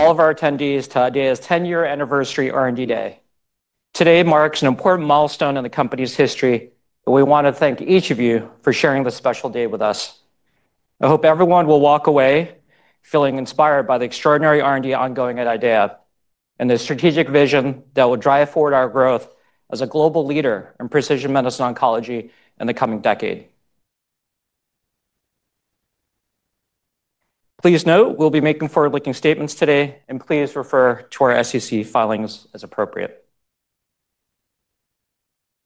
All of our attendees to IDEAYA's 10-year anniversary R&D Day, today marks an important milestone in the company's history, and we want to thank each of you for sharing this special day with us. I hope everyone will walk away feeling inspired by the extraordinary R&D ongoing at IDEAYA and the strategic vision that will drive forward our growth as a global leader in precision medicine oncology in the coming decade. Please note, we'll be making forward-looking statements today, and please refer to our SEC filings as appropriate.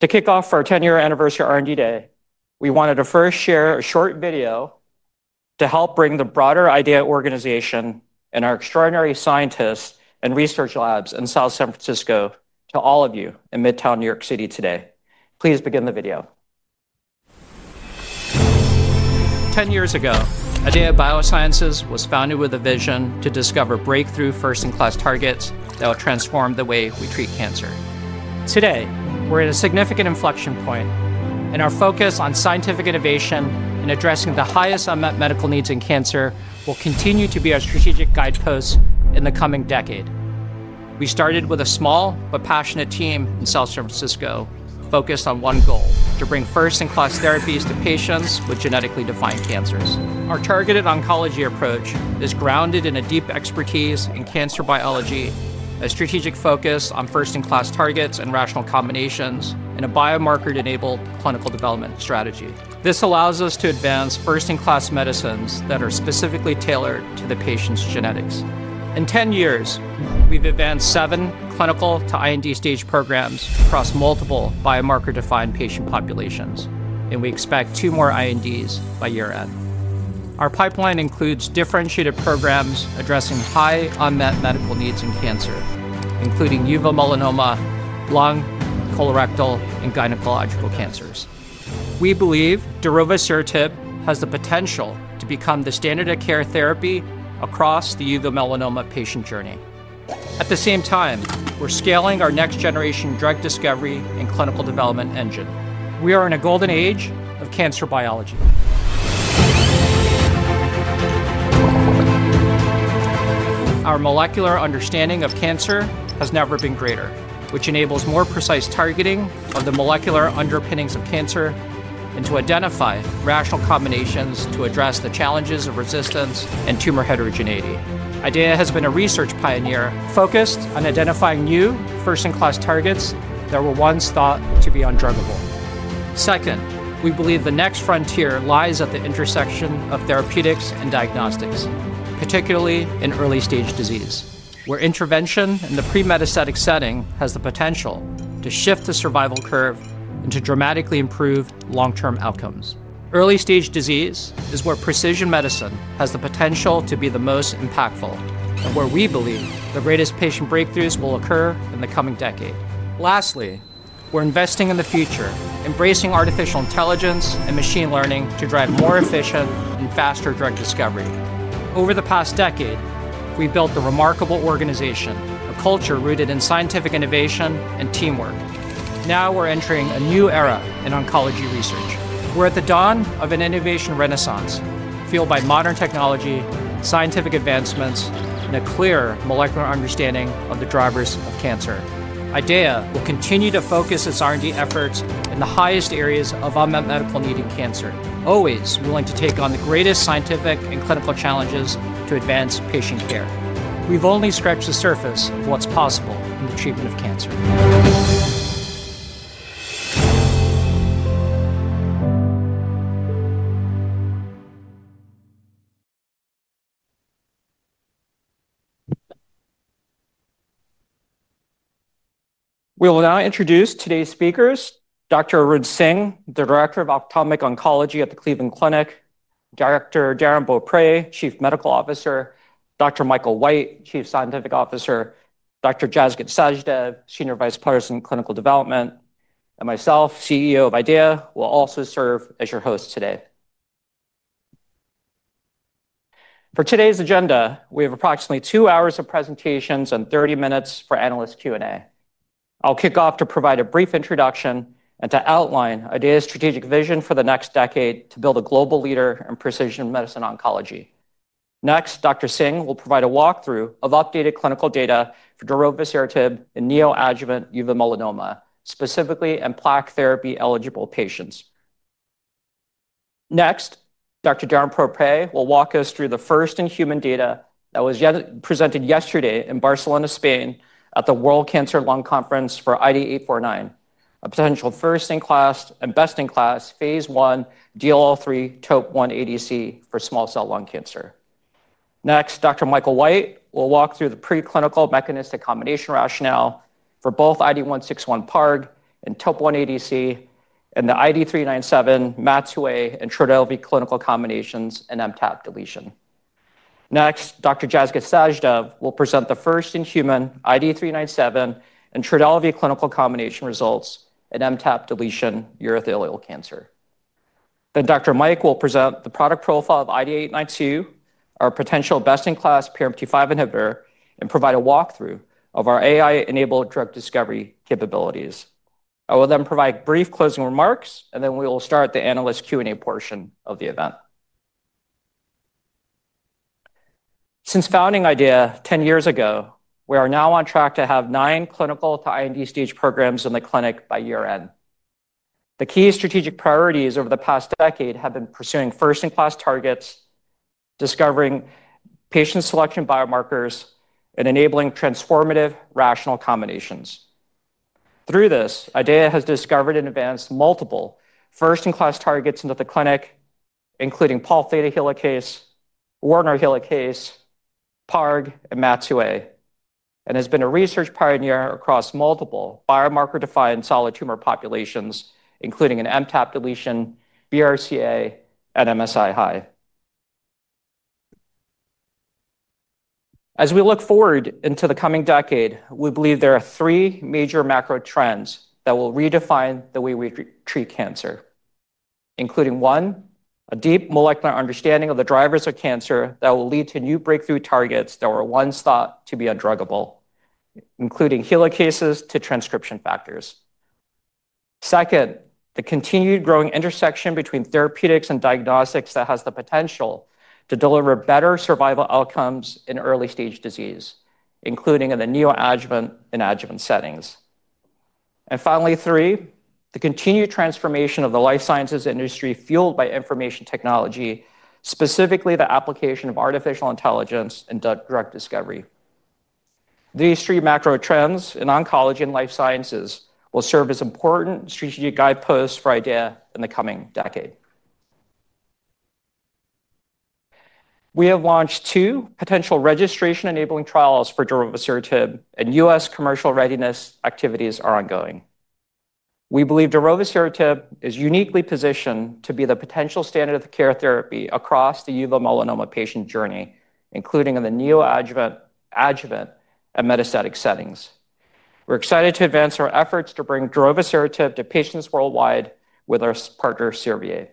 To kick off our 10-year anniversary R&D Day, we wanted to first share a short video to help bring the broader IDEAYA organization and our extraordinary scientists and research labs in South San Francisco to all of you in Midtown New York City today. Please begin the video. Ten years ago, IDEAYA Biosciences was founded with a vision to discover breakthrough first-in-class targets that will transform the way we treat cancer. Today, we're at a significant inflection point, and our focus on scientific innovation in addressing the highest unmet medical needs in cancer will continue to be our strategic guidepost in the coming decade. We started with a small but passionate team in South San Francisco focused on one goal: to bring first-in-class therapies to patients with genetically defined cancers. Our targeted oncology approach is grounded in a deep expertise in cancer biology, a strategic focus on first-in-class targets and rational combinations, and a biomarker-enabled clinical development strategy. This allows us to advance first-in-class medicines that are specifically tailored to the patient's genetics. In 10 years, we've advanced seven clinical to IND-stage programs across multiple biomarker-defined patient populations, and we expect two more INDs by year-end. Our pipeline includes differentiated programs addressing high unmet medical needs in cancer, including uveal melanoma, lung, colorectal, and gynecological cancers. We believed darovasertib has the potential to become the standard of care therapy across the uveal melanoma patient journey. At the same time, we're scaling our next-generation drug discovery and clinical development engine. We are in a golden age of cancer biology. Our molecular understanding of cancer has never been greater, which enables more precise targeting of the molecular underpinnings of cancer and to identify rational combinations to address the challenges of resistance and tumor heterogeneity. IDEAYA has been a research pioneer focused on identifying new first-in-class targets that were once thought to be undruggable. Second, we believe the next frontier lies at the intersection of therapeutics and diagnostics, particularly in early-stage disease, where intervention in the pre-metastatic setting has the potential to shift the survival curve and to dramatically improve long-term outcomes. Early-stage disease is where precision medicine has the potential to be the most impactful and where we believe the greatest patient breakthroughs will occur in the coming decade. Lastly, we're investing in the future, embracing artificial intelligence and machine learning to drive more efficient and faster drug discovery. Over the past decade, we've built a remarkable organization, a culture rooted in scientific innovation and teamwork. Now we're entering a new era in oncology research. We're at the dawn of an innovation renaissance fueled by modern technology, scientific advancements, and a clear molecular understanding of the drivers of cancer. IDEAYA will continue to focus its R&D efforts in the highest areas of unmet medical need in cancer, always willing to take on the greatest scientific and clinical challenges to advance patient care. We've only scratched the surface of what's possible in the treatment of cancer. We will now introduce today's speakers: Dr. Arun Singh, the Director of Ophthalmic Oncology at the Cleveland Clinic, Darrin Beaupre, Chief Medical Officer, Dr. Michael White, Chief Scientific Officer, Dr. Jasgit Sachdev, Senior Vice President of Clinical Development, and myself, CEO of IDEAYA, will also serve as your host today. For today's agenda, we have approximately two hours of presentations and 30 minutes for analyst Q&A. I'll kick off to provide a brief introduction and to outline IDEAYA's strategic vision for the next decade to build a global leader in precision medicine oncology. Next, Dr. Singh will provide a walkthrough of updated clinical data for darovasertib and neoadjuvant uveal melanoma, specifically in plaque therapy-eligible patients. Next, Dr. Darrin Beaupre will walk us through the first-in-human data that was presented yesterday in Barcelona, Spain, at the World Cancer Lung Conference for IDE849, a potential first-in-class and best-in-class Phase I DLL3 TOP1 ADC for small cell lung cancer. Next, Dr. Michael White will walk through the preclinical mechanistic combination rationale for both IDE161 PARG and TOP1 ADC and the IDE397 MAT2A and Trodelvy clinical combinations and MTAP-deletion. Next, Dr. Jasgit Sachdev will present the first-in-human IDE397 and Trodelvy clinical combination results in MTAP-deletion urothelial cancer. Dr. Mike will then present the product profile of IDE892, our potential best-in-class PRMT5 inhibitor, and provide a walkthrough of our AI-enabled drug discovery capabilities. I will then provide brief closing remarks, and we will start the analyst Q&A portion of the event. Since founding IDEAYA Biosciences 10 years ago, we are now on track to have nine clinical to IND-stage programs in the clinic by year-end. The key strategic priorities over the past decade have been pursuing first-in-class targets, discovering patient selection biomarkers, and enabling transformative rational combinations. Through this, IDEAYA has discovered and advanced multiple first-in-class targets into the clinic, including Pol Theta helicase, Werner helicase, PARG, and MAT2A, and has been a research pioneer across multiple biomarker-defined solid tumor populations, including MTAP-deletion, BRCA, and MSI-high. As we look forward into the coming decade, we believe there are three major macro trends that will redefine the way we treat cancer, including, one, a deep molecular understanding of the drivers of cancer that will lead to new breakthrough targets that were once thought to be undruggable, including helicases to transcription factors. Second, the continued growing intersection between therapeutics and diagnostics that has the potential to deliver better survival outcomes in early-stage disease, including in the neoadjuvant and adjuvant settings. Finally, the continued transformation of the life sciences industry fueled by information technology, specifically the application of artificial intelligence in drug discovery. These three macro trends in oncology and life sciences will serve as important strategic guideposts for IDEAYA Biosciences in the coming decade. We have launched two potential registration-enabling trials for darovasertib, and U.S. commercial readiness activities are ongoing. We believe darovasertib is uniquely positioned to be the potential standard of care therapy across the uveal melanoma patient journey, including in the neoadjuvant, adjuvant, and metastatic settings. We're excited to advance our efforts to bring darovasertib to patients worldwide with our partner, Servier.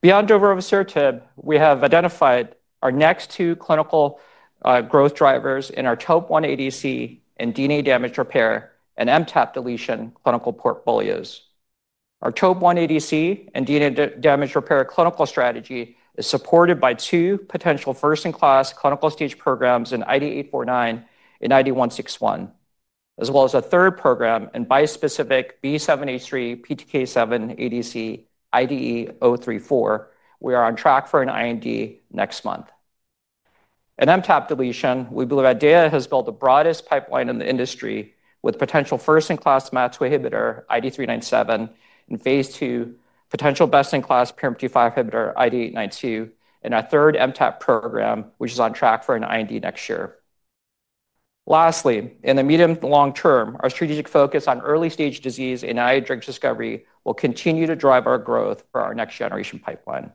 Beyond darovasertib, we have identified our next two clinical growth drivers in our TOP1 ADC and DNA damage repair and MTAP-deletion clinical portfolios. Our TOP1 ADC and DNA damage repair clinical strategy is supported by two potential first-in-class clinical stage programs in IDE849 and IDE161, as well as a third program in bispecific B7H3/PTK7 ADC IDE034. We are on track for an IND next month. In MTAP-deletion, we believe IDEAYA has built the broadest pipeline in the industry with potential first-in-class MAT2A inhibitor IDE397 and phase II potential best-in-class PRMT5 inhibitor IDE892, and a third MTAP program, which is on track for an IND next year. Lastly, in the medium to long term, our strategic focus on early-stage disease and AI-enabled drug discovery will continue to drive our growth for our next-generation pipeline.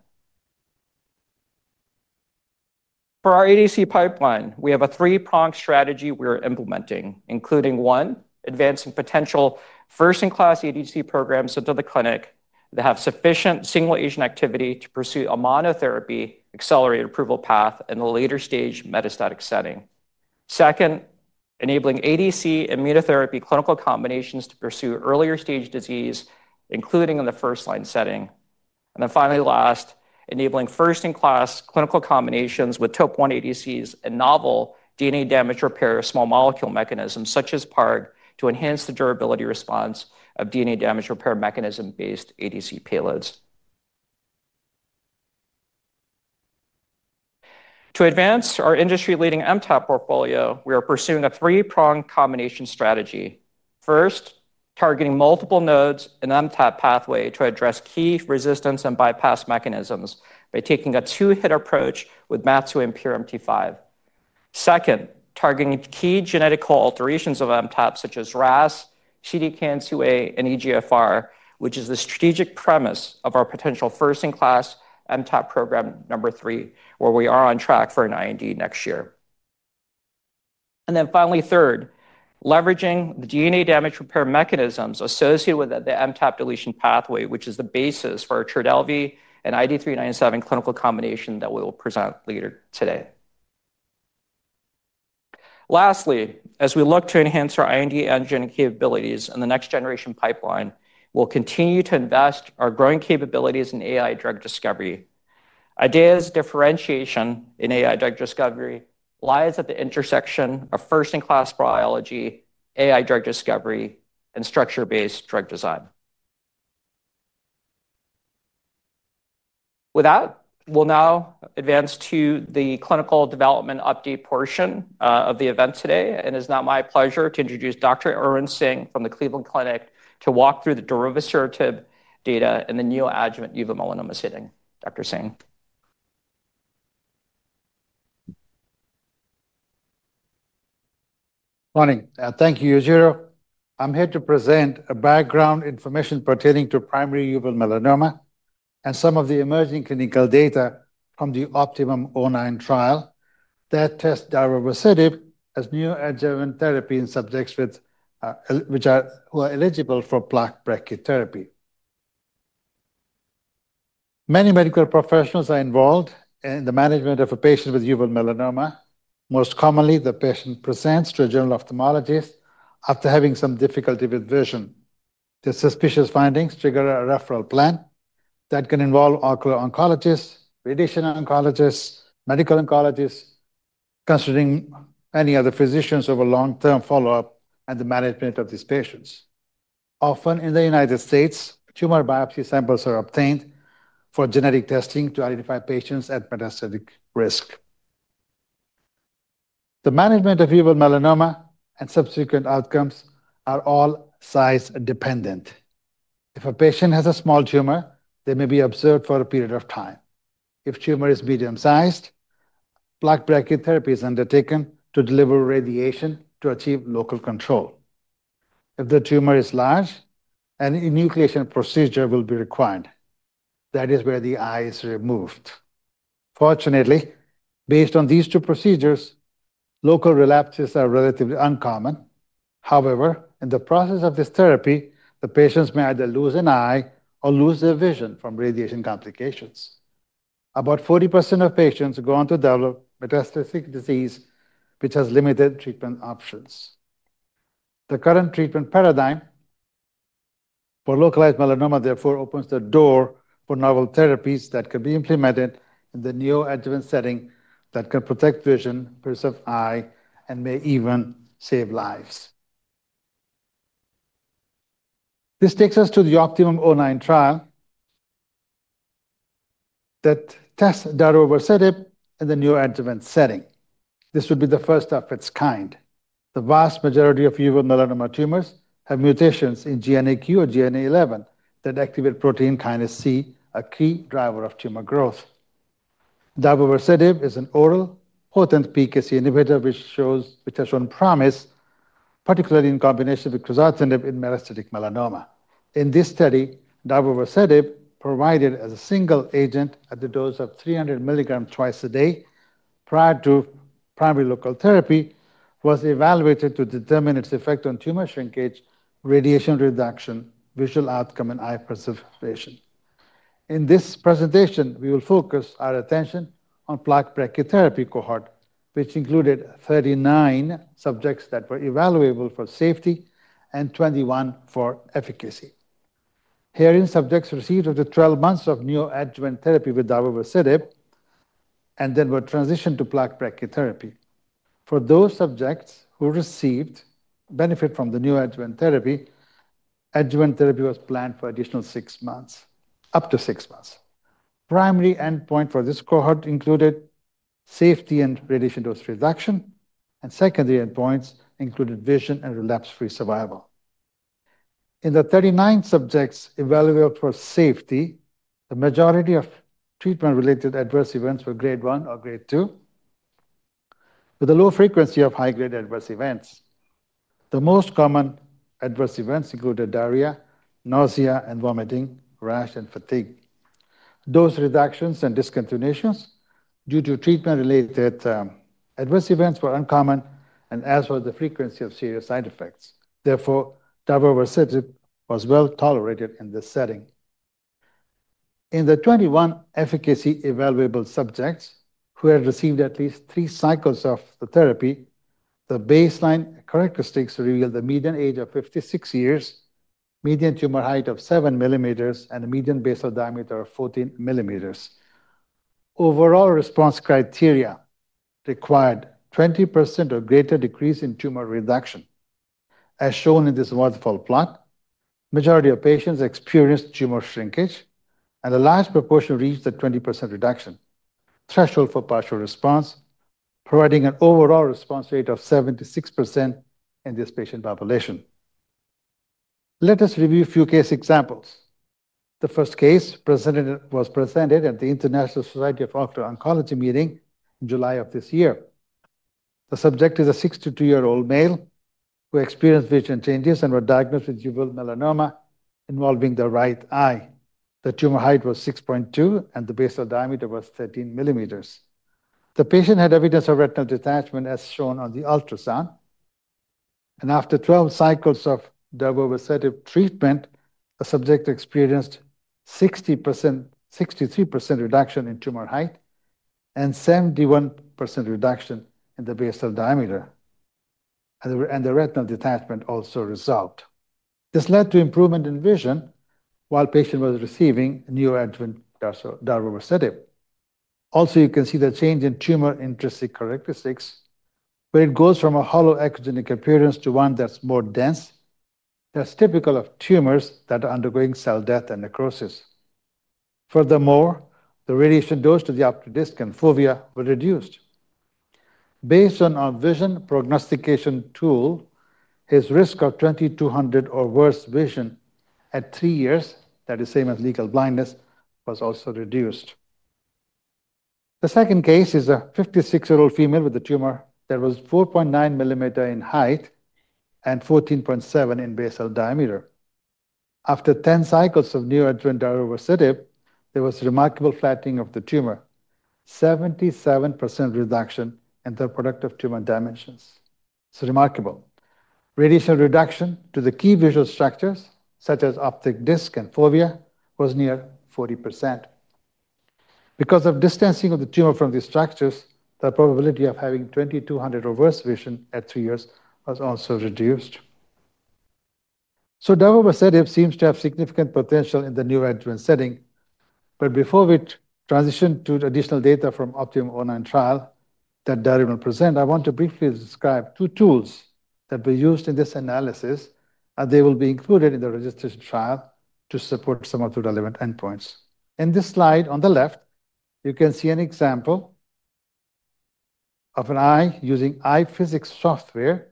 For our ADC pipeline, we have a three-prong strategy we're implementing, including one, advancing potential first-in-class ADC programs into the clinic that have sufficient single agent activity to pursue a monotherapy accelerated approval path in the later-stage metastatic setting. Second, enabling ADC immunotherapy clinical combinations to pursue earlier-stage disease, including in the first-line setting. Finally, enabling first-in-class clinical combinations with TOP1 ADCs and novel DNA damage repair small molecule mechanisms such as PARG to enhance the durability response of DNA damage repair mechanism-based ADC payloads. To advance our industry-leading MTAP portfolio, we are pursuing a three-prong combination strategy. First, targeting multiple nodes in the MTAP pathway to address key resistance and bypass mechanisms by taking a two-hit approach with MAT2A and PRMT5. Second, targeting key genetic coalterations of MTAP such as RAS, CDKN2A, and EGFR, which is the strategic premise of our potential first-in-class MTAP program number three, where we are on track for an IND next year. Third, leveraging the DNA damage repair mechanisms associated with the MTAP-deletion pathway, which is the basis for our Trodelvy and IDE397 clinical combination that we will present later today. Lastly, as we look to enhance our IND engine capabilities in the next-generation pipeline, we'll continue to invest our growing capabilities in AI-enabled drug discovery. IDEAYA's differentiation in AI-enabled drug discovery lies at the intersection of first-in-class biology, AI-enabled drug discovery, and structure-based drug design. With that, we'll now advance to the clinical development update portion of the event today, and it is now my pleasure to introduce Dr. Arun Singh from the Cleveland Clinic to walk through the darovasertib data in the neoadjuvant uveal melanoma setting Dr. Singh. Morning. Thank you, Yujiro. I'm here to present background information pertaining to primary uveal melanoma and some of the emerging clinical data from the OPTIMUM-09 trial that tests darovasertib as neoadjuvant therapy in subjects who are eligible for plaque-brachytherapy. Many medical professionals are involved in the management of a patient with uveal melanoma. Most commonly, the patient presents to a general ophthalmologist after having some difficulty with vision. The suspicious findings trigger a referral plan that can involve ocular oncologists, radiation oncologists, medical oncologists, considering any other physicians over long-term follow-up and the management of these patients. Often in the United States, tumor biopsy samples are obtained for genetic testing to identify patients at metastatic risk. The management of uveal melanoma and subsequent outcomes are all size-dependent. If a patient has a small tumor, they may be observed for a period of time. If tumor is medium-sized, plaque-brachytherapy is undertaken to deliver radiation to achieve local control. If the tumor is large, an enucleation procedure will be required. That is where the eye is removed. Fortunately, based on these two procedures, local relapses are relatively uncommon. However, in the process of this therapy, the patients may either lose an eye or lose their vision from radiation complications. About 40% of patients go on to develop metastatic disease, which has limited treatment options. The current treatment paradigm for localized melanoma, therefore, opens the door for novel therapies that can be implemented in the neoadjuvant setting that can protect vision, preserve eye, and may even save lives. This takes us to the OPTIMUM-09 trial that tests darovasertib in the neoadjuvant setting. This would be the first of its kind. The vast majority of uveal melanoma tumors have mutations in GNAQ or GNA11 that activate protein kinase C, a key driver of tumor growth. darovasertib is an oral potent PKC inhibitor, which has shown promise, particularly in combination with crizotinib in metastatic melanoma. In this study, darovasertib, provided as a single agent at the dose of 300 mg twice a day prior to primary local therapy, was evaluated to determine its effect on tumor shrinkage, radiation reduction, visual outcome, and eye preservation. In this presentation, we will focus our attention on plaque-bracket therapy cohort, which included 39 subjects that were evaluable for safety and 21 for efficacy. Herein, subjects received over 12 months of neoadjuvant therapy with darovasertib and then were transitioned to plaque-bracket therapy. For those subjects who received benefit from the neoadjuvant therapy, adjuvant therapy was planned for an additional six months, up to six months. Primary endpoints for this cohort included safety and radiation dose reduction, and secondary endpoints included vision and relapse-free survival. In the 39 subjects evaluated for safety, the majority of treatment-related adverse events were grade 1 or grade 2, with a low frequency of high-grade adverse events. The most common adverse events included diarrhea, nausea and vomiting, rash, and fatigue. Dose reductions and discontinuations due to treatment-related adverse events were uncommon, as was the frequency of serious side effects. Therefore, darovasertib was well tolerated in this setting. In the 21 efficacy evaluable subjects who had received at least three cycles of the therapy, the baseline characteristics revealed a median age of 56 years, median tumor height of 7 mm, and a median basal diameter of 14 mm. Overall response criteria required a 20% or greater decrease in tumor reduction. As shown in this waterfall plot, the majority of patients experienced tumor shrinkage, and a large proportion reached the 20% reduction threshold for partial response, providing an overall response rate of 76% in this patient population. Let us review a few case examples. The first case was presented at the International Society of Ocular Oncology meeting in July of this year. The subject is a 62-year-old male who experienced vision changes and was diagnosed with uveal melanoma involving the right eye. The tumor height was 6.2 mm, and the basal diameter was 13 mm. The patient had evidence of retinal detachment as shown on the ultrasound, and after 12 cycles of darovasertib treatment, the subject experienced a 63% reduction in tumor height and 71% reduction in the basal diameter, and the retinal detachment also resolved. This led to improvement in vision while the patient was receiving neoadjuvant darovasertib. Also, you can see the change in tumor intrinsic characteristics, where it goes from a hollow echogenic appearance to one that's more dense. That's typical of tumors that are undergoing cell death and necrosis. Furthermore, the radiation dose to the optic disc and fovea was reduced. Based on our vision prognostication tool, his risk of 20/200 or worse vision at three years, that is the same as legal blindness, was also reduced. The second case is a 56-year-old female with a tumor that was 4.9 mm in height and 14.7 mm in basal diameter. After 10 cycles of neoadjuvant darovasertib, there was remarkable flattening of the tumor, 77% reduction in the productive tumor dimensions. It's remarkable. Radiation reduction to the key visual structures, such as optic disc and fovea, was near 40%. Because of distancing of the tumor from these structures, the probability of having 20/200 or worse vision at three years was also reduced. Darovasertib seems to have significant potential in the neoadjuvant setting. Before we transition to additional data from the OPTIMUM-09 trial that Darrin will present, I want to briefly describe two tools that were used in this analysis, and they will be included in the registration trial to support some of the relevant endpoints. In this slide on the left, you can see an example of an eye using eye physics software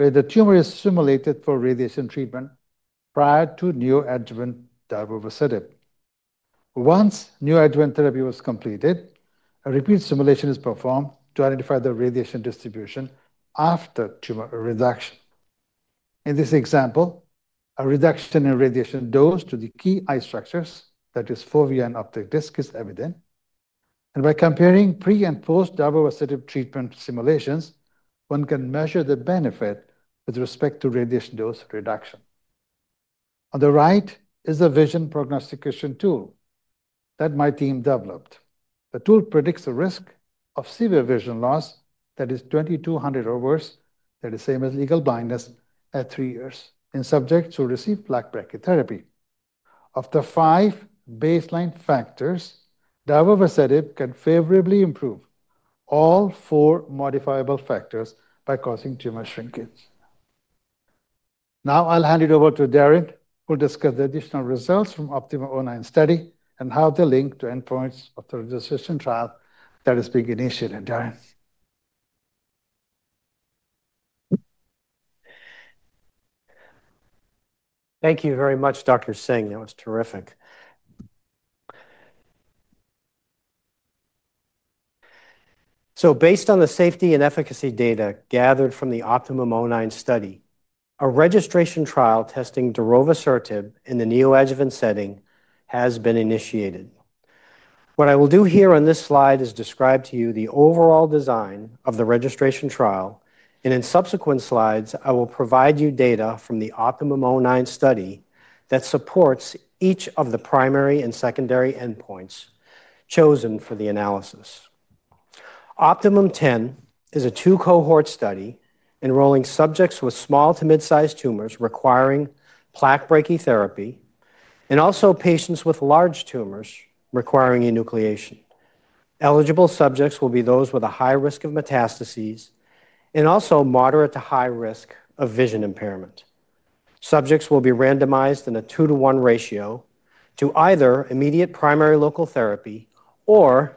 where the tumor is simulated for radiation treatment prior to neoadjuvant darovasertib. Once neoadjuvant therapy was completed, a repeat simulation is performed to identify the radiation distribution after tumor reduction. In this example, a reduction in radiation dose to the key eye structures, that is fovea and optic disc, is evident. By comparing pre and post-Darovasertib treatment simulations, one can measure the benefit with respect to radiation dose reduction. On the right is a vision prognostication tool that my team developed. The tool predicts the risk of severe vision loss, that is 20/200 or worse, that is the same as legal blindness, at three years in subjects who receive plaque-bracket therapy. Of the five baseline factors, darovasertib can favorably improve all four modifiable factors by causing tumor shrinkage. Now I'll hand it over to Darrin, who will discuss the additional results from the OPTIMUM-09 study and how they link to endpoints of the registration trial that is being initiated. Darrin? Thank you very much, Dr. Singh. That was terrific. Based on the safety and efficacy data gathered from the OPTIMUM-09 study, a registration trial testing darovasertib in the neoadjuvant setting has been initiated. What I will do here on this slide is describe to you the overall design of the registration trial, and in subsequent slides, I will provide you data from the OPTIMUM-09 study that supports each of the primary and secondary endpoints chosen for the analysis. OptimUM-10 is a two-cohort study enrolling subjects with small to mid-sized tumors requiring plaque-brachytherapy and also patients with large tumors requiring enucleation. Eligible subjects will be those with a high risk of metastases and also moderate to high risk of vision impairment. Subjects will be randomized in a 2:1 ratio to either` immediate primary local therapy or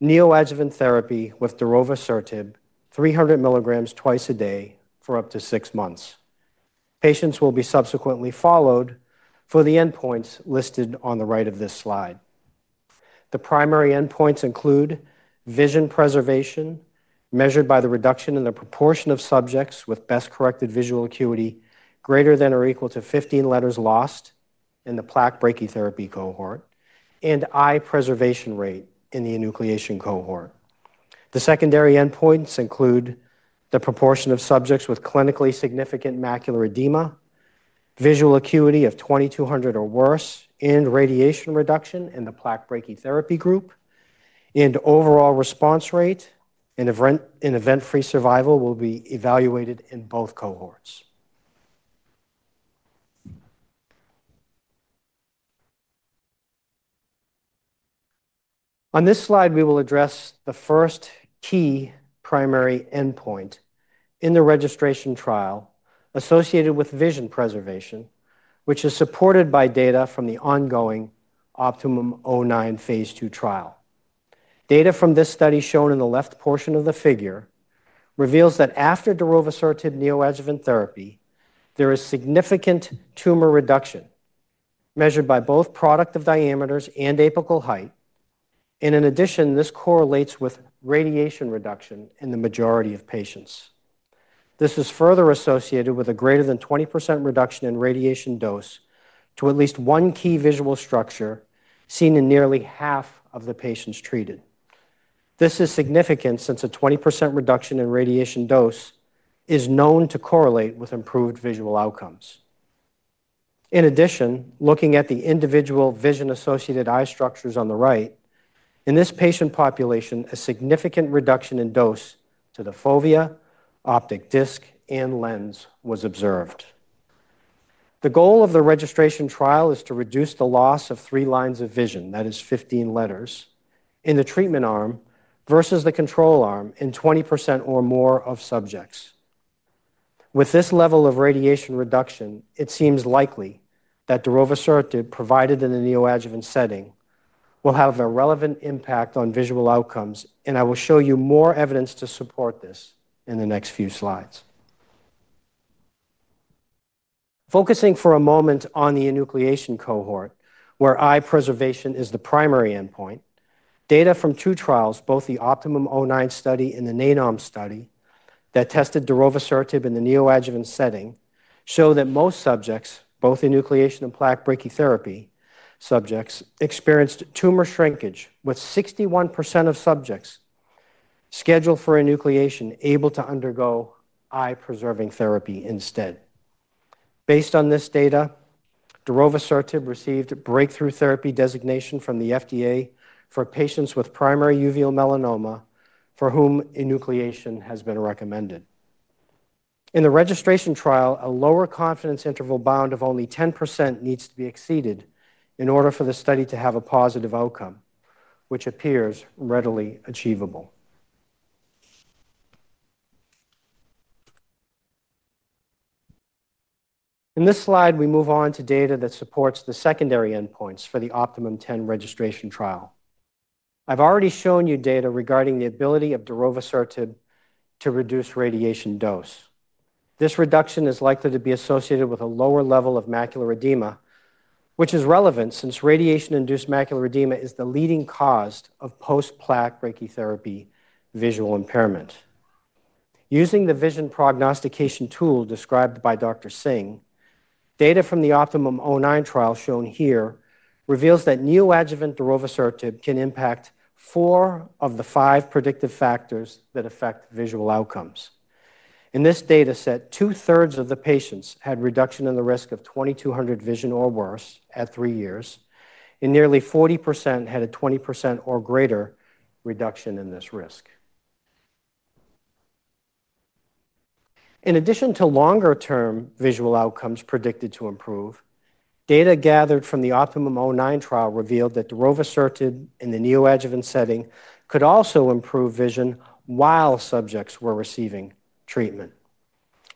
neoadjuvant therapy with darovasertib, 300 mg twice a day for up to six months. Patients will be subsequently followed for the endpoints listed on the right of this slide. The primary endpoints include vision preservation measured by the reduction in the proportion of subjects with best-corrected visual acuity greater than or equal to 15 letters lost in the plaque-brachytherapy cohort and eye preservation rate in the enucleation cohort. The secondary endpoints include the proportion of subjects with clinically significant macular edema, visual acuity of 20/200 or worse, and radiation reduction in the plaque-brachytherapy group. Overall response rate and event-free survival will be evaluated in both cohorts. On this slide, we will address the first key primary endpoint in the registration trial associated with vision preservation, which is supported by data from the ongoing OPTIMUM-09 phase II trial. Data from this study, shown in the left portion of the figure, reveals that after darovasertib neoadjuvant therapy, there is significant tumor reduction measured by both productive diameters and apical height. In addition, this correlates with radiation reduction in the majority of patients. This is further associated with a greater than 20% reduction in radiation dose to at least one key visual structure seen in nearly half of the patients treated. This is significant since a 20% reduction in radiation dose is known to correlate with improved visual outcomes. In addition, looking at the individual vision-associated eye structures on the right, in this patient population, a significant reduction in dose to the fovea, optic disc, and lens was observed. The goal of the registration trial is to reduce the loss of three lines of vision, that is 15 letters, in the treatment arm versus the control arm in 20% or more of subjects. With this level of radiation reduction, it seems likely that darovasertib, provided in the neoadjuvant setting, will have a relevant impact on visual outcomes, and I will show you more evidence to support this in the next few slides. Focusing for a moment on the enucleation cohort, where eye preservation is the primary endpoint, data from two trials, both the OPTIMUM-09 study and the NAINOM study that tested darovasertib in the neoadjuvant setting, show that most subjects, both enucleation and plaque-bracket therapy subjects, experienced tumor shrinkage, with 61% of subjects scheduled for enucleation able to undergo eye-preserving therapy instead. Based on this data, darovasertib received breakthrough therapy designation from the FDA for patients with primary uveal melanoma for whom enucleation has been recommended. In the registration trial, a lower confidence interval bound of only 10% needs to be exceeded in order for the study to have a positive outcome, which appears readily achievable. In this slide, we move on to data that supports the secondary endpoints for the OptimUM-10 registration trial. I've already shown you data regarding the ability of darovasertib to reduce radiation dose. This reduction is likely to be associated with a lower level of macular edema, which is relevant since radiation-induced macular edema is the leading cause of post-plaque-bracket therapy visual impairment. Using the vision prognostication tool described by Dr. Singh, data from the OPTIMUM-09 trial shown here reveals that neoadjuvant darovasertib can impact four of the five predictive factors that affect visual outcomes. In this data set, 2/3 of the patients had a reduction in the risk of 20/200 vision or worse at three years, and nearly 40% had a 20% or greater reduction in this risk. In addition to longer-term visual outcomes predicted to improve, data gathered from the OPTIMUM-09 trial revealed that darovasertib in the neoadjuvant setting could also improve vision while subjects were receiving treatment.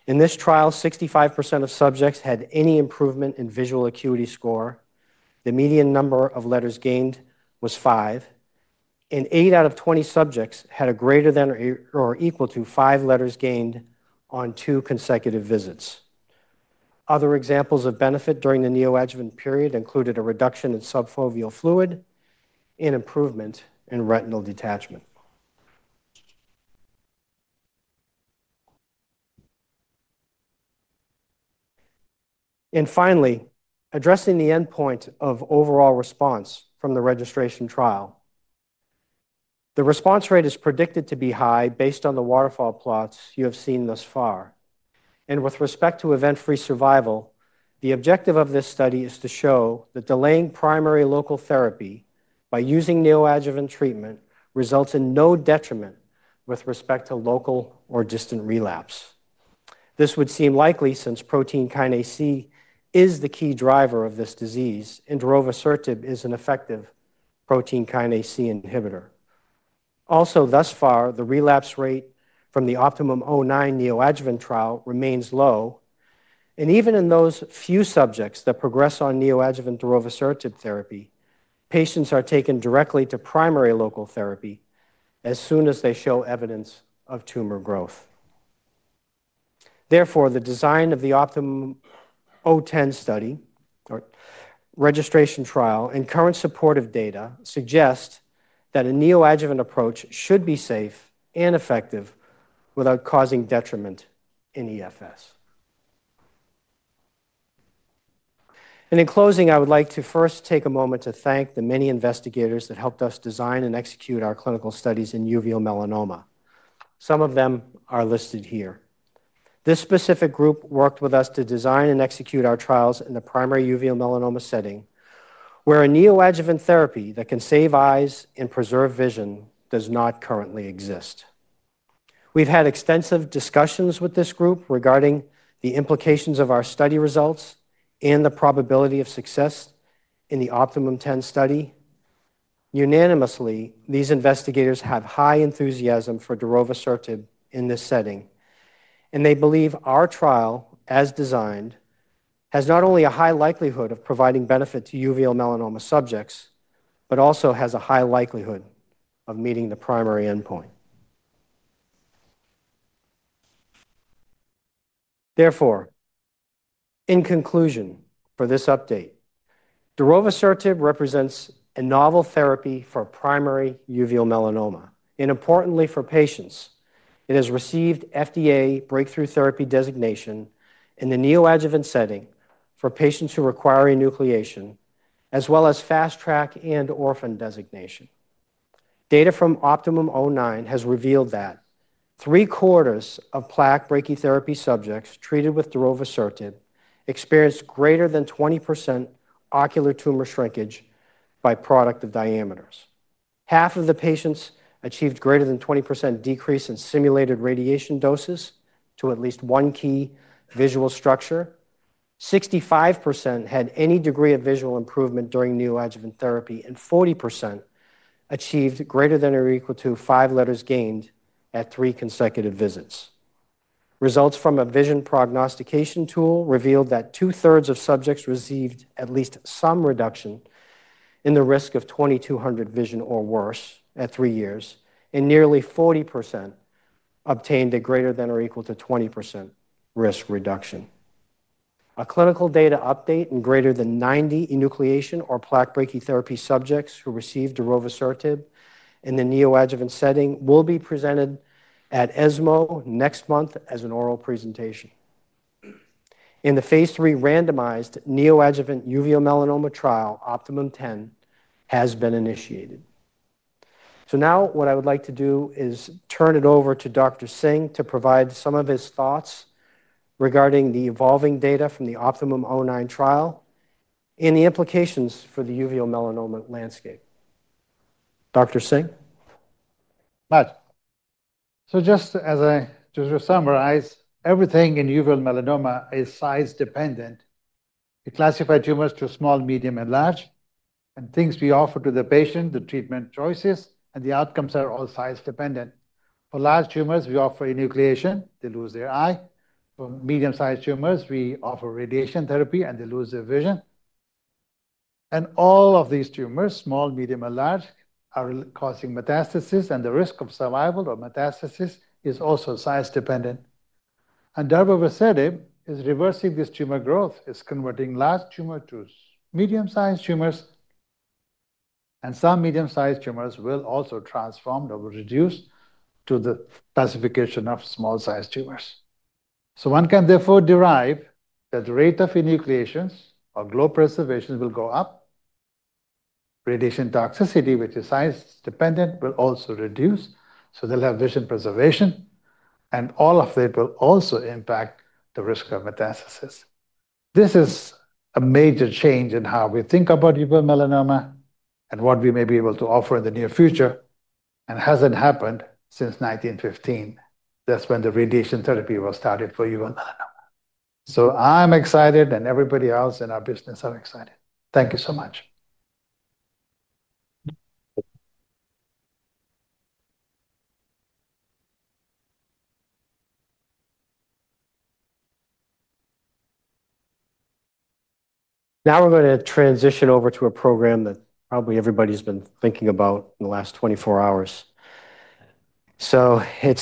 In this trial, 65% of subjects had any improvement in visual acuity score. The median number of letters gained was five, and 8 out of 20 subjects had a greater than or equal to five letters gained on two consecutive visits. Other examples of benefit during the neoadjuvant period included a reduction in subfoveal fluid and improvement in retinal detachment. Finally, addressing the endpoint of overall response from the registration trial, the response rate is predicted to be high based on the waterfall plots you have seen thus far. With respect to event-free survival, the objective of this study is to show that delaying primary local therapy by using neoadjuvant treatment results in no detriment with respect to local or distant relapse. This would seem likely since protein kinase C is the key driver of this disease, and darovasertib is an effective protein kinase C inhibitor. Also, thus far, the relapse rate from the OPTIMUM-09 neoadjuvant trial remains low. Even in those few subjects that progress on neoadjuvant darovasertib therapy, patients are taken directly to primary local therapy as soon as they show evidence of tumor growth. Therefore, the design of the OptimUM-10 registration study and current supportive data suggest that a neoadjuvant approach should be safe and effective without causing detriment in EFS. In closing, I would like to first take a moment to thank the many investigators that helped us design and execute our clinical studies in uveal melanoma. Some of them are listed here. This specific group worked with us to design and execute our trials in the primary uveal melanoma setting, where a neoadjuvant therapy that can save eyes and preserve vision does not currently exist. We've had extensive discussions with this group regarding the implications of our study results and the probability of success in the OptimUM-10 study. Unanimously, these investigators have high enthusiasm for darovasertib in this setting, and they believe our trial, as designed, has not only a high likelihood of providing benefit to uveal melanoma subjects, but also has a high likelihood of meeting the primary endpoint. Therefore, in conclusion, for this update, darovasertib represents a novel therapy for primary uveal melanoma. Importantly for patients, it has received FDA breakthrough therapy designation in the neoadjuvant setting for patients who require enucleation, as well as fast track and orphan designation. Data from OPTIMUM-09 has revealed that 3/4 of plaque-bracket therapy subjects treated with darovasertib experienced greater than 20% ocular tumor shrinkage by productive diameters. Half of the patients achieved greater than 20% decrease in simulated radiation doses to at least one key visual structure. 65% had any degree of visual improvement during neoadjuvant therapy, and 40% achieved greater than or equal to five letters gained at three consecutive visits. Results from a vision prognostication tool revealed that 2/3 of subjects received at least some reduction in the risk of 20/200 vision or worse at three years, and nearly 40% obtained a greater than or equal to 20% risk reduction. A clinical data update in greater than 90 enucleation or plaque-bracket therapy subjects who received darovasertib in the neoadjuvant setting will be presented at ESMO next month as an oral presentation. In the phase III randomized neoadjuvant uveomelanoma trial, OptimUM-10 has been initiated. I would like to turn it over to Dr. Singh to provide some of his thoughts regarding the evolving data from the OPTIMUM-09 trial and the implications for the uveal melanoma landscape. Dr. Singh? To summarize, everything in uveal melanoma is size-dependent. We classify tumors as small, medium, and large, and the things we offer to the patient, the treatment choices, and the outcomes are all size-dependent. For large tumors, we offer enucleation, and they lose their eye. For medium-sized tumors, we offer radiation therapy, and they lose their vision. All of these tumors—small, medium, and large—are causing metastasis, and the risk of survival or metastasis is also size-dependent. darovasertib is reversing this tumor growth. It is converting large tumors to medium-sized tumors, and some medium-sized tumors will also transform or reduce to the classification of small-sized tumors. Therefore, one can derive that the rate of enucleations or globe preservation will go up. Radiation toxicity, which is size-dependent, will also reduce. They will have vision preservation, and all of that will also impact the risk of metastasis. This is a major change in how we think about uveal melanoma and what we may be able to offer in the near future, and it has not happened since 1915. That is when radiation therapy was started for uveal melanoma. I am excited, and everybody else in our business is excited. Thank you so much. Now we're going to transition over to a program that probably everybody's been thinking about in the last 24 hours. It's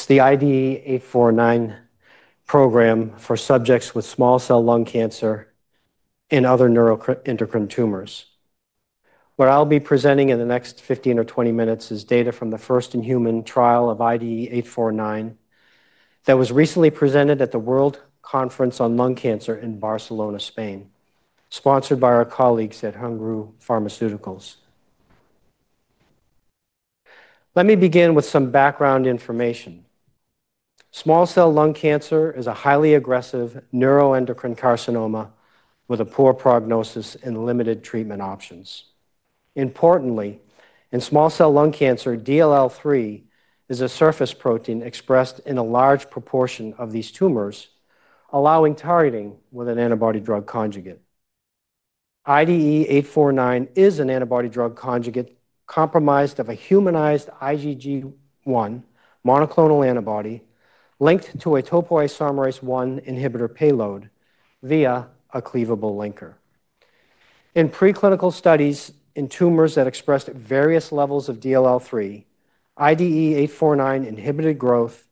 the IDE849 program for subjects with small cell lung cancer and other neuroendocrine tumors. What I'll be presenting in the next 15 or 20 minutes is data from the first-in-human trial of IDE849 that was recently presented at the World Conference on Lung Cancer in Barcelona, Spain, sponsored by our colleagues at Hengrui Pharmaceuticals. Let me begin with some background information. Small cell lung cancer is a highly aggressive neuroendocrine carcinoma with a poor prognosis and limited treatment options. Importantly, in small cell lung cancer, DLL3 is a surface protein expressed in a large proportion of these tumors, allowing targeting with an antibody-drug conjugate. IDE849 is an antibody-drug conjugate comprised of a humanized IgG1 monoclonal antibody linked to a topoisomerase-1 inhibitor payload via a cleavable linker. In preclinical studies in tumors that expressed various levels of DLL3, IDE849 inhibited growth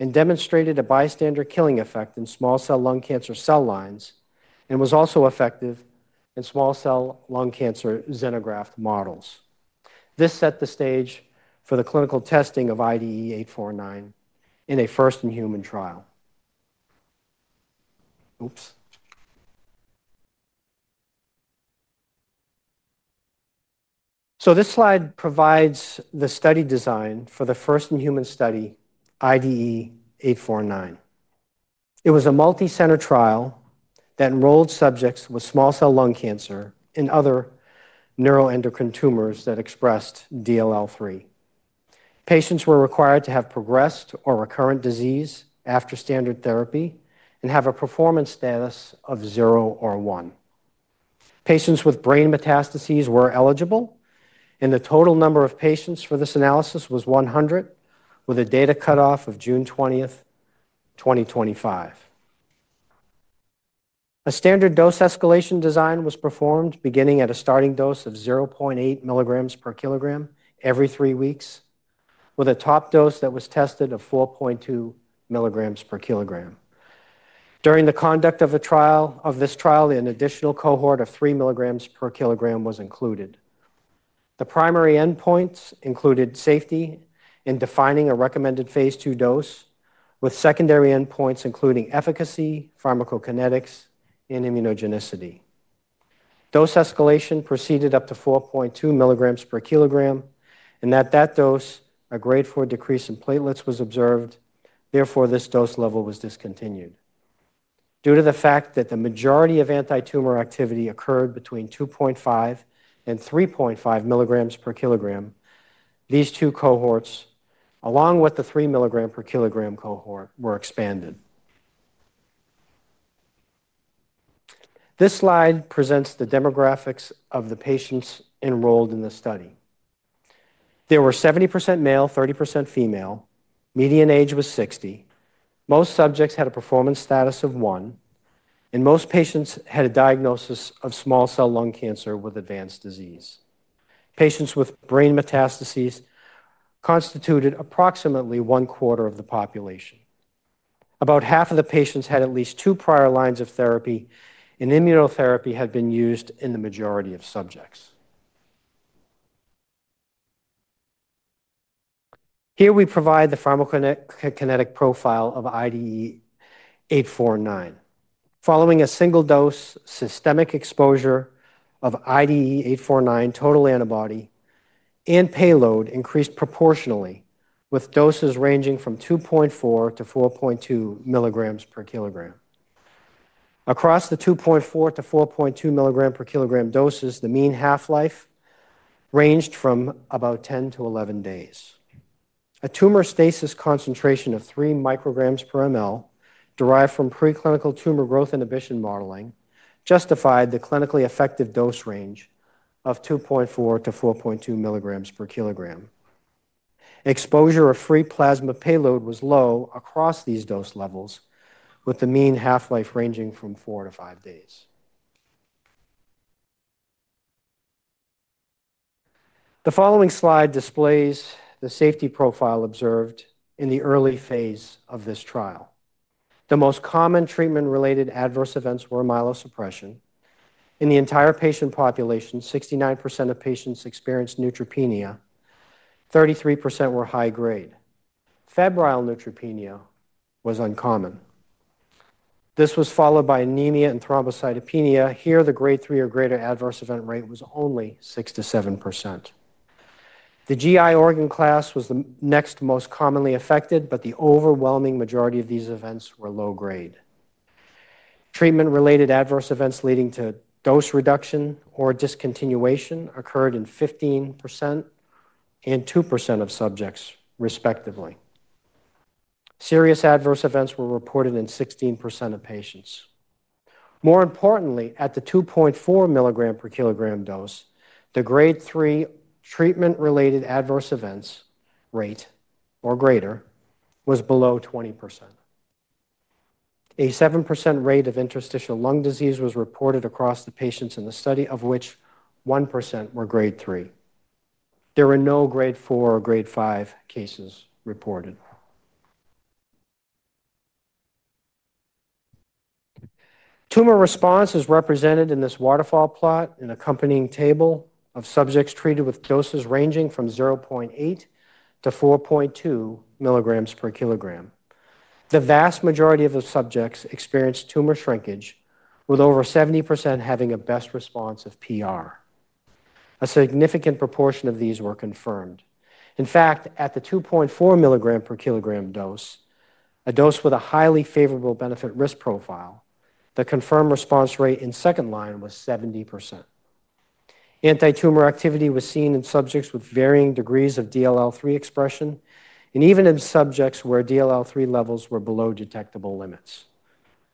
and demonstrated a bystander killing effect in small cell lung cancer cell lines and was also effective in small cell lung cancer xenograft models. This set the stage for the clinical testing of IDE849 in a first-in-human trial. This slide provides the study design for the first-in-human study, IDE849. It was a multi-center trial that enrolled subjects with small cell lung cancer and other neuroendocrine tumors that expressed DLL3. Patients were required to have progressed or recurrent disease after standard therapy and have a performance status of zero or one. Patients with brain metastases were eligible, and the total number of patients for this analysis was 100, with a data cutoff of June 20th, 2025. A standard dose escalation design was performed beginning at a starting dose of 0.8 mg/kg every three weeks, with a top dose that was tested of 4.2 mg/kg. During the conduct of this trial, an additional cohort of 3 mg/kg was included. The primary endpoints included safety in defining a recommended phase II dose, with secondary endpoints including efficacy, pharmacokinetics, and immunogenicity. Dose escalation proceeded up to 4.2 mg/kg, and at that dose, a grade 4 decrease in platelets was observed. Therefore, this dose level was discontinued. Due to the fact that the majority of anti-tumor activity occurred between 2.5 mg/kg and 3.5 mg/kg these two cohorts, along with the 3 mg/kg cohort, were expanded. This slide presents the demographics of the patients enrolled in the study. They were 70% male, 30% female. Median age was 60. Most subjects had a performance status of one, and most patients had a diagnosis of small cell lung cancer with advanced disease. Patients with brain metastases constituted approximately one-quarter of the population. About half of the patients had at least two prior lines of therapy, and immunotherapy had been used in the majority of subjects. Here we provide the pharmacokinetic profile of IDE849. Following a single-dose systemic exposure of IDE849, total antibody and payload increased proportionally with doses ranging from 2.4 mg/kg-4.2 mg/kg. Across the 2.4 mg/kg-4.2 mg/kg doses, the mean half-life ranged from about 10 -11 days. A tumor stasis concentration of 3 micrograms per mL derived from preclinical tumor growth inhibition modeling justified the clinically effective dose range of 2.4 mg/kg-4.2 mg/kg. Exposure of free plasma payload was low across these dose levels, with the mean half-life ranging from four to five days. The following slide displays the safety profile observed in the early phase of this trial. The most common treatment-related adverse events were myelosuppression. In the entire patient population, 69% of patients experienced neutropenia. 33% were high grade. Febrile neutropenia was uncommon. This was followed by anemia and thrombocytopenia. Here, the grade 3 or greater adverse event rate was only 6%-7%. The GI organ class was the next most commonly affected, but the overwhelming majority of these events were low grade. Treatment-related adverse events leading to dose reduction or discontinuation occurred in 15% and 2% of subjects, respectively. Serious adverse events were reported in 16% of patients. More importantly, at the 2.4 mg/kg dose, the grade 3 treatment-related adverse events rate or greater was below 20%. A 7% rate of interstitial lung disease was reported across the patients in the study, of which 1% were grade 3. There were no grade 4 or grade 5 cases reported. Tumor response is represented in this waterfall plot and accompanying table of subjects treated with doses ranging from 0.8 mg/kg-4.2 mg/kg. The vast majority of the subjects experienced tumor shrinkage, with over 70% having a best response of PR. A significant proportion of these were confirmed. In fact, at the 2.4 mg/kg dose, a dose with a highly favorable benefit-risk profile, the confirmed response rate in second line was 70%. Anti-tumor activity was seen in subjects with varying degrees of DLL3 expression and even in subjects where DLL3 levels were below detectable limits.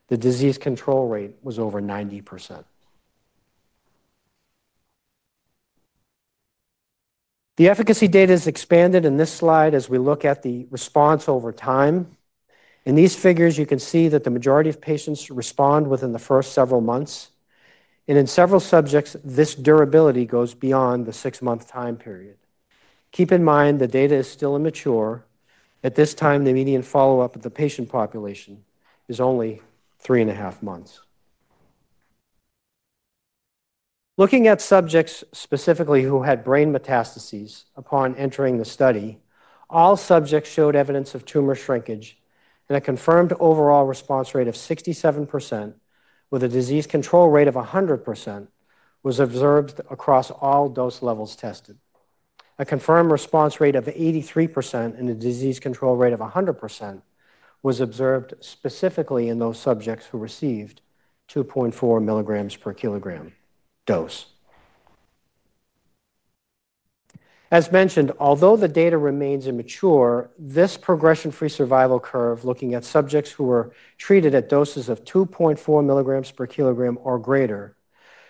The disease control rate was over 90%. The efficacy data is expanded in this slide as we look at the response over time. In these figures, you can see that the majority of patients respond within the first several months, and in several subjects, this durability goes beyond the six-month time period. Keep in mind the data is still immature. At this time, the median follow-up of the patient population is only three and a half months. Looking at subjects specifically who had brain metastases upon entering the study, all subjects showed evidence of tumor shrinkage, and a confirmed overall response rate of 67% with a disease control rate of 100% was observed across all dose levels tested. A confirmed response rate of 83% and a disease control rate of 100% was observed specifically in those subjects who received 2.4 mg/kg dose. As mentioned, although the data remains immature, this progression-free survival curve looking at subjects who were treated at doses of 2.4 mg/kg or greater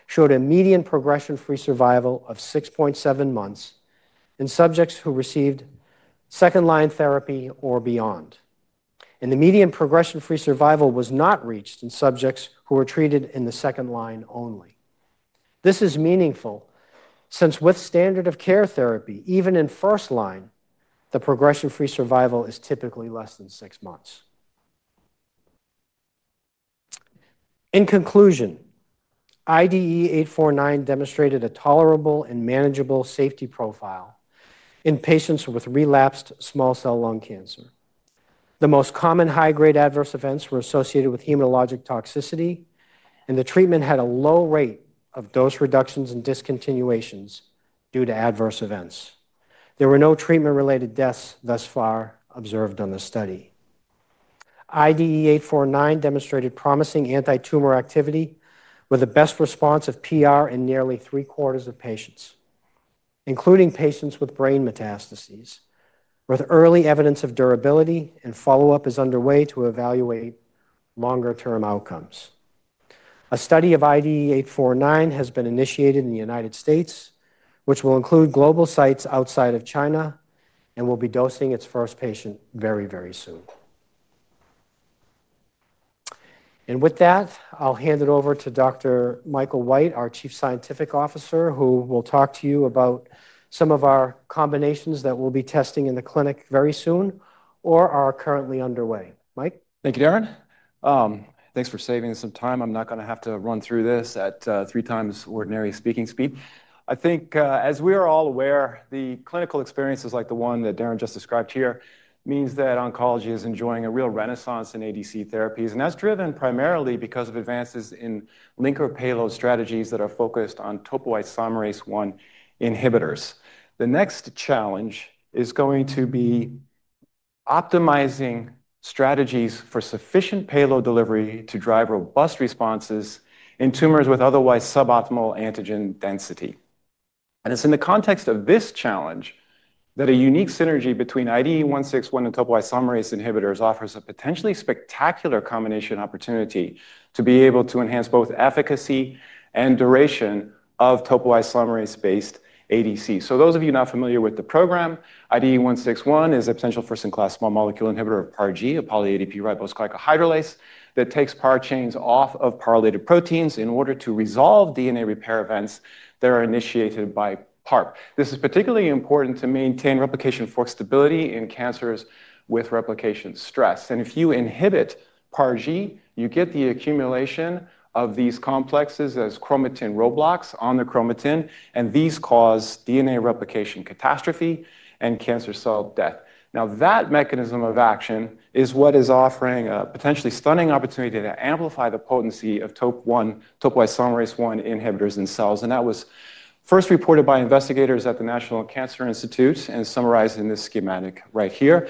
showed a median progression-free survival of 6.7 months in subjects who received second-line therapy or beyond. The median progression-free survival was not reached in subjects who were treated in the second line only. This is meaningful since with standard-of-care therapy, even in first line, the progression-free survival is typically less than six months. In conclusion, IDE849 demonstrated a tolerable and manageable safety profile in patients with relapsed small cell lung cancer. The most common high-grade adverse events were associated with hematologic toxicity, and the treatment had a low rate of dose reductions and discontinuations due to adverse events. There were no treatment-related deaths thus far observed on the study. IDE849 demonstrated promising anti-tumor activity with a best response of PR in nearly 3/4 of patients, including patients with brain metastases, with early evidence of durability, and follow-up is underway to evaluate longer-term outcomes. A study of IDE849 has been initiated in the United States, which will include global sites outside of China and will be dosing its first patient very, very soon. With that, I'll hand it over to Dr. Michael White, our Chief Scientific Officer, who will talk to you about some of our combinations that we'll be testing in the clinic very soon or are currently underway. Mike? Thank you, Darrin. Thanks for saving us some time. I'm not going to have to run through this at 3x ordinary speaking speed. I think, as we are all aware, the clinical experiences like the one that Darrin just described here mean that oncology is enjoying a real renaissance in ADC therapies, and that's driven primarily because of advances in linker payload strategies that are focused on topoisomerase-1 inhibitors. The next challenge is going to be optimizing strategies for sufficient payload delivery to drive robust responses in tumors with otherwise suboptimal antigen density. It is in the context of this challenge that a unique synergy between IDE161 and topoisomerase inhibitors offers a potentially spectacular combination opportunity to be able to enhance both efficacy and duration of topoisomerase-based ADC. For those of you not familiar with the program, IDE161 is a potential first-in-class small molecule inhibitor of PARG, a poly-ADP ribose glycohydrolase, that takes PAR chains off of PAR-related proteins in order to resolve DNA repair events that are initiated by PARP. This is particularly important to maintain replication stability in cancers with replication stress. If you inhibit PARG, you get the accumulation of these complexes as chromatin roadblocks on the chromatin, and these cause DNA replication catastrophe and cancer cell death. That mechanism of action is what is offering a potentially stunning opportunity to amplify the potency of TOP1, topoisomerase-1 inhibitors in cells, and that was first reported by investigators at the National Cancer Institute and summarized in this schematic right here.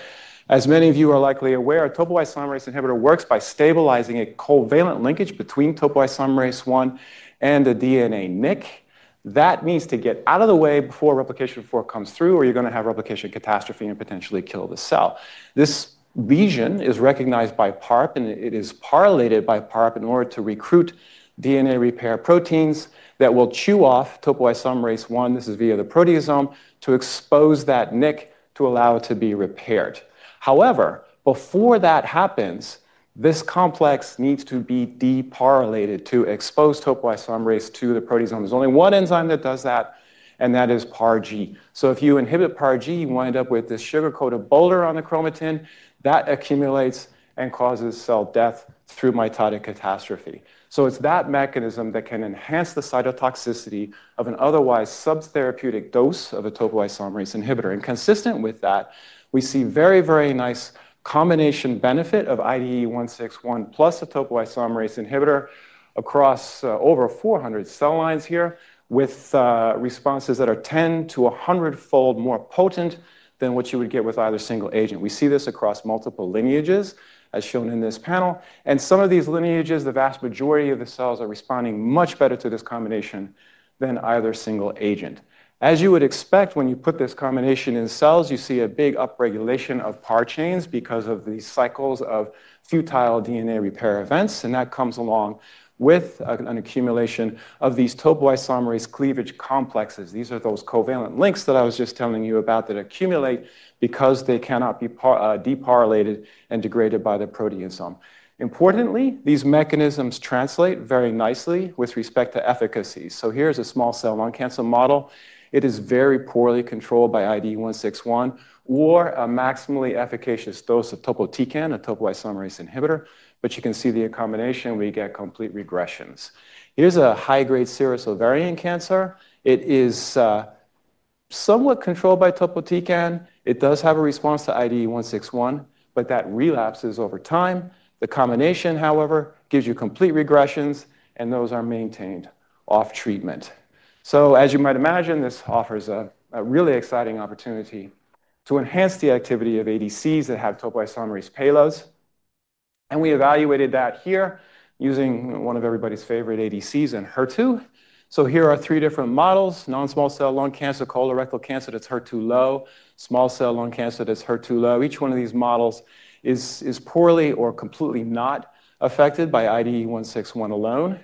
As many of you are likely aware, a topoisomerase inhibitor works by stabilizing a covalent linkage between topoisomerase-1 and the DNA nick. That means to get out of the way before replication 4 comes through, or you're going to have replication catastrophe and potentially kill the cell. This lesion is recognized by PARP, and it is PAR-related by PARP in order to recruit DNA repair proteins that will chew off topoisomerase-1, this is via the proteasome, to expose that nick to allow it to be repaired. However, before that happens, this complex needs to be de-PAR-related to expose topoisomerase to the proteasome. There's only one enzyme that does that, and that is PARG. If you inhibit PARG, you wind up with this sugar-coated boulder on the chromatin that accumulates and causes cell death through mitotic catastrophe. It's that mechanism that can enhance the cytotoxicity of an otherwise subtherapeutic dose of a topoisomerase inhibitor. Consistent with that, we see very, very nice combination benefit of IDE161 plus a topoisomerase inhibitor across over 400 cell lines here with responses that are 10 to 100-fold more potent than what you would get with either single agent. We see this across multiple lineages, as shown in this panel. In some of these lineages, the vast majority of the cells are responding much better to this combination than either single agent. As you would expect, when you put this combination in cells, you see a big upregulation of PAR chains because of these cycles of futile DNA repair events, and that comes along with an accumulation of these topoisomerase cleavage complexes. These are those covalent links that I was just telling you about that accumulate because they cannot be de-PAR-related and degraded by the proteasome. Importantly, these mechanisms translate very nicely with respect to efficacy. Here's a small cell lung cancer model. It is very poorly controlled by IDE161 or a maximally efficacious dose of topotecan, a topoisomerase inhibitor. You can see the combination; we get complete regressions. Here's a high-grade serous ovarian cancer. It is somewhat controlled by topotecan. It does have a response to IDE161, but that relapses over time. The combination, however, gives you complete regressions, and those are maintained off treatment. As you might imagine, this offers a really exciting opportunity to enhance the activity of ADCs that have topoisomerase payloads. We evaluated that here using one of everybody's favorite ADCs and HER2. Here are three different models: non-small cell lung cancer, colorectal cancer that's HER2 low, small cell lung cancer that's HER2 low. Each one of these models is poorly or completely not affected by IDE161 alone.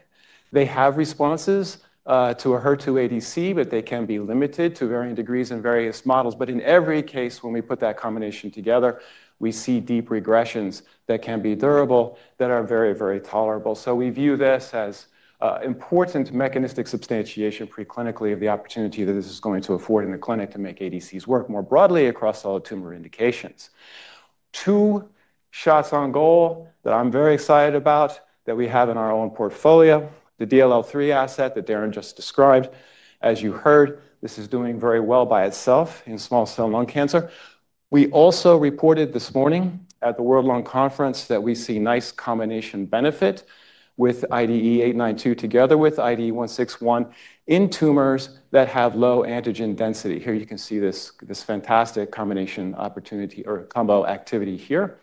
They have responses to a HER2 ADC, but they can be limited to varying degrees in various models. In every case, when we put that combination together, we see deep regressions that can be durable, that are very, very tolerable. We view this as an important mechanistic substantiation preclinically of the opportunity that this is going to afford in the clinic to make ADCs work more broadly across all tumor indications. Two shots on goal that I'm very excited about that we have in our own portfolio, the DLL3 asset that Darrin just described. As you heard, this is doing very well by itself in small cell lung cancer. We also reported this morning at the World Lung Conference that we see nice combination benefit with IDE892 together with IDE161 in tumors that have low antigen density. Here you can see this fantastic combination opportunity or combo activity here.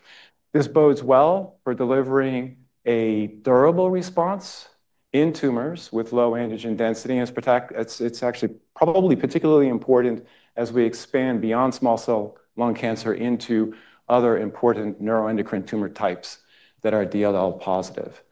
This bodes well for delivering a durable response in tumors with low antigen density. It's actually probably particularly important as we expand beyond small cell lung cancer into other important neuroendocrine tumor types that are DLL3 positive.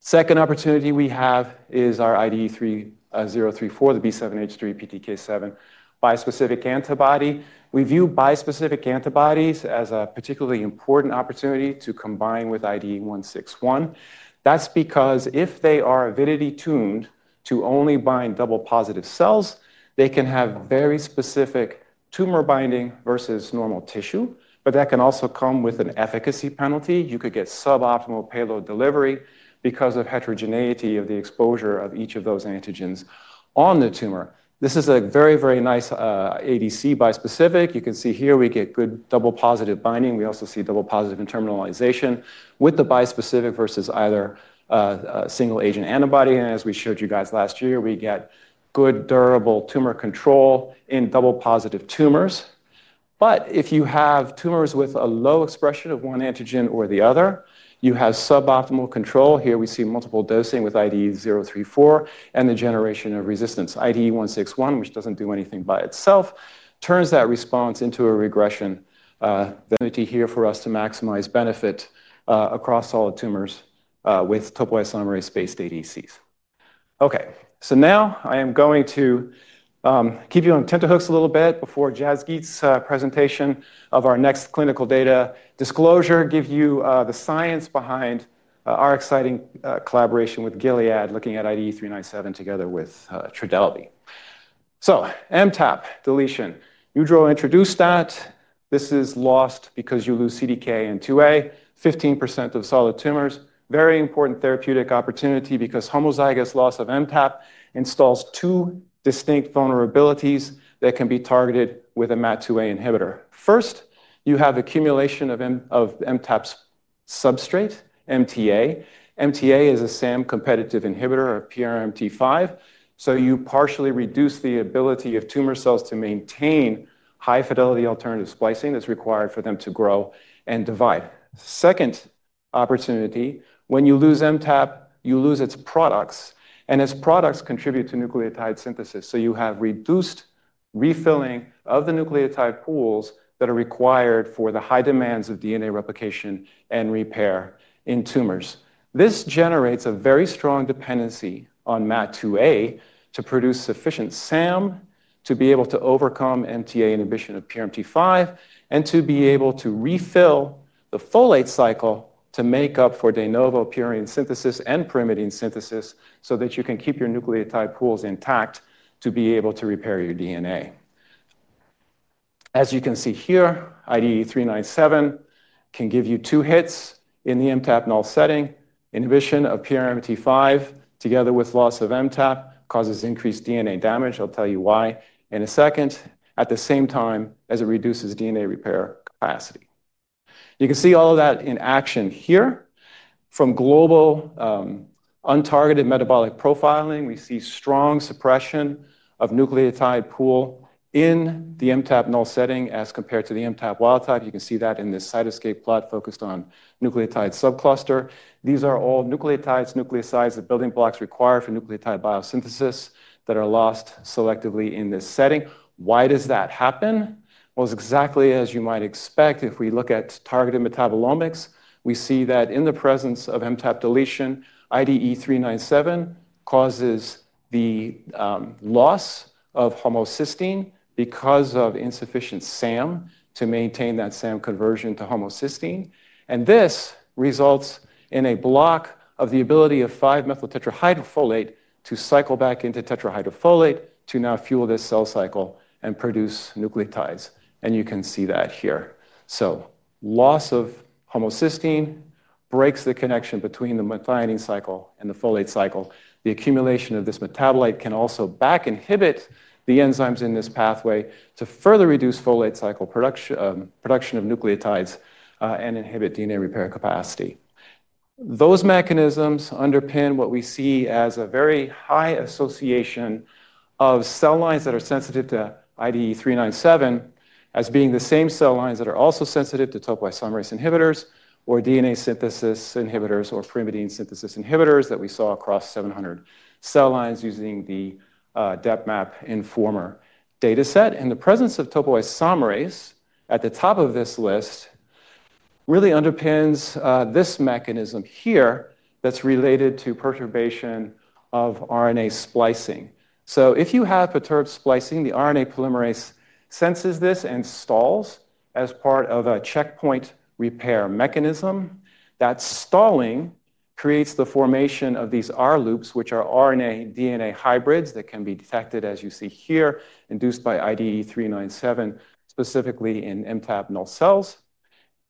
Second opportunity we have is our IDE3034, the B7H3/PTK7 bispecific antibody. We view bispecific antibodies as a particularly important opportunity to combine with IDE161. That's because if they are avidity-tuned to only bind double-positive cells, they can have very specific tumor binding versus normal tissue. That can also come with an efficacy penalty. You could get suboptimal payload delivery because of heterogeneity of the exposure of each of those antigens on the tumor. This is a very, very nice ADC bispecific. You can see here we get good double-positive binding. We also see double-positive internalization with the bispecific versus either a single-agent antibody. As we showed you guys last year, we get good durable tumor control in double-positive tumors. If you have tumors with a low expression of one antigen or the other, you have suboptimal control. Here we see multiple dosing with ID 034 and the generation of resistance. IDE161, which doesn't do anything by itself, turns that response into a regression. Opportunity here for us to maximize benefit across all the tumors with topoisomerase-based ADCs. Now I am going to keep you on tenterhooks a little bit before Jasgit's presentation of our next clinical data disclosure, give you the science behind our exciting collaboration with Gilead looking at IDE397 together with Trodelvy. MTAP deletion. You drove introduced that. This is lost because you lose CDK and 2A. 15% of solid tumors. Very important therapeutic opportunity because homozygous loss of MTAP installs two distinct vulnerabilities that can be targeted with a MAT2A inhibitor. First, you have accumulation of MTAP's substrate, MTA. MTA is a SAM competitive inhibitor, a PRMT5. You partially reduce the ability of tumor cells to maintain high-fidelity alternative splicing that's required for them to grow and divide. Second opportunity, when you lose MTAP, you lose its products, and its products contribute to nucleotide synthesis. You have reduced refilling of the nucleotide pools that are required for the high demands of DNA replication and repair in tumors. This generates a very strong dependency on MAT2A to produce sufficient SAM to be able to overcome MTA inhibition of PRMT5 and to be able to refill the folate cycle to make up for de novo purine synthesis and pyrimidine synthesis so that you can keep your nucleotide pools intact to be able to repair your DNA. As you can see here, IDE397 can give you two hits in the MTAP null setting. Inhibition of PRMT5 together with loss of MTAP causes increased DNA damage. I'll tell you why in a second, at the same time as it reduces DNA repair capacity. You can see all of that in action here. From global untargeted metabolic profiling, we see strong suppression of nucleotide pool in the MTAP null setting as compared to the MTAP wild type. You can see that in this Cytoscape plot focused on nucleotide subcluster. These are all nucleotides, nucleosides, the building blocks required for nucleotide biosynthesis that are lost selectively in this setting. Why does that happen? It's exactly as you might expect. If we look at targeted metabolomics, we see that in the presence of MTAP deletion, IDE397 causes the loss of homocysteine because of insufficient SAM to maintain that SAM conversion to homocysteine. This results in a block of the ability of 5-methyltetrahydrofolate to cycle back into tetrahydrofolate to now fuel this cell cycle and produce nucleotides. You can see that here. Loss of homocysteine breaks the connection between the methionine cycle and the folate cycle. The accumulation of this metabolite can also back inhibit the enzymes in this pathway to further reduce folate cycle production of nucleotides and inhibit DNA repair capacity. Those mechanisms underpin what we see as a very high association of cell lines that are sensitive to IDE397 as being the same cell lines that are also sensitive to topoisomerase inhibitors or DNA synthesis inhibitors or pyrimidine synthesis inhibitors that we saw across 700 cell lines using the DepMap informer data set. The presence of topoisomerase at the top of this list really underpins this mechanism here that's related to perturbation of RNA splicing. If you have perturbed splicing, the RNA polymerase senses this and stalls as part of a checkpoint repair mechanism. That stalling creates the formation of these R-loops, which are RNA-DNA hybrids that can be detected, as you see here, induced by IDE397, specifically in MTAP null cells.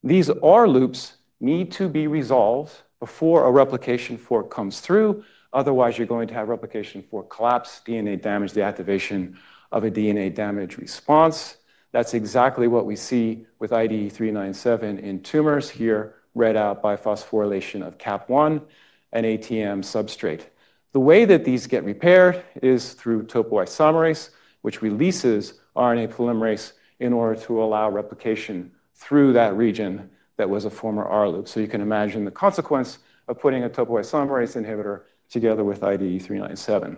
These R-loops need to be resolved before a replication fork comes through. Otherwise, you're going to have replication fork collapse, DNA damage, deactivation of a DNA damage response. That's exactly what we see with IDE397 in tumors here, read out by phosphorylation of CAP1 and ATM substrate. The way that these get repaired is through topoisomerase, which releases RNA polymerase in order to allow replication through that region that was a former R-loop. You can imagine the consequence of putting a topoisomerase inhibitor together with IDE397.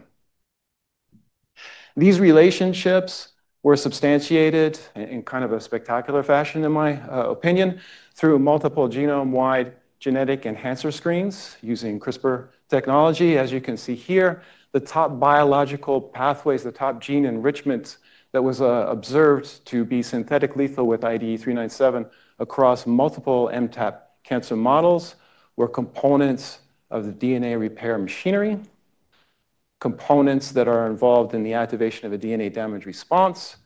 These relationships were substantiated in kind of a spectacular fashion, in my opinion, through multiple genome-wide genetic enhancer screens using CRISPR technology. As you can see here, the top biological pathways, the top gene enrichment that was observed to be synthetic lethal with IDE397 across multiple MTAP cancer models were components of the DNA repair machinery, components that are involved in the activation of a DNA damage response,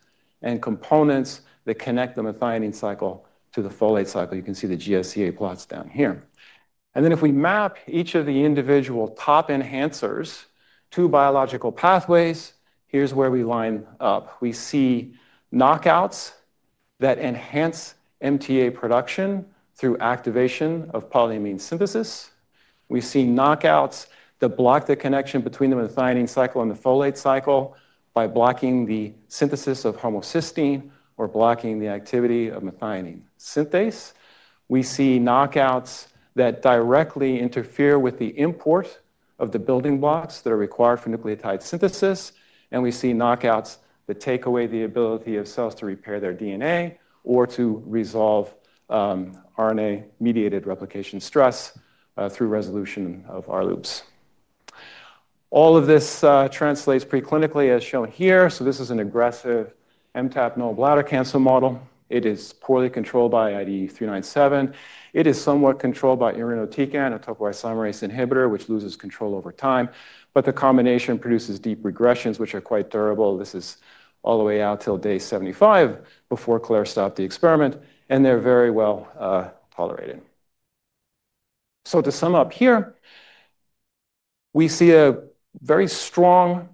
and components that connect the methionine cycle to the folate cycle. You can see the GSCA plots down here. If we map each of the individual top enhancers to biological pathways, here's where we line up. We see knockouts that enhance MTA production through activation of polyamine synthesis. We see knockouts that block the connection between the methionine cycle and the folate cycle by blocking the synthesis of homocysteine or blocking the activity of methionine synthase. We see knockouts that directly interfere with the import of the building blocks that are required for nucleotide synthesis. We see knockouts that take away the ability of cells to repair their DNA or to resolve RNA-mediated replication stress through resolution of R-loops. All of this translates preclinically as shown here. This is an aggressive MTAP null bladder cancer model. It is poorly controlled by IDE397. It is somewhat controlled by irinotecan, a topoisomerase inhibitor, which loses control over time. The combination produces deep regressions, which are quite durable. This is all the way out till day 75 before Claire stopped the experiment, and they're very well tolerated. To sum up here, we see a very strong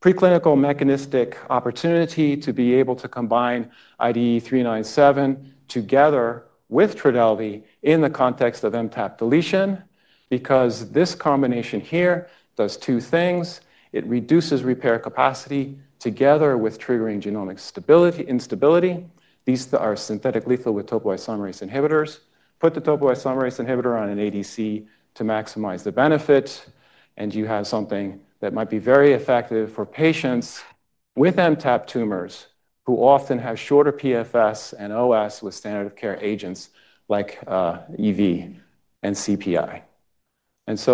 preclinical mechanistic opportunity to be able to combine IDE397 together with Trodelvy in the context of MTAP-deletion because this combination here does two things. It reduces repair capacity together with triggering genomic instability. These are synthetic lethal with topoisomerase inhibitors. Put the topoisomerase inhibitor on an ADC to maximize the benefit, and you have something that might be very effective for patients with MTAP tumors who often have shorter PFS and OS with standard-of-care agents like EV and CPI.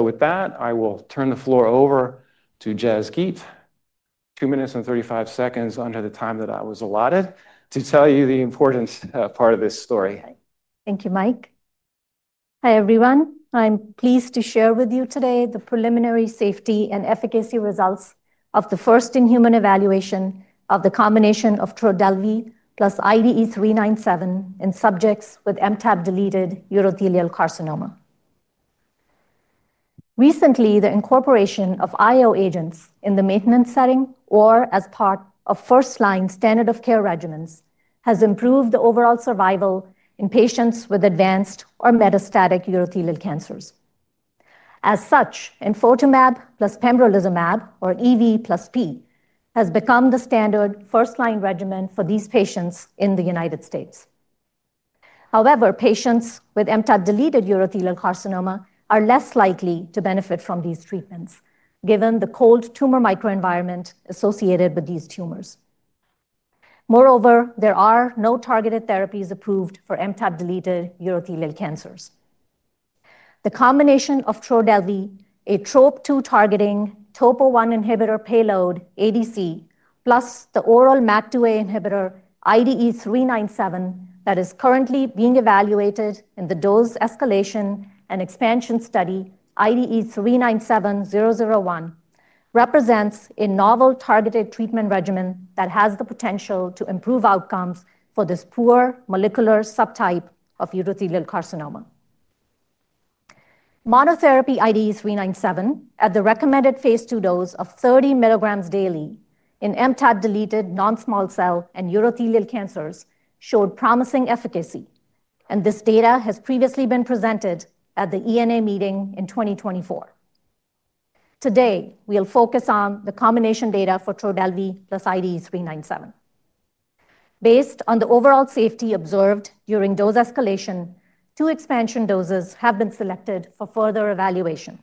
With that, I will turn the floor over to Jasgit, 2 minutes and 35 seconds under the time that I was allotted, to tell you the important part of this story. Thank you, Mike. Hi, everyone. I'm pleased to share with you today the preliminary safety and efficacy results of the first-in-human evaluation of the combination of Trodelvy plus IDE397 in subjects with MTAP-deletion urothelial carcinoma. Recently, the incorporation of IO agents in the maintenance setting or as part of first-line standard-of-care regimens has improved the overall survival in patients with advanced or metastatic urothelial cancers. As such, enfortumab plus pembrolizumab, or EV plus P, has become the standard first-line regimen for these patients in the United States. However, patients with MTAP-deletion urothelial carcinoma are less likely to benefit from these treatments, given the cold tumor microenvironment associated with these tumors. Moreover, there are no targeted therapies approved for MTAP-deletion urothelial cancers. The combination of Trodelvy, a TROP2-targeting TOP1 inhibitor payload ADC, plus the oral MAT2A inhibitor IDE397 that is currently being evaluated in the dose escalation and expansion study IDE397-001 represents a novel targeted treatment regimen that has the potential to improve outcomes for this poor molecular subtype of urothelial carcinoma. Monotherapy IDE397 at the recommended phase II dose of 30 mg daily in MTAP-deletion non-small cell and urothelial cancers showed promising efficacy, and this data has previously been presented at the ENA meeting in 2024. Today, we'll focus on the combination data for Trodelvy plus IDE397. Based on the overall safety observed during dose escalation, two expansion doses have been selected for further evaluation.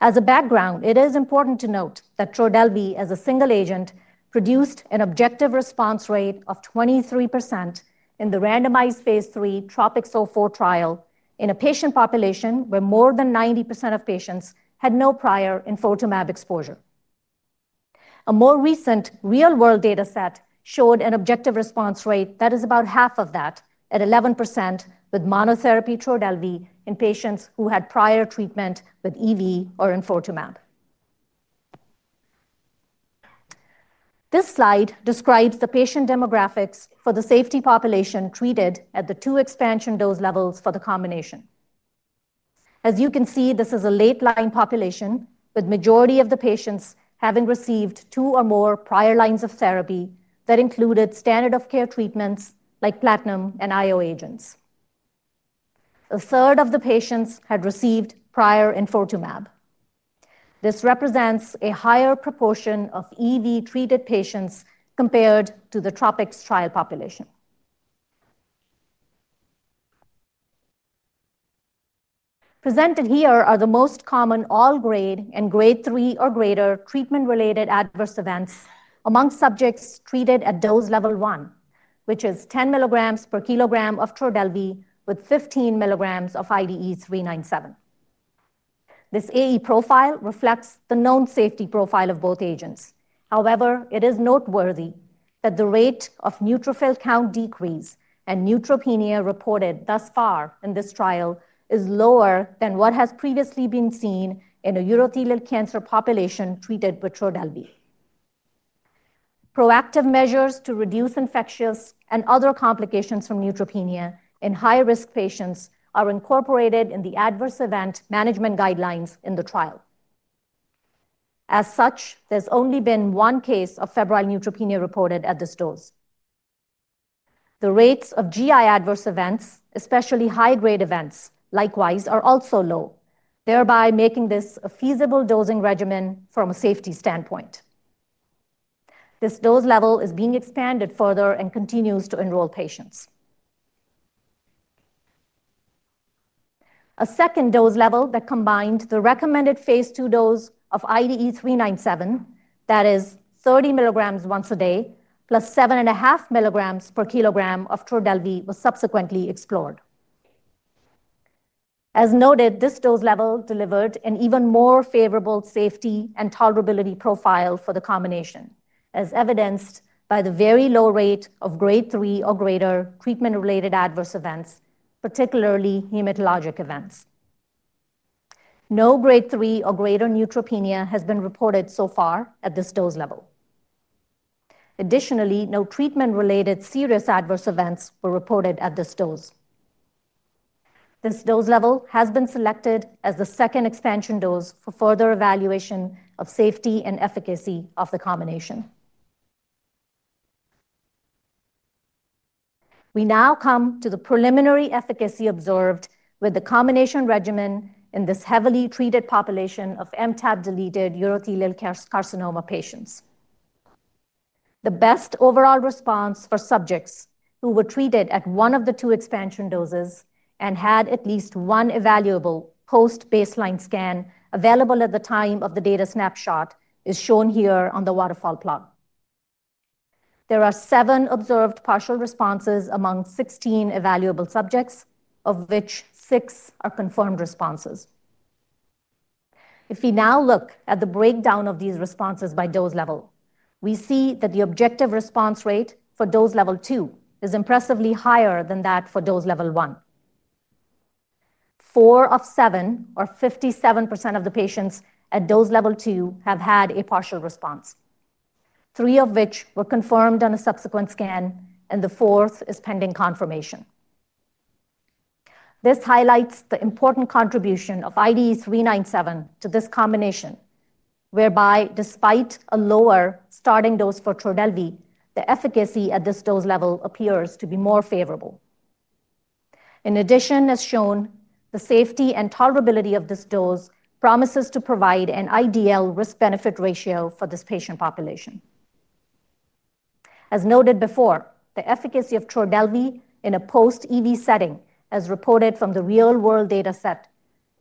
As a background, it is important to note that Trodelvy as a single agent produced an objective response rate of 23% in the randomized phase III TROPiCS-04 trial in a patient population where more than 90% of patients had no prior enfortumab exposure. A more recent real-world data set showed an objective response rate that is about half of that at 11% with monotherapy Trodelvy in patients who had prior treatment with EV or enfortumab. This slide describes the patient demographics for the safety population treated at the two expansion dose levels for the combination. As you can see, this is a late-line population with the majority of the patients having received two or more prior lines of therapy that included standard-of-care treatments like platinum and IO agents. A 1/3 of the patients had received prior enfortumab. This represents a higher proportion of EV-treated patients compared to the TROPiCS trial population. Presented here are the most common all-grade and grade 3 or greater treatment-related adverse events among subjects treated at dose level one, which is 10 mg/kg of Trodelvy with 15 mg of IDE397. This AE profile reflects the known safety profile of both agents. However, it is noteworthy that the rate of neutrophil count decrease and neutropenia reported thus far in this trial is lower than what has previously been seen in a urothelial cancer population treated with Trodelvy. Proactive measures to reduce infectious and other complications from neutropenia in high-risk patients are incorporated in the adverse event management guidelines in the trial. As such, there's only been one case of febrile neutropenia reported at this dose. The rates of GI adverse events, especially high-grade events, likewise are also low, thereby making this a feasible dosing regimen from a safety standpoint. This dose level is being expanded further and continues to enroll patients. A second dose level that combined the recommended phase II dose of IDE397, that is 30 mg once a day plus 7.5 mg/kg of Trodelvy, was subsequently explored. As noted, this dose level delivered an even more favorable safety and tolerability profile for the combination, as evidenced by the very low rate of grade 3 or greater treatment-related adverse events, particularly hematologic events. No grade 3 or greater neutropenia has been reported so far at this dose level. Additionally, no treatment-related serious adverse events were reported at this dose. This dose level has been selected as the second expansion dose for further evaluation of safety and efficacy of the combination. We now come to the preliminary efficacy observed with the combination regimen in this heavily treated population of MTAP-deleted urothelial carcinoma patients. The best overall response for subjects who were treated at one of the two expansion doses and had at least one evaluable post-baseline scan available at the time of the data snapshot is shown here on the waterfall plot. There are seven observed partial responses among 16 evaluable subjects, of which six are confirmed responses. If we now look at the breakdown of these responses by dose level, we see that the objective response rate for dose level two is impressively higher than that for dose level one. Four of seven, or 57% of the patients at dose level two, have had a partial response, three of which were confirmed on a subsequent scan, and the fourth is pending confirmation. This highlights the important contribution. of IDE397 to this combination, whereby despite a lower starting dose for Trodelvy, the efficacy at this dose level appears to be more favorable. In addition, as shown, the safety and tolerability of this dose promises to provide an ideal risk-benefit ratio for this patient population. As noted before, the efficacy of Trodelvy in a post-EV setting, as reported from the real-world dataset,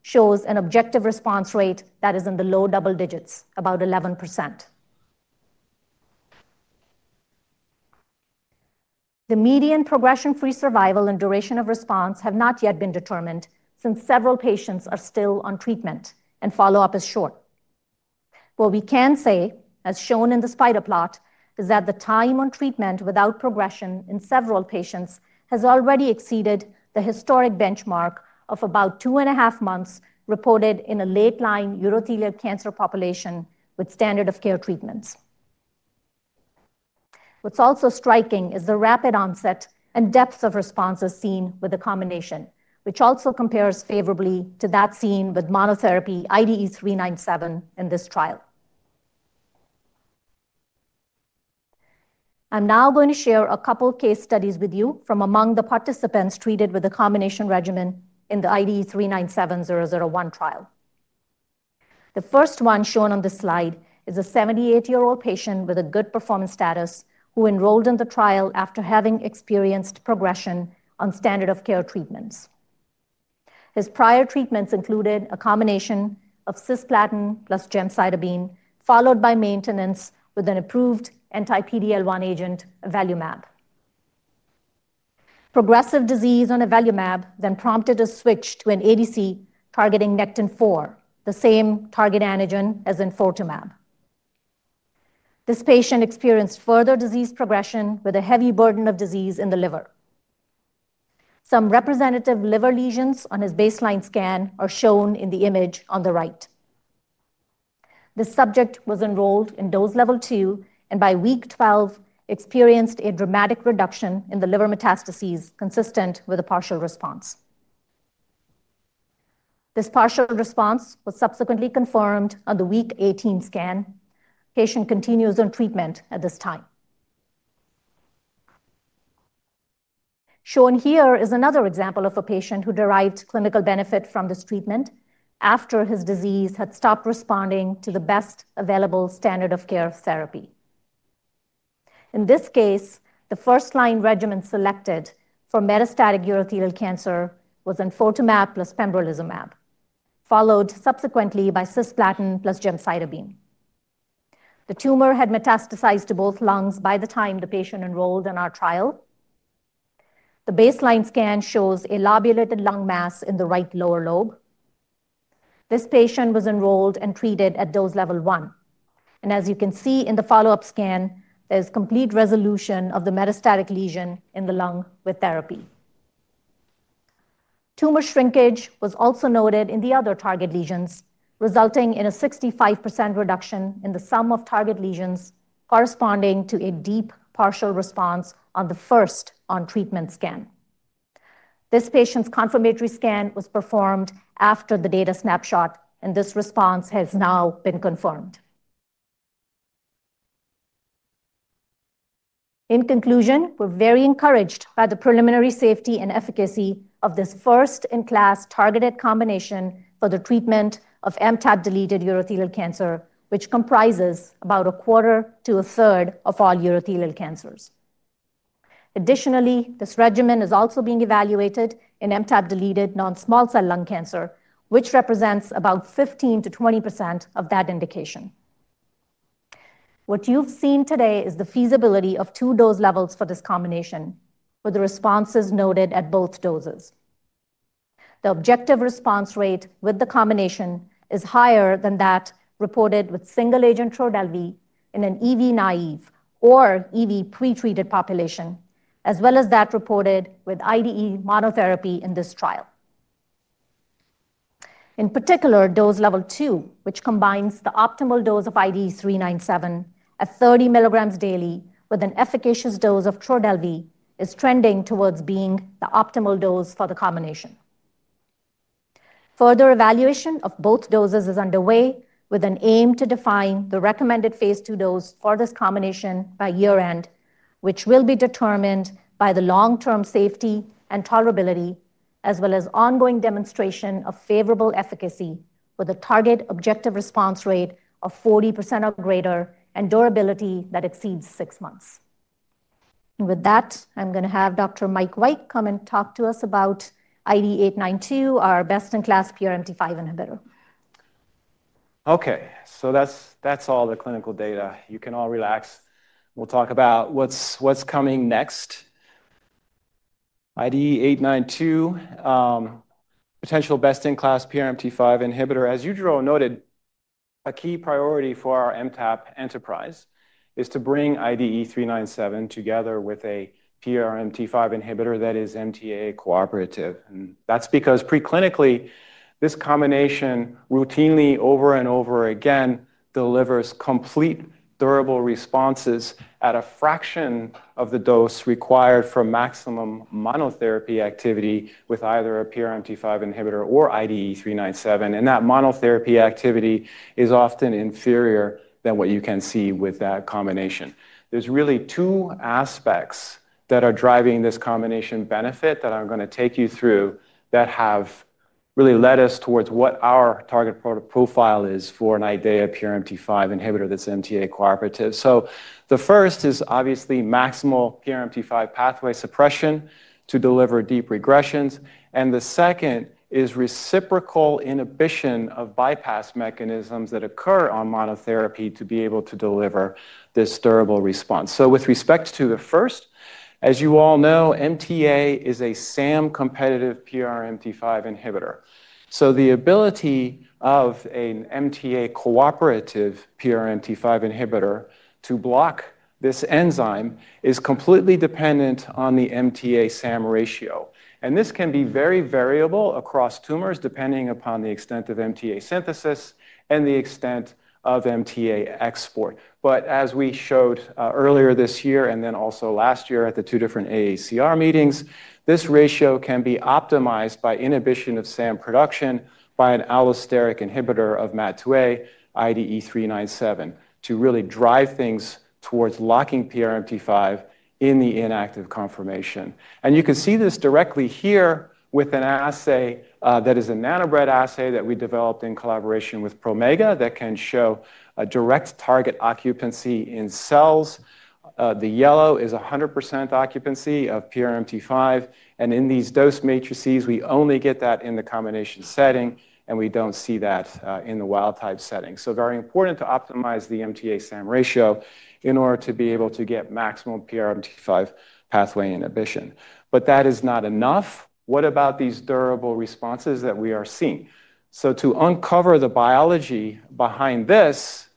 shows an objective response rate that is in the low double digits, about 11%. The median progression-free survival and duration of response have not yet been determined since several patients are still on treatment and follow-up is short. What we can say, as shown in the spider plot, is that the time on treatment without progression in several patients has already exceeded the historic benchmark of about two and a half months reported in a late-line urothelial cancer population with standard-of-care treatments. What is also striking is the rapid onset and depth of responses seen with the combination, which also compares favorably to that seen with monotherapy IDE397 in this trial. I am now going to share a couple of case studies with you from among the participants treated with the combination regimen in the IDE397-001 trial. The first one shown on this slide is a 78-year-old patient with a good performance status who enrolled in the trial after having experienced progression on standard-of-care treatments. His prior treatments included a combination of cisplatin plus gemcitabine, followed by maintenance with an approved anti-PD-L1 agent, avelumab. Progressive disease on avelumab then prompted a switch to an ADC targeting NECTIN-4, the same target antigen as enfortumab. This patient experienced further disease progression with a heavy burden of disease in the liver. Some representative liver lesions on his baseline scan are shown in the image on the right. This subject was enrolled in dose level 2 and by week 12 experienced a dramatic reduction in the liver metastases consistent with a partial response. This partial response was subsequently confirmed on the week 18 scan. The patient continues on treatment at this time. Shown here is another example of a patient who derived clinical benefit from this treatment after his disease had stopped responding to the best available standard-of-care therapy. In this case, the first-line regimen selected for metastatic urothelial cancer was enfortumab plus pembrolizumab, followed subsequently by cisplatin plus gemcitabine. The tumor had metastasized to both lungs by the time the patient enrolled in our trial. The baseline scan shows a lobulated lung mass in the right lower lobe. This patient was enrolled and treated at dose level 1. As you can see in the follow-up scan, there's complete resolution of the metastatic lesion in the lung with therapy. Tumor shrinkage was also noted in the other target lesions, resulting in a 65% reduction in the sum of target lesions, corresponding to a deep partial response on the first on-treatment scan. This patient's confirmatory scan was performed after the data snapshot, and this response has now been confirmed. In conclusion, we're very encouraged by the preliminary safety and efficacy of this first-in-class targeted combination for the treatment of MTAP-deleted urothelial cancer, which comprises about a quarter to a third of all urothelial cancers. Additionally, this regimen is also being evaluated in MTAP-deleted non-small cell lung cancer, which represents about 15%-20% of that indication. What you've seen today is the feasibility of two dose levels for this combination, with the responses noted at both doses. The objective response rate with the combination is higher than that reported with single-agent Trodelvy in an EV-naive or EV-pre-treated population, as well as that reported with IDE monotherapy in this trial. In particular, dose level 2, which combines the optimal dose of IDE397 at 30 mg daily with an efficacious dose of Trodelvy, is trending towards being the optimal dose for the combination. Further evaluation of both doses is underway, with an aim to define the recommended phase II dose for this combination by year-end, which will be determined by the long-term safety and tolerability, as well as ongoing demonstration of favorable efficacy with a target objective response rate of 40% or greater and durability that exceeds six months. With that, I'm going to have Dr. Mike White come and talk to us about IDE892, our best-in-class PRMT5 inhibitor. Okay, so that's all the clinical data. You can all relax. We'll talk about what's coming next IDE892 potential best-in-class PRMT5 inhibitor. As Yujiro noted, a key priority for our MTAP enterprise is to bring IDE397 together with a PRMT5 inhibitor that is MTA cooperative. That's because preclinically, this combination routinely over and over again delivers complete durable responses at a fraction of the dose required for maximum monotherapy activity with either a PRMT5 inhibitor or IDE397 and that monotherapy activity is often inferior than what you can see with that combination. There are really two aspects that are driving this combination benefit that I'm going to take you through that have really led us towards what our target profile is for an IDEAYA PRMT5 inhibitor that's MTA cooperative. The first is obviously maximal PRMT5 pathway suppression to deliver deep regressions. The second is reciprocal inhibition of bypass mechanisms that occur on monotherapy to be able to deliver this durable response. With respect to the first, as you all know, MTA is a SAM-competitive PRMT5 inhibitor. The ability of an MTA cooperative PRMT5 inhibitor to block this enzyme is completely dependent on the MTA-SAM ratio. This can be very variable across tumors depending upon the extent of MTA synthesis and the extent of MTA export. As we showed earlier this year and then also last year at the two different AACR meetings, this ratio can be optimized by inhibition of SAM production by an allosteric inhibitor of MAT2A IDE397 to really drive things towards locking PRMT5 in the inactive conformation. You can see this directly here with an assay that is a nanobread assay that we developed in collaboration with Promega that can show a direct target occupancy in cells. The yellow is 100% occupancy of PRMT5. In these dose matrices, we only get that in the combination setting, and we don't see that in the wild type setting. It is very important to optimize the MTA-SAM ratio in order to be able to get maximum PRMT5 pathway inhibition. That is not enough. What about these durable responses that we are seeing? To uncover the biology behind this,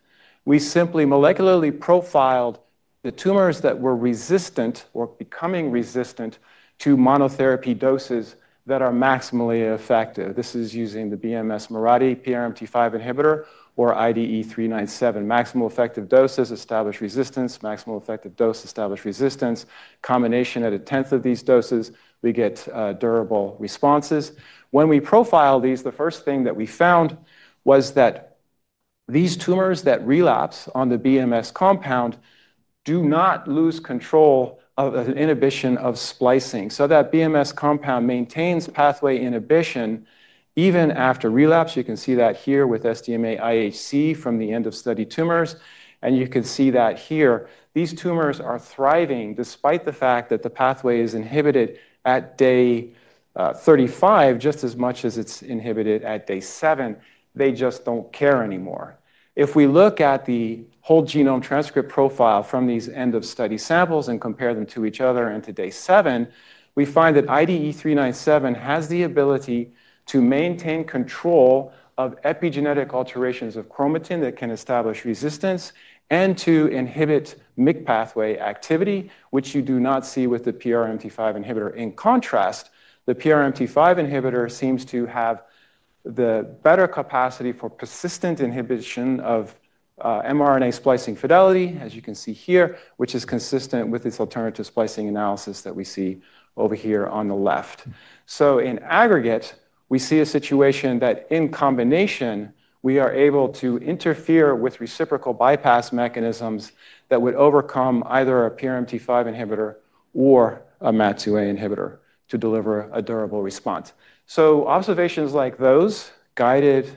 we simply molecularly profiled the tumors that were resistant or becoming resistant to monotherapy doses that are maximally effective. This is using the BMS Mirati PRMT5 inhibitor or IDE397 maximal effective doses, establish resistance, maximal effective dose, establish resistance. Combination at 1/10 of these doses, we get durable responses. When we profile these, the first thing that we found was that these tumors that relapse on the BMS compound do not lose control of the inhibition of splicing. That BMS compound maintains pathway inhibition even after relapse. You can see that here with SDMA IHC from the end of study tumors. You can see that here. These tumors are thriving despite the fact that the pathway is inhibited at day 35 just as much as it's inhibited at day 7. They just don't care anymore. If we look at the whole genome transcript profile from these end-of-study samples and compare them to each other and to day 7, we find that IDE397 has the ability to maintain control of epigenetic alterations of chromatin that can establish resistance and to inhibit MYC pathway activity, which you do not see with the PRMT5 inhibitor. In contrast, the PRMT5 inhibitor seems to have the better capacity for persistent inhibition of mRNA splicing fidelity, as you can see here, which is consistent with its alternative splicing analysis that we see over here on the left. In aggregate, we see a situation that in combination, we are able to interfere with reciprocal bypass mechanisms that would overcome either a PRMT5 inhibitor or a MAT2A inhibitor to deliver a durable response. Observations like those guided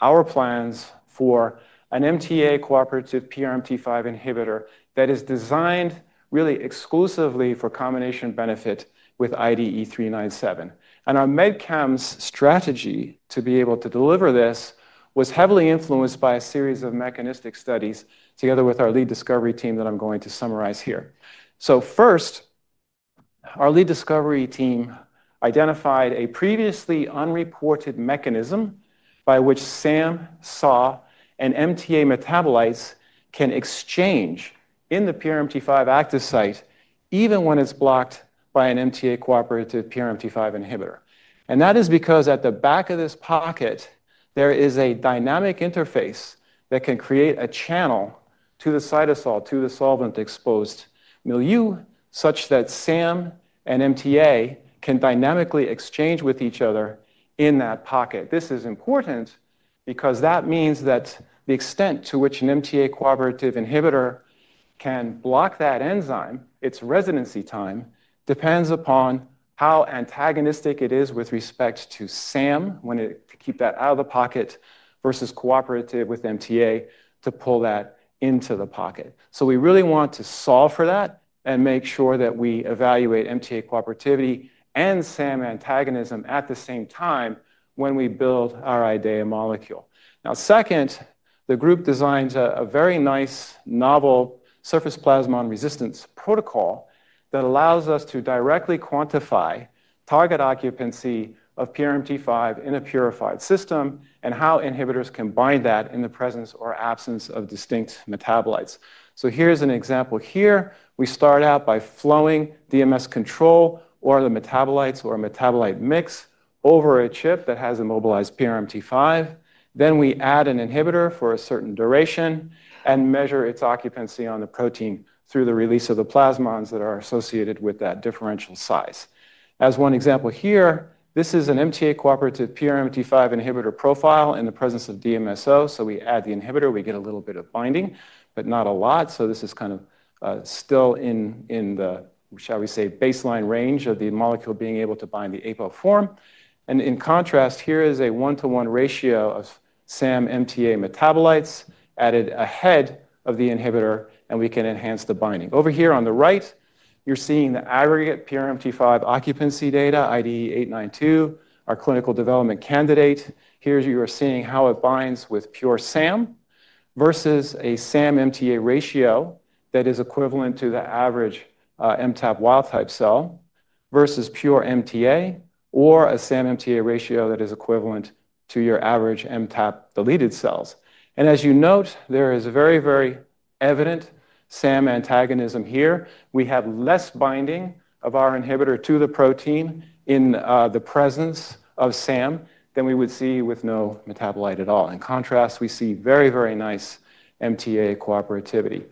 our plans for an MTA cooperative PRMT5 inhibitor that is designed really exclusively for combination benefit with IDE397 and our MedChems strategy to be able to deliver this was heavily influenced by a series of mechanistic studies together with our lead discovery team that I'm going to summarize here. First, our lead discovery team identified a previously unreported mechanism by which SAM, SAW, and MTA metabolites can exchange in the PRMT5 active site, even when it's blocked by an MTA cooperative PRMT5 inhibitor. That is because at the back of this pocket, there is a dynamic interface that can create a channel to the cytosol, to the solvent-exposed milieu, such that SAM and MTA can dynamically exchange with each other in that pocket. This is important because that means that the extent to which an MTA cooperative inhibitor can block that enzyme, its residency time, depends upon how antagonistic it is with respect to SAM, when to keep that out of the pocket versus cooperative with MTA to pull that into the pocket. We really want to solve for that and make sure that we evaluate MTA cooperativity and SAM antagonism at the same time when we build our IDEAYA molecule. Second, the group designs a very nice novel surface plasmon resistance protocol that allows us to directly quantify target occupancy of PRMT5 in a purified system and how inhibitors can bind that in the presence or absence of distinct metabolites. Here's an example. Here, we start out by flowing DMS control or the metabolites or metabolite mix over a chip that has immobilized PRMT5. We add an inhibitor for a certain duration and measure its occupancy on the protein through the release of the plasmons that are associated with that differential size. As one example here, this is an MTA cooperative PRMT5 inhibitor profile in the presence of DMSO. We add the inhibitor. We get a little bit of binding, but not a lot. This is kind of still in the, shall we say, baseline range of the molecule being able to bind the apo form. In contrast, here is a 1:1 ratio of SAM-MTA metabolites added ahead of the inhibitor, and we can enhance the binding. Over here on the right, you're seeing the aggregate PRMT5 occupancy data, IDE892 our clinical development candidate. Here you are seeing how it binds with pure SAM versus a SAM-MTA ratio that is equivalent to the average MTAP wild type cell versus pure MTA or a SAM-MTA ratio that is equivalent to your average MTAP-deleted cells. As you note, there is a very, very evident SAM antagonism here. We have less binding of our inhibitor to the protein in the presence of SAM than we would see with no metabolite at all. In contrast, we see very, very nice MTA cooperativity.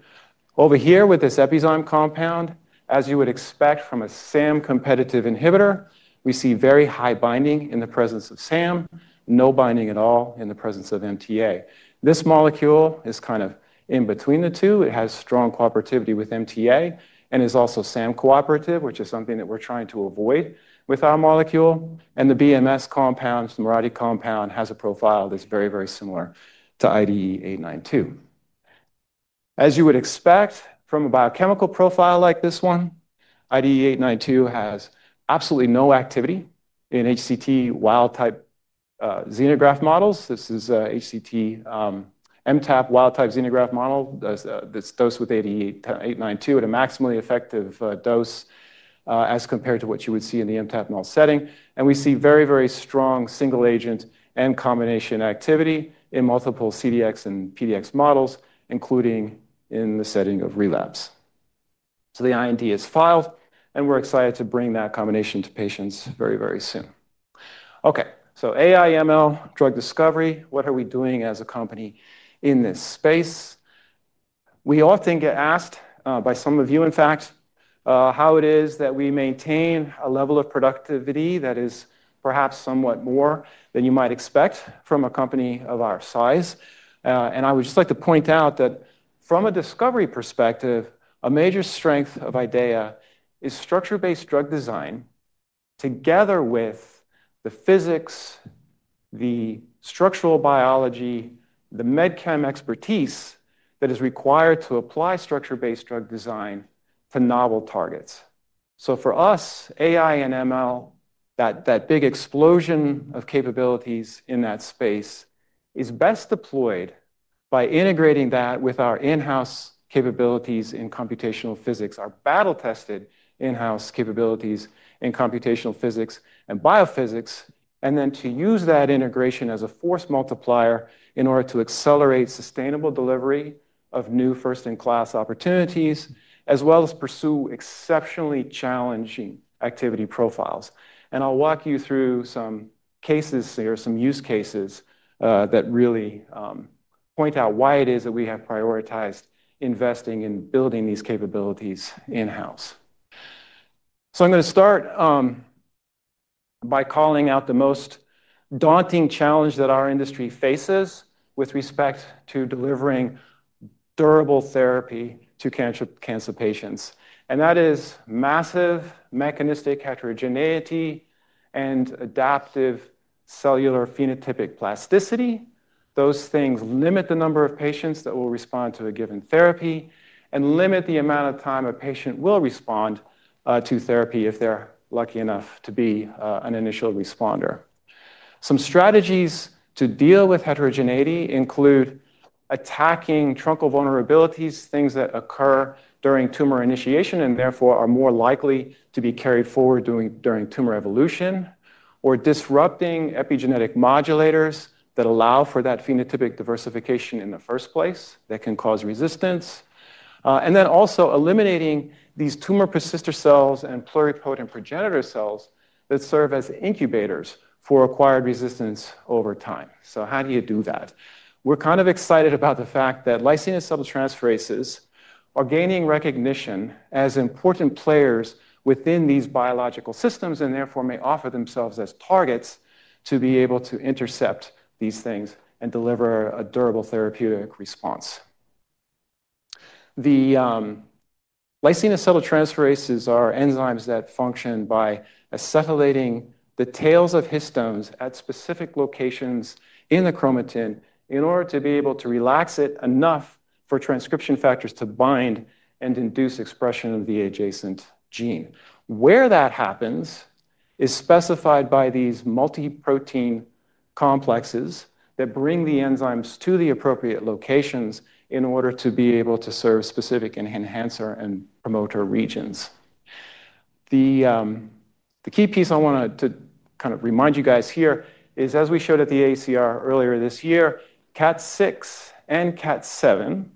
Over here with this epizoome compound, as you would expect from a SAM-competitive inhibitor, we see very high binding in the presence of SAM, no binding at all in the presence of MTA. This molecule is kind of in between the two. It has strong cooperativity with MTA and is also SAM-cooperative, which is something that we're trying to avoid with our molecule. The BMS compound, Mirati compound, has a profile that's very, very similar to IDE892. As you would expect from a biochemical profile like this one, IDE892 has absolutely no activity in HCT wild type xenograft models. This is a HCT MTAP wild type xenograft model. This dose with IDE892 at a maximally effective dose as compared to what you would see in the MTAP null setting. We see very, very strong single-agent and combination activity in multiple CDX and PDX models, including in the setting of relapse. The IND is filed, and we're excited to bring that combination to patients very, very soon. Okay, AIML drug discovery, what are we doing as a company in this space? We often get asked by some of you, in fact, how it is that we maintain a level of productivity that is perhaps somewhat more than you might expect from a company of our size. I would just like to point out that from a discovery perspective, a major strength of IDEAYA is structure-based drug design, together with the physics, the structural biology, the MedChem expertise that is required to apply structure-based drug design to novel targets. For us, AI and ML, that big explosion of capabilities in that space, is best deployed by integrating that with our in-house capabilities in computational physics, our battle-tested in-house capabilities in computational physics and biophysics, and then to use that integration as a force multiplier in order to accelerate sustainable delivery of new first-in-class opportunities, as well as pursue exceptionally challenging activity profiles. I'll walk you through some cases here, some use cases that really point out why it is that we have prioritized investing in building these capabilities in-house. I'm going to start by calling out the most daunting challenge that our industry faces with respect to delivering durable therapy to cancer patients, and that is massive mechanistic heterogeneity and adaptive cellular phenotypic plasticity. Those things limit the number of patients that will respond to a given therapy and limit the amount of time a patient will respond to therapy if they're lucky enough to be an initial responder. Some strategies to deal with heterogeneity include attacking truncal vulnerabilities, things that occur during tumor initiation and therefore are more likely to be carried forward during tumor evolution, or disrupting epigenetic modulators that allow for that phenotypic diversification in the first place that can cause resistance, and also eliminating these tumor persistence cells and pluripotent progenitor cells that serve as incubators for acquired resistance over time. How do you do that? We're kind of excited about the fact that lysine acetyltransferases are gaining recognition as important players within these biological systems and therefore may offer themselves as targets to be able to intercept these things and deliver a durable therapeutic response. The lysine acetyltransferases are enzymes that function by acetylating the tails of histones at specific locations in the chromatin in order to be able to relax it enough for transcription factors to bind and induce expression of the adjacent gene. Where that happens is specified by these multi-protein complexes that bring the enzymes to the appropriate locations in order to be able to serve specific enhancer and promoter regions. The key piece I want to remind you guys here is, as we showed at the AACR earlier this year, KAT6 and KAT7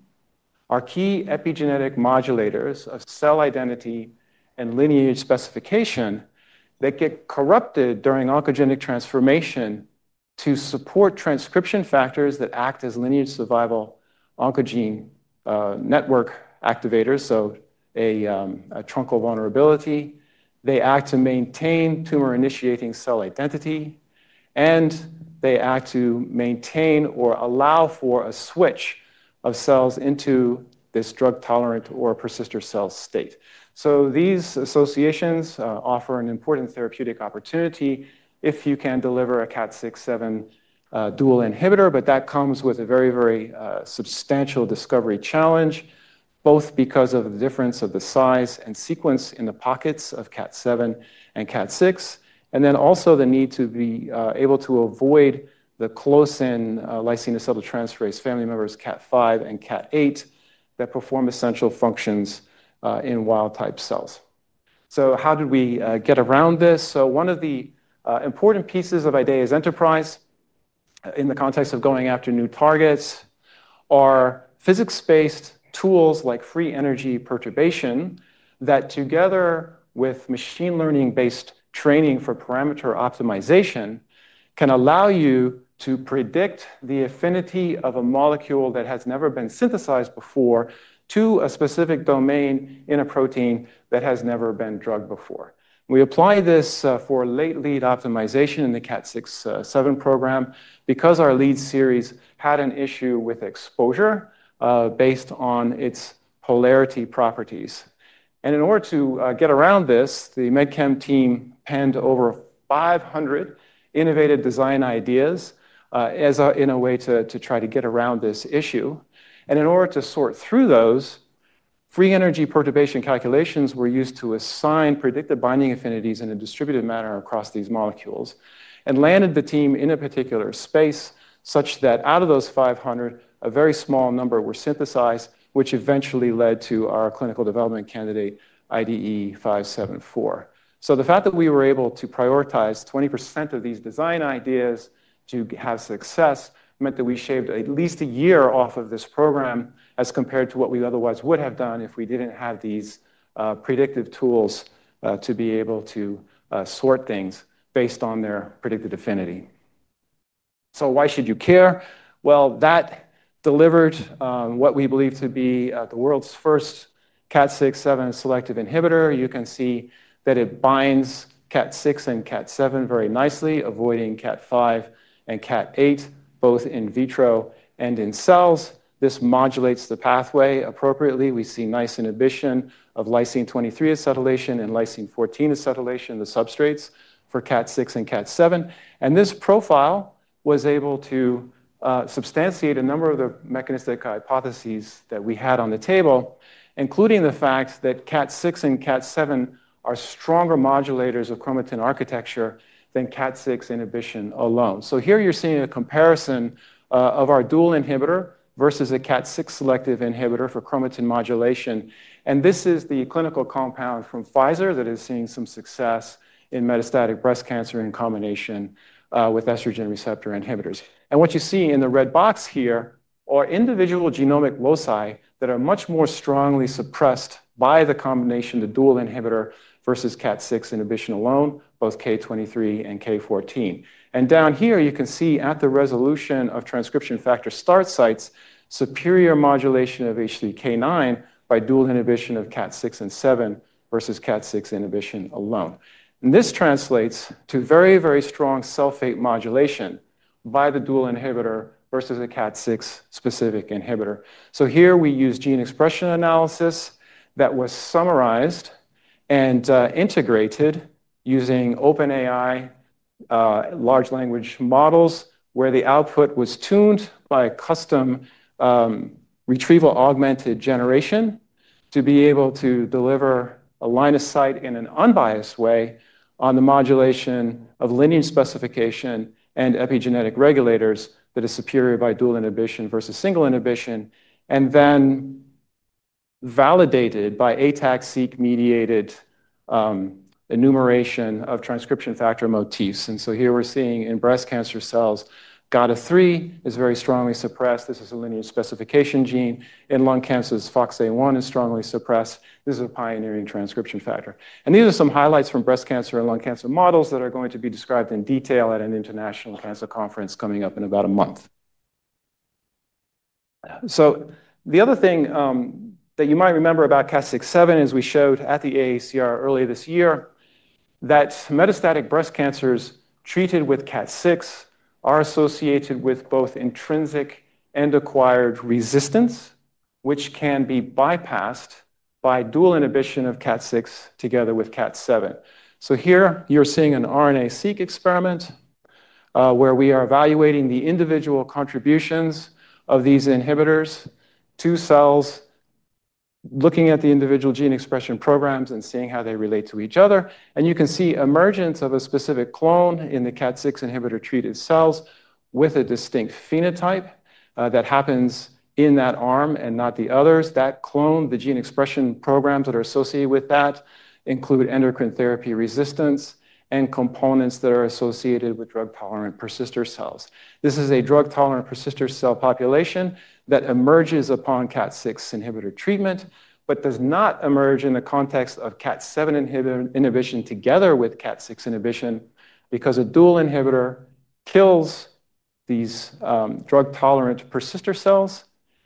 are key epigenetic modulators of cell identity and lineage specification that get corrupted during oncogenic transformation to support transcription factors that act as lineage survival oncogene network activators, so a truncal vulnerability. They act to maintain tumor initiating cell identity, and they act to maintain or allow for a switch of cells into this drug tolerant or persister cell state. These associations offer an important therapeutic opportunity if you can deliver a KAT6/7 dual inhibitor, but that comes with a very, very substantial discovery challenge, both because of the difference of the size and sequence in the pockets of KAT7 and KAT6, and also the need to be able to avoid the close-in lysine acetyltransferase family members, KAT5 and KAT8 that perform essential functions in wild type cells. How did we get around this? One of the important pieces of IDEAYA's enterprise in the context of going after new targets are physics-based tools like free energy perturbation that, together with machine learning-based training for parameter optimization, can allow you to predict the affinity of a molecule that has never been synthesized before to a specific domain in a protein that has never been drugged before. We apply this for late lead optimization in the KAT6/7 program because our lead series had an issue with exposure, based on its polarity properties. In order to get around this, the MedChem team penned over 500 innovative design ideas as a way to try to get around this issue. In order to sort through those, free energy perturbation calculations were used to assign predicted binding affinities in a distributed manner across these molecules and landed the team in a particular space such that out of those 500, a very small number were synthesized, which eventually led to our clinical development candidate. The fact that we were able to prioritize 20% of these design ideas to have success meant that we shaved at least a year off of this program as compared to what we otherwise would have done if we didn't have these predictive tools to be able to sort things based on their predicted affinity. Why should you care? That delivered what we believe to be the world's first KAT6/7 selective inhibitor. You can see that it binds KAT6 and KAT7 very nicely, avoiding KAT5 and KAT8, both in vitro and in cells. This modulates the pathway appropriately. We see nice inhibition of lysine-23 acetylation and lysine-14 acetylation, the substrates for KAT6 and KAT7. This profile was able to substantiate a number of the mechanistic hypotheses that we had on the table, including the facts that KAT6 and KAT7 are stronger modulators of chromatin architecture than KAT6 inhibition alone. Here you're seeing a comparison of our dual inhibitor versus a KAT6 selective inhibitor for chromatin modulation. This is the clinical compound from Pfizer that is seeing some success in metastatic breast cancer in combination with estrogen receptor inhibitors. What you see in the red box here are individual genomic loci that are much more strongly suppressed by the combination of the dual inhibitor versus KAT6 inhibition alone, both K23 and K14. Down here, you can see at the resolution of transcription factor start sites, superior modulation of H3K9 by dual inhi bition of KAT6 and KAT7 versus KAT6 inhibition alone. This translates to very, very strong sulfate modulation by the dual inhibitor versus a KAT6-specific inhibitor. Here we use gene expression analysis that was summarized and integrated using OpenAI large language models, where the output was tuned by a custom retrieval augmented generation to be able to deliver a line of sight in an unbiased way on the modulation of lineage specification and epigenetic regulators that are superior by dual inhibition versus single inhibition, then validated by ATAC-seq-mediated enumeration of transcription factor motifs. Here we're seeing in breast cancer cells, GATA3 is very strongly suppressed. This is a lineage specification gene. In lung cancers, FOXA1 is strongly suppressed. This is a pioneering transcription factor. These are some highlights from breast cancer and lung cancer models that are going to be described in detail at an international cancer conference coming up in about a month. The other thing that you might remember about KAT6/7 is we showed at the AACR earlier this year that metastatic breast cancers treated with KAT6 are associated with both intrinsic and acquired resistance, which can be bypassed by dual inhibition of KAT6 together with KAT7. Here you're seeing an RNA-seq experiment where we are evaluating the individual contributions of these inhibitors to cells, looking at the individual gene expression programs and seeing how they relate to each other. You can see emergence of a specific clone in the KAT6 inhibitor-treated cells with a distinct phenotype that happens in that arm and not the others. That clone, the gene expression programs that are associated with that include endocrine therapy resistance and components that are associated with drug tolerant persister cells. This is a drug tolerant persister cell population that emerges upon KAT6 inhibitor treatment but does not emerge in the context of KAT7 inhibition together with KAT6 inhibition because a dual inhibitor kills these drug tolerant persister cells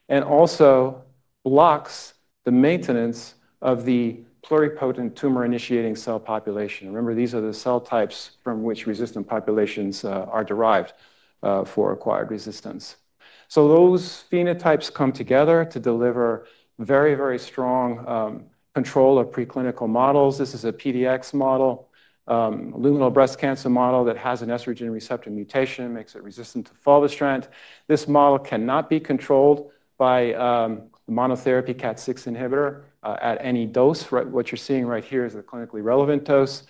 and also blocks the maintenance of the pluripotent tumor initiating cell population. Remember, these are the cell types from which resistant populations are derived for acquired resistance. Those phenotypes come together to deliver very, very strong control of preclinical models. This is a PDX model, luminal breast cancer model that has an estrogen receptor mutation that makes it resistant to fulvestrant. This model cannot be controlled by a monotherapy KAT6 inhibitor at any dose. What you're seeing right here is a clinically relevant dose.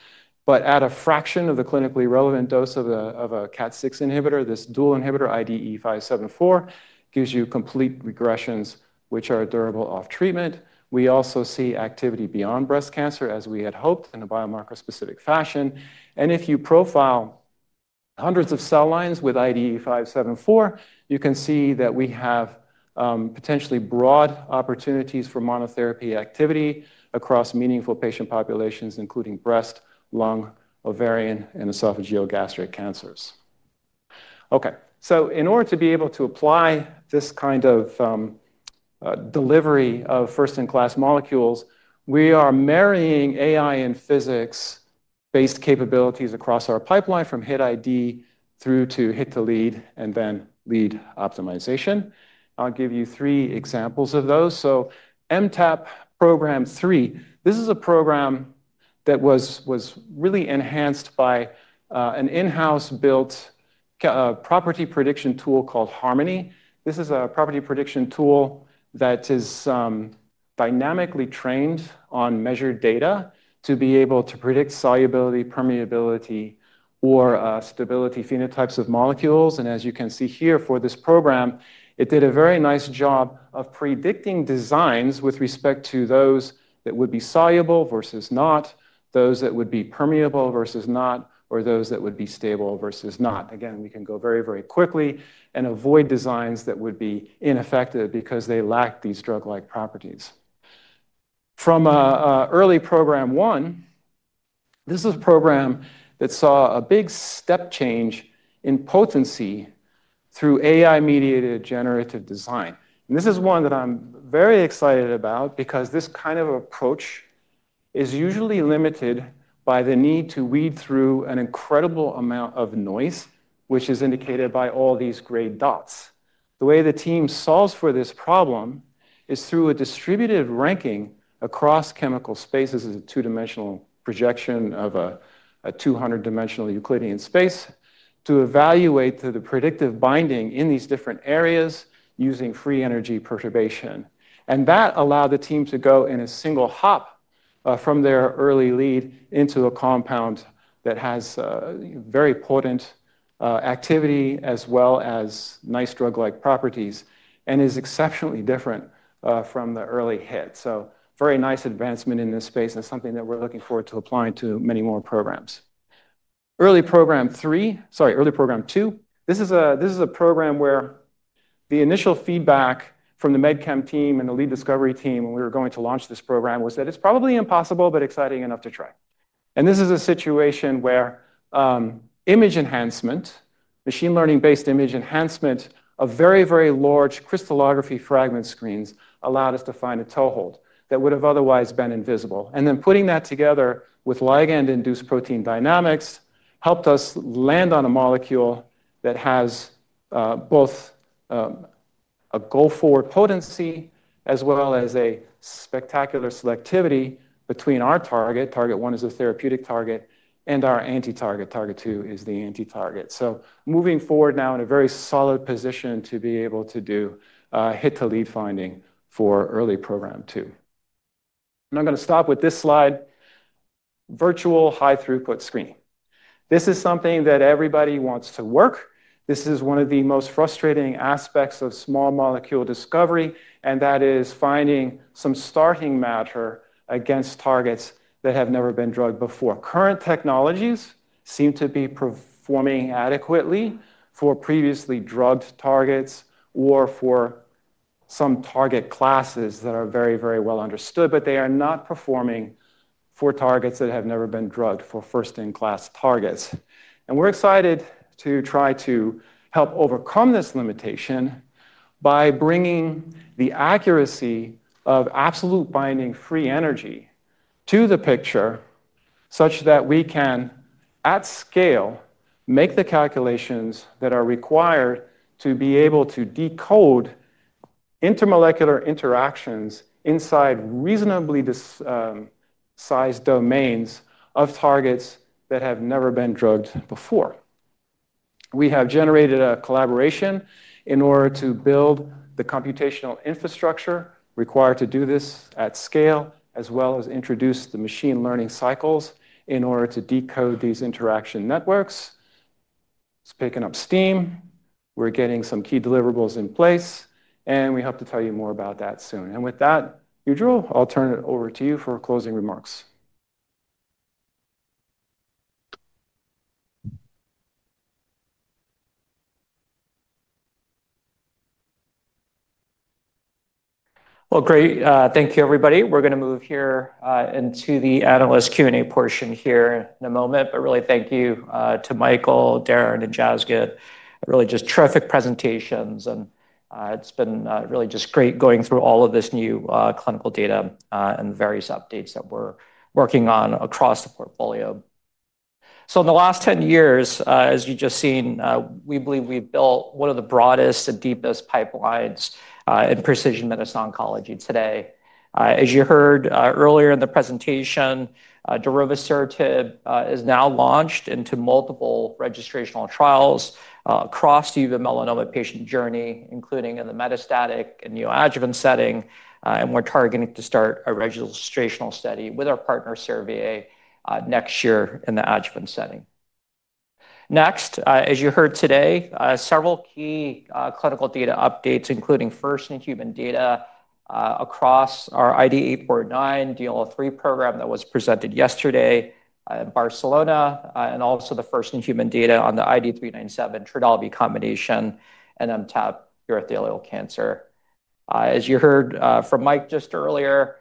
At a fraction of the clinically relevant dose of a KAT6 inhibitor, this dual inhibitor IDE574 gives you complete regressions, which are durable off treatment. We also see activity beyond breast cancer, as we had hoped, in a biomarker-specific fashion. If you profile hundreds of cell lines with IDE574 you can see that we have potentially broad opportunities for monotherapy activity across meaningful patient populations, including breast, lung, ovarian, and esophageal gastric cancers. In order to be able to apply this kind of delivery of first-in-class molecules, we are marrying AI and physics-based capabilities across our pipeline from hit ID through to hit to lead and then lead optimization. I'll give you three examples of those. MTAP program three, this is a program that was really enhanced by an in-house built property prediction tool called Harmony. This is a property prediction tool that is dynamically trained on measured data to be able to predict solubility, permeability, or stability phenotypes of molecules. As you can see here for this program, it did a very nice job of predicting designs with respect to those that would be soluble versus not, those that would be permeable versus not, or those that would be stable versus not. We can go very, very quickly and avoid designs that would be ineffective because they lack these drug-like properties. From an early program one, this is a program that saw a big step change in potency through AI-mediated generative design. This is one that I'm very excited about because this kind of approach is usually limited by the need to weed through an incredible amount of noise, which is indicated by all these gray dots. The way the team solves for this problem is through a distributed ranking across chemical spaces. It's a two-dimensional projection of a 200-dimensional Euclidean space to evaluate the predictive binding in these different areas using free energy perturbation. That allowed the team to go in a single hop from their early lead into a compound that has very potent activity as well as nice drug-like properties and is exceptionally different from the early hit. Very nice advancement in this space and something that we're looking forward to applying to many more programs. Early program three, sorry, early program two, this is a program where the initial feedback from the MedChem team and the lead discovery team when we were going to launch this program was that it's probably impossible but exciting enough to try. This is a situation where image enhancement, machine learning-based image enhancement of very, very large crystallography fragment screens allowed us to find a toehold that would have otherwise been invisible. Putting that together with ligand-induced protein dynamics helped us land on a molecule that has both a goal-forward potency as well as a spectacular selectivity between our target. Target one is a therapeutic target and our anti-target. Target two is the anti-target. Moving forward now in a very solid position to be able to do hit-to-lead finding for early program two. I'm going to stop with this slide. Virtual high-throughput screening is something that everybody wants to work. This is one of the most frustrating aspects of small molecule discovery, and that is finding some starting matter against targets that have never been drugged before. Current technologies seem to be performing adequately for previously drugged targets or for some target classes that are very, very well understood, but they are not performing for targets that have never been drugged for first-in-class targets. We are excited to try to help overcome this limitation by bringing the accuracy of absolute binding free energy to the picture such that we can, at scale, make the calculations that are required to be able to decode intermolecular interactions inside reasonably sized domains of targets that have never been drugged before. We have generated a collaboration in order to build the computational infrastructure required to do this at scale, as well as introduce the machine learning cycles in order to decode these interaction networks. It's picking up steam. We're getting some key deliverables in place, and we hope to tell you more about that soon. With that, Yujiro, I'll turn it over to you for closing remarks. Great. Thank you, everybody. We're going to move here into the analyst Q&A portion here in a moment. Really, thank you to Michael, Darrin, and Jasgit. Really, just terrific presentations. It's been really just great going through all of this new clinical data and the various updates that we're working on across the portfolio. In the last 10 years, as you've just seen, we believe we've built one of the broadest and deepest pipelines in precision medicine oncology today. As you heard earlier in the presentation, darovasertib is now launched into multiple registrational trials across the melanoma patient journey, including in the metastatic and neoadjuvant setting. We're targeting to start a registrational study with our partner, Servier, next year in the adjuvant setting. Next, as you heard today, several key clinical data updates, including first-in-human data across our IDE849 -DLL3 program that was presented yesterday in Barcelona, and also the first-in-human data on the IDE397 Trodelvy combination and MTAP urothelial cancer. As you heard from Michael just earlier,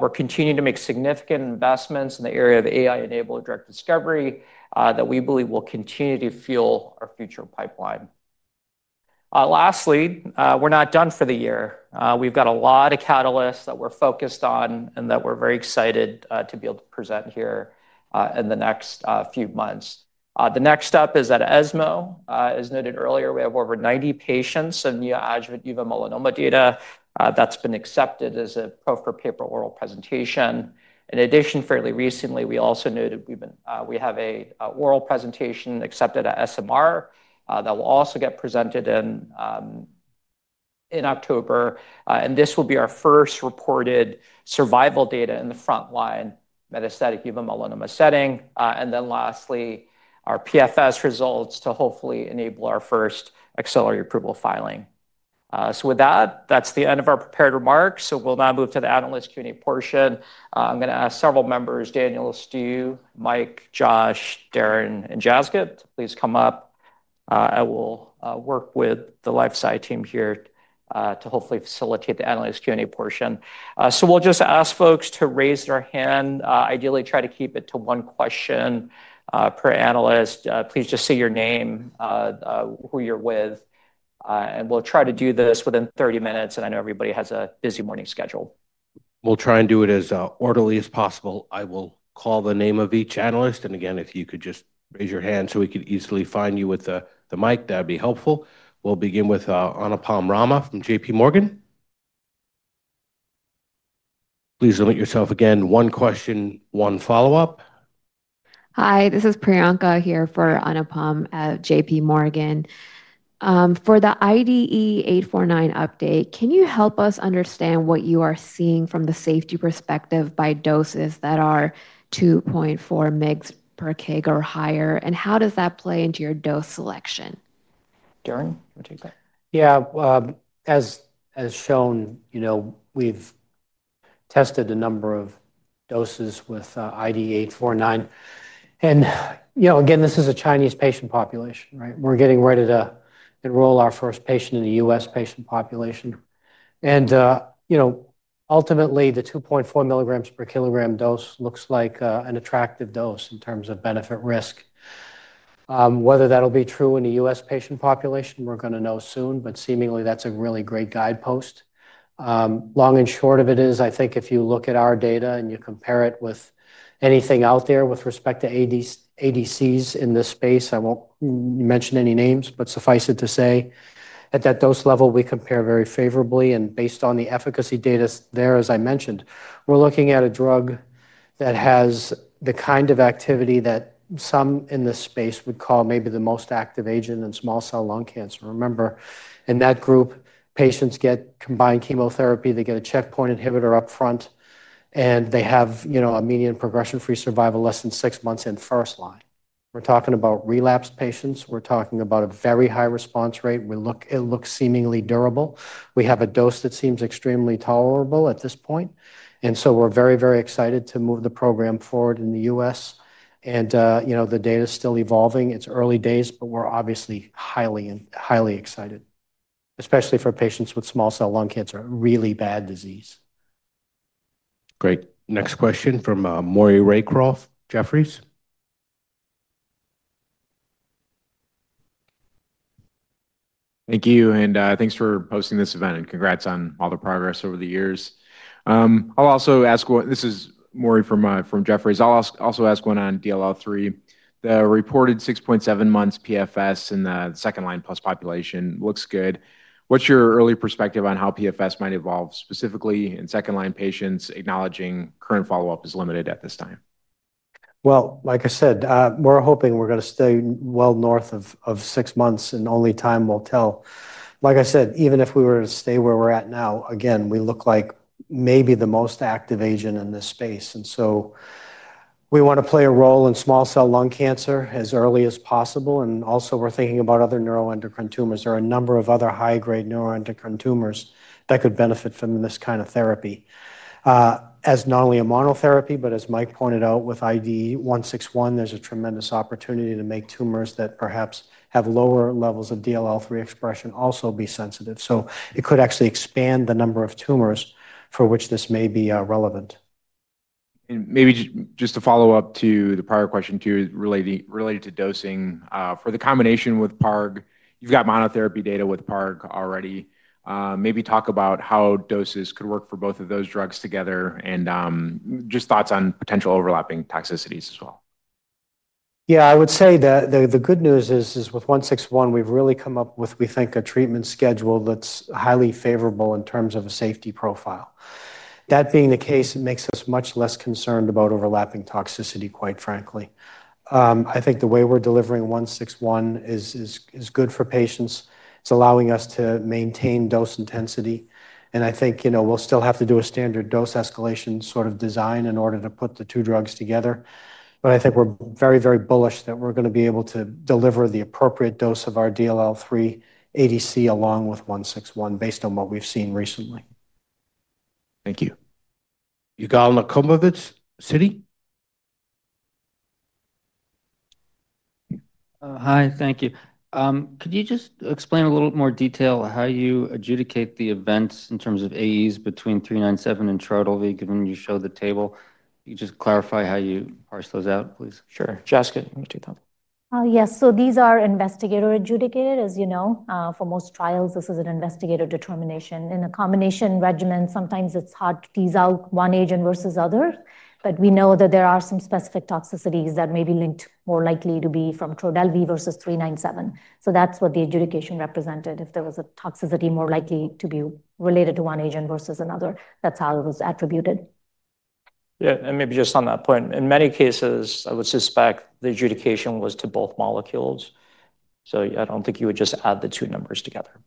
we're continuing to make significant investments in the area of AI-enabled drug discovery that we believe will continue to fuel our future pipeline. We're not done for the year. We've got a lot of catalysts that we're focused on and that we're very excited to be able to present here in the next few months. The next step is at ESMO. As noted earlier, we have over 90 patients in neoadjuvant uveal melanoma data that's been accepted as a proof-of-paper oral presentation. In addition, fairly recently, we also noted we have an oral presentation accepted at SMR that will also get presented in October. This will be our first reported survival data in the frontline metastatic uveal melanoma setting. Lastly, our PFS results to hopefully enable our first accelerated approval filing. With that, that's the end of our prepared remarks. We'll now move to the analyst Q&A portion. I'm going to ask several members, Daniel, Stu, Mike, Josh, Darrin, and Jasgit to please come up. I will work with the LifeSci team here to hopefully facilitate the analyst Q&A portion. We'll just ask folks to raise their hand. Ideally, try to keep it to one question per analyst. Please just say your name, who you're with. We'll try to do this within 30 minutes. I know everybody has a busy morning schedule. We'll try and do it as orderly as possible. I will call the name of each analyst. If you could just raise your hand so we could easily find you with the mic, that'd be helpful. We'll begin with Anupam Rama from JPMorgan. Please limit yourself again to one question, one follow-up. Hi, this is Priyanka here for Anupam at JPMorgan. For the IDE849 update, can you help us understand what you are seeing from the safety perspective by doses that are 2.4 mg/kg or higher? How does that play into your dose selection? Darrin, you take that. Yeah, as shown, we've tested a number of doses with IDE849 This is a Chinese patient population. We're getting ready to enroll our first patient in the U.S. patient population. Ultimately, the 2.4 mg/kg dose looks like an attractive dose in terms of benefit-risk. Whether that'll be true in the U.S. patient population, we're going to know soon. Seemingly, that's a really great guidepost. Long and short of it is, I think if you look at our data and you compare it with anything out there with respect to ADCs in this space, I won't mention any names, but suffice it to say at that dose level, we compare very favorably. Based on the efficacy data there, as I mentioned, we're looking at a drug that has the kind of activity that some in this space would call maybe the most active agent in small cell lung cancer. Remember, in that group, patients get combined chemotherapy. They get a checkpoint inhibitor up front. They have a median progression-free survival less than six months in first line. We're talking about relapsed patients, a very high response rate. It looks seemingly durable. We have a dose that seems extremely tolerable at this point. We're very, very excited to move the program forward in the U.S. The data is still evolving. It's early days, but we're obviously highly excited, especially for patients with small cell lung cancer, really bad disease. Great. Next question from Maury Raycroft at Jefferies. Thank you. Thank you for hosting this event. Congrats on all the progress over the years. I'll also ask one, this is Maury from Jefferies. I'll also ask one on DLL3. The reported 6.7 months PFS in the second-line plus population looks good. What's your early perspective on how PFS might evolve, specifically in second-line patients, acknowledging current follow-up is limited at this time? We are hoping we're going to stay well north of six months, and only time will tell. Even if we were to stay where we're at now, we look like maybe the most active agent in this space. We want to play a role in small cell lung cancer as early as possible. Also, we're thinking about other neuroendocrine tumors. There are a number of other high-grade neuroendocrine tumors that could benefit from this kind of therapy, as not only a monotherapy, but as Mike pointed out with IDE161, there's a tremendous opportunity to make tumors that perhaps have lower levels of DLL3 expression also be sensitive. It could actually expand the number of tumors for which this may be relevant. Just to follow up to the prior question related to dosing, for the combination with PARG, you've got monotherapy data with PARG already. Maybe talk about how doses could work for both of those drugs together and just thoughts on potential overlapping toxicities as well. Yeah, I would say that the good news is with 161, we've really come up with, we think, a treatment schedule that's highly favorable in terms of a safety profile. That being the case, it makes us much less concerned about overlapping toxicity, quite frankly. I think the way we're delivering 161 is good for patients. It's allowing us to maintain dose intensity. I think we'll still have to do a standard dose escalation sort of design in order to put the two drugs together. I think we're very, very bullish that we're going to be able to deliver the appropriate dose of our DLL3 ADC along with 161 based on what we've seen recently. Thank you. Yigal Nochomovitz, Citi. Hi, thank you. Could you just explain a little more detail how you adjudicate the events in terms of AEs between 397 and Trodelvy given you showed the table? Could you just clarify how you parse those out, please. Sure. Jasgit, you take that. Yes, so these are investigator-adjudicated, as you know, for most trials. This is an investigator determination. In a combination regimen, sometimes it's hard to tease out one agent versus another. We know that there are some specific toxicities that may be linked more likely to be from Trodelvy versus 397. That's what the adjudication represented. If there was a toxicity more likely to be related to one agent versus another, that's how it was attributed. Yeah, maybe just on that point, in many cases, I would suspect the adjudication was to both molecules. I don't think you would just add the two numbers together.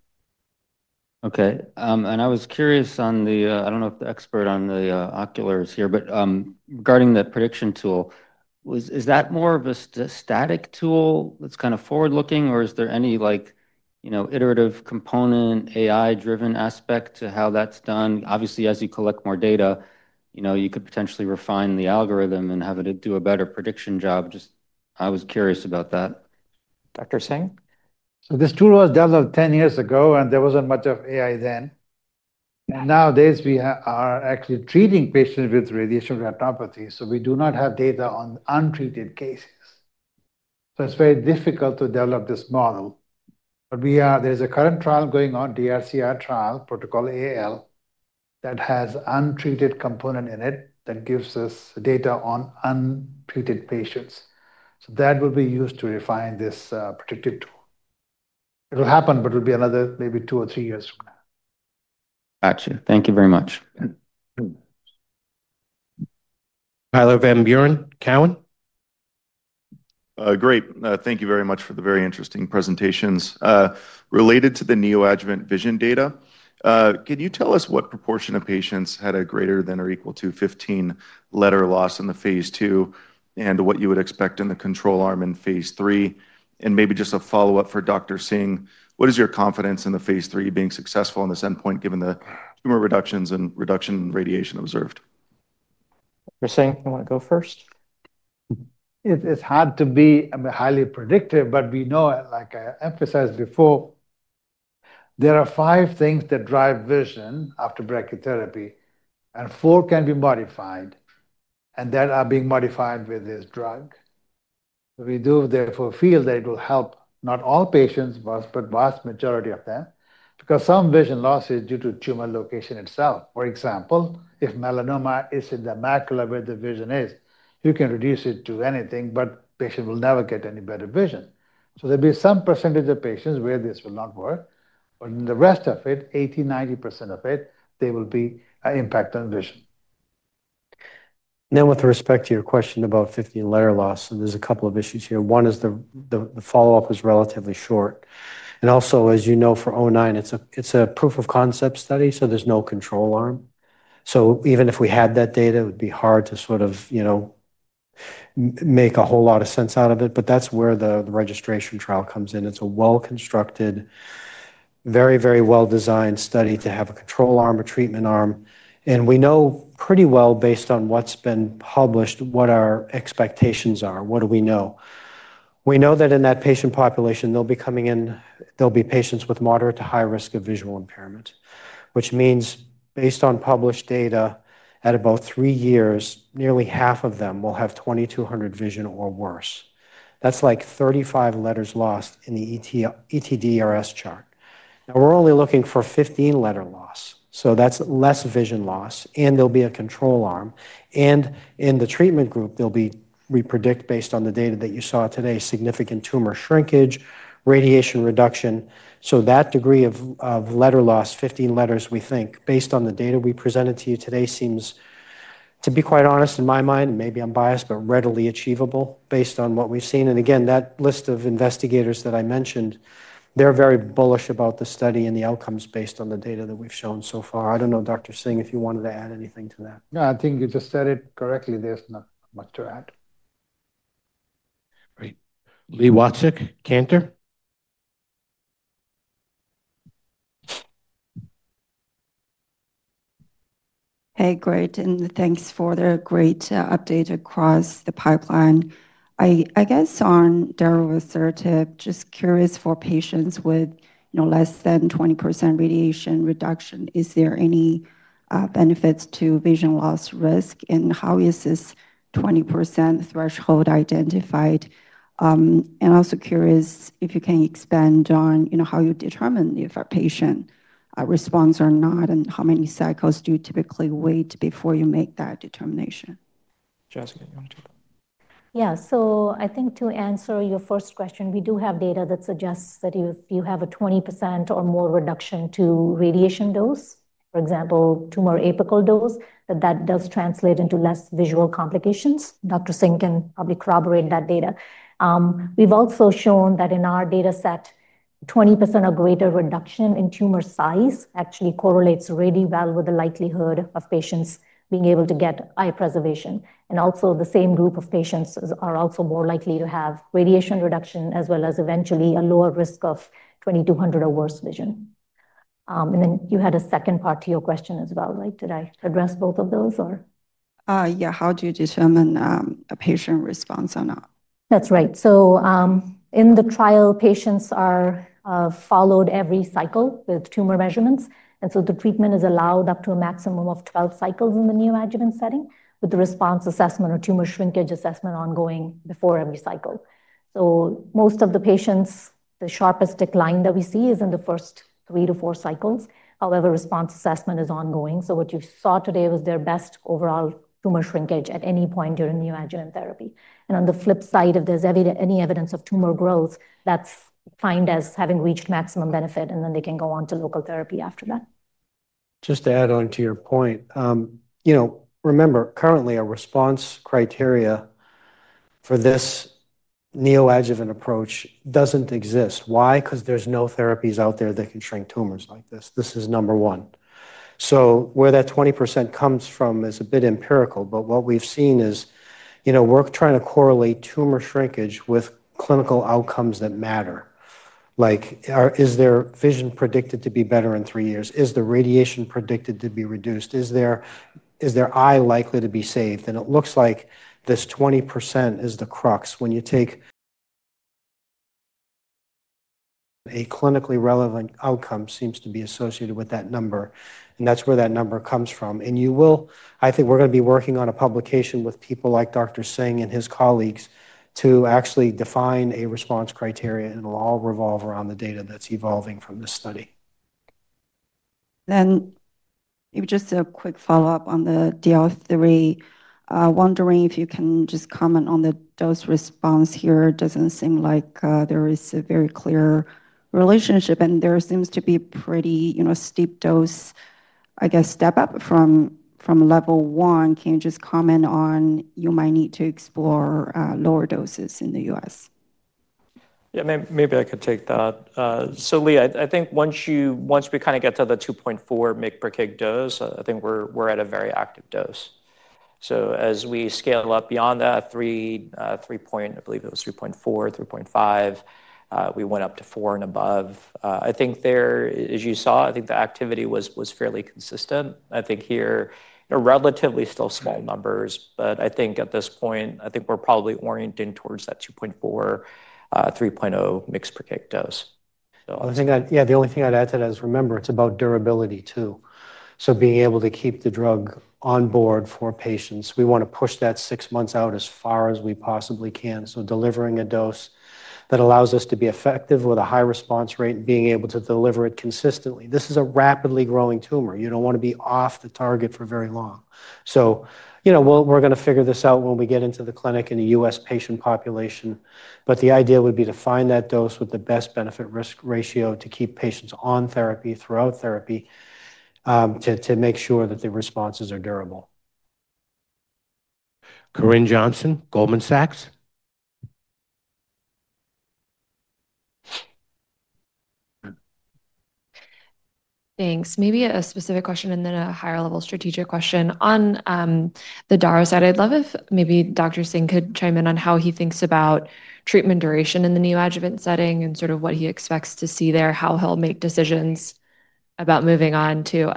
Okay, I was curious on the, I don't know if the expert on the oculars is here, but regarding the prediction tool, is that more of a static tool that's kind of forward-looking, or is there any iterative component, AI-driven aspect to how that's done? Obviously, as you collect more data, you could potentially refine the algorithm and have it do a better prediction job. I was curious about that. Dr. Singh. This tool was developed 10 years ago, and there wasn't much of AI then. Nowadays, we are actually treating patients with radiation retinopathy, so we do not have data on untreated cases. It's very difficult to develop this model. There is a current trial going on, DRCR trial, Protocol AL, that has untreated component in it that gives us data on untreated patients. That will be used to refine this predictive tool. It'll happen, but it'll be another maybe two or three years from now. Gotcha. Thank you very much. Tyler Van Buren, Cowen? Great. Thank you very much for the very interesting presentations. Related to the neoadjuvant vision data, can you tell us what proportion of patients had a greater than or equal to 15 letter loss in the phase II and what you would expect in the control arm in phase III? Maybe just a follow-up for Dr. Singh, what is your confidence in the phase III being successful in this endpoint given the tumor reductions and reduction in radiation observed? Dr. Singh, you want to go first? It's hard to be highly predictive, but we know, like I emphasized before, there are five things that drive vision after brachytherapy, and four can be modified, and that are being modified with this drug. We do therefore feel that it will help not all patients, but a vast majority of them, because some vision loss is due to tumor location itself. For example, if melanoma is in the macula where the vision is, you can reduce it to anything, but the patient will never get any better vision. There will be some percentage of patients where this will not work, but in the rest of it, 80%-90% of it, there will be an impact on vision. Now, with respect to your question about 15 letter loss, there's a couple of issues here. One is the follow-up is relatively short. Also, as you know, for 09, it's a proof of concept study, so there's no control arm. Even if we had that data, it would be hard to sort of make a whole lot of sense out of it. That is where the registration trial comes in. It's a well-constructed, very, very well-designed study to have a control arm, a treatment arm. We know pretty well, based on what's been published, what our expectations are. What do we know? We know that in that patient population, they'll be coming in, they'll be patients with moderate to high risk of visual impairment, which means, based on published data, at about three years, nearly half of them will have 20/200 vision or worse. That's like 35 letters lost in the ETDRS chart. Now, we're only looking for 15 letter loss, so that's less vision loss. There'll be a control arm. In the treatment group, they'll be, we predict, based on the data that you saw today, significant tumor shrinkage, radiation reduction. That degree of letter loss, 15 letters, we think, based on the data we presented to you today, seems, to be quite honest, in my mind, maybe I'm biased, but readily achievable based on what we've seen. Again, that list of investigators that I mentioned, they're very bullish about the study and the outcomes based on the data that we've shown so far. I don't know, Dr. Singh, if you wanted to add anything to that. No, I think you just said it correctly. There's not much to add. Great. Li Watsek, Cantor. Hey, great. Thanks for the great update across the pipeline. I guess on darovasertib, just curious for patients with less than 20% radiation reduction, is there any benefit to vision loss risk? How is this 20% threshold identified? Also, curious if you can expand on how you determine if a patient responds or not and how many cycles do you typically wait before you make that determination? Jasgit, you want to take that? Yeah, I think to answer your first question, we do have data that suggests that if you have a 20% or more reduction to radiation dose, for example, tumor apical dose, that does translate into less visual complications. Dr. Singh can probably corroborate that data. We've also shown that in our data set, 20% or greater reduction in tumor size actually correlates really well with the likelihood of patients being able to get eye preservation. The same group of patients are also more likely to have radiation reduction, as well as eventually a lower risk of 20/200 or worse vision. You had a second part to your question as well, right? Did I address both of those, or? Yeah, how do you determine a patient response or not? That's right. In the trial, patients are followed every cycle with tumor measurements. The treatment is allowed up to a maximum of 12 cycles in the neoadjuvant setting, with the response assessment or tumor shrinkage assessment ongoing before every cycle. For most of the patients, the sharpest decline that we see is in the first three to four cycles. However, response assessment is ongoing. What you saw today was their best overall tumor shrinkage at any point during neoadjuvant therapy. On the flip side, if there's any evidence of tumor growth, that's defined as having reached maximum benefit, and then they can go on to local therapy after that. Just to add on to your point, remember, currently, a response criteria for this neoadjuvant approach doesn't exist. Why? Because there's no therapies out there that can shrink tumors like this. This is number one. Where that 20% comes from is a bit empirical. What we've seen is, we're trying to correlate tumor shrinkage with clinical outcomes that matter. Like, is their vision predicted to be better in three years? Is the radiation predicted to be reduced? Is their eye likely to be saved? It looks like this 20% is the crux when you take a clinically relevant outcome that seems to be associated with that number. That's where that number comes from. I think we're going to be working on a publication with people like Dr. Singh and his colleagues to actually define a response criteria. It'll all revolve around the data that's evolving from this study. Maybe just a quick follow-up on the DLL3. Wondering if you can just comment on the dose response here. It doesn't seem like there is a very clear relationship. There seems to be a pretty steep dose, I guess, step up from level one. Can you just comment on if you might need to explore lower doses in the U.S.? Yeah, maybe I could take that. So Li, I think once we kind of get to the 2.4 mg/kg dose, I think we're at a very active dose. As we scale up beyond that, 3.0 mg/kg, I believe it was 3.4 mg/kg, 3.5 mg/kg, we went up to 4.0 mg/kg and above. I think there, as you saw, the activity was fairly consistent. I think here, you know, relatively still small numbers. At this point, I think we're probably orienting towards that 2.4 mg/kg, 3.0 mg/kg dose. Yeah, the only thing I'd add to that is, remember, it's about durability too. Being able to keep the drug on board for patients, we want to push that six months out as far as we possibly can. Delivering a dose that allows us to be effective with a high response rate and being able to deliver it consistently is important. This is a rapidly growing tumor. You don't want to be off the target for very long. We are going to figure this out when we get into the clinic in the U.S. patient population. The idea would be to find that dose with the best benefit-risk ratio to keep patients on therapy throughout therapy to make sure that their responses are durable. Corinne Johnson, Goldman Sachs. Thanks. Maybe a specific question and then a higher-level strategic question. On the darovasertib side, I'd love if maybe Dr. Singh could chime in on how he thinks about treatment duration in the neoadjuvant setting and sort of what he expects to see there, how he'll make decisions about moving on to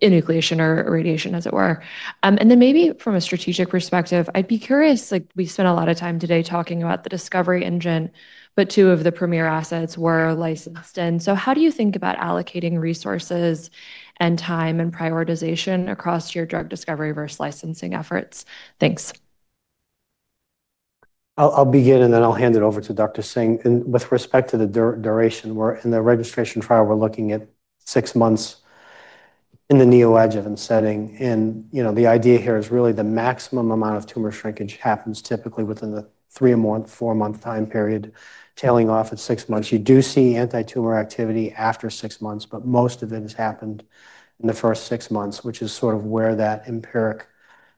enucleation or radiation, as it were. Maybe from a strategic perspective, I'd be curious, like we spent a lot of time today talking about the discovery engine, but two of the premier assets were licensed. How do you think about allocating resources and time and prioritization across your drug discovery versus licensing efforts? Thanks. I'll begin, then I'll hand it over to Dr. Singh. With respect to the duration, in the registration trial, we're looking at six months in the neoadjuvant setting. The idea here is really the maximum amount of tumor shrinkage happens typically within the three-month, four-month time period, tailing off at six months. You do see anti-tumor activity after six months, but most of it has happened in the first six months, which is sort of where that empiric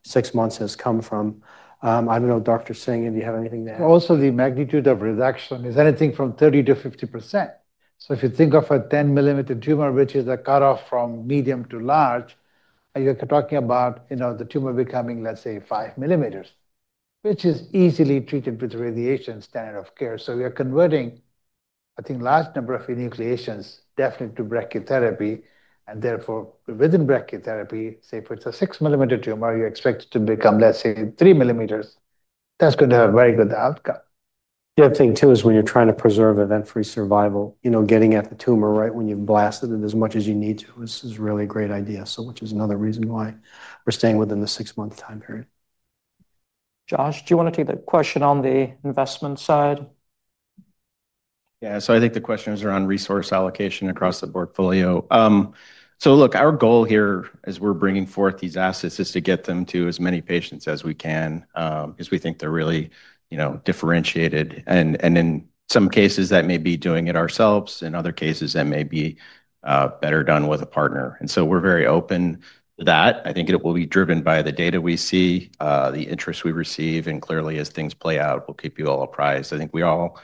six months has come from. I don't know, Dr. Singh, if you have anything to add. Also, the magnitude of reduction is anything from 30%-50%. If you think of a 10-mm tumor, which is a cutoff from medium to large, you're talking about the tumor becoming, let's say, 5 mm, which is easily treated with radiation standard of care. We are converting, I think, a large number of enucleations definitely to brachytherapy. Within brachytherapy, say, if it's a 6-mm tumor, you expect it to become, let's say, 3 mm. That's going to have a very good outcome. The other thing, too, is when you're trying to preserve event-free survival, you know, getting at the tumor right when you've blasted it as much as you need to is really a great idea, which is another reason why we're staying within the six-month time period. Josh, do you want to take that question on the investment side? Yeah, I think the question is around resource allocation across the portfolio. Our goal here, as we're bringing forth these assets, is to get them to as many patients as we can, because we think they're really differentiated. In some cases, that may be doing it ourselves. In other cases, that may be better done with a partner. We're very open to that. I think it will be driven by the data we see, the interest we receive, and clearly, as things play out, we'll keep you all apprised. I think we all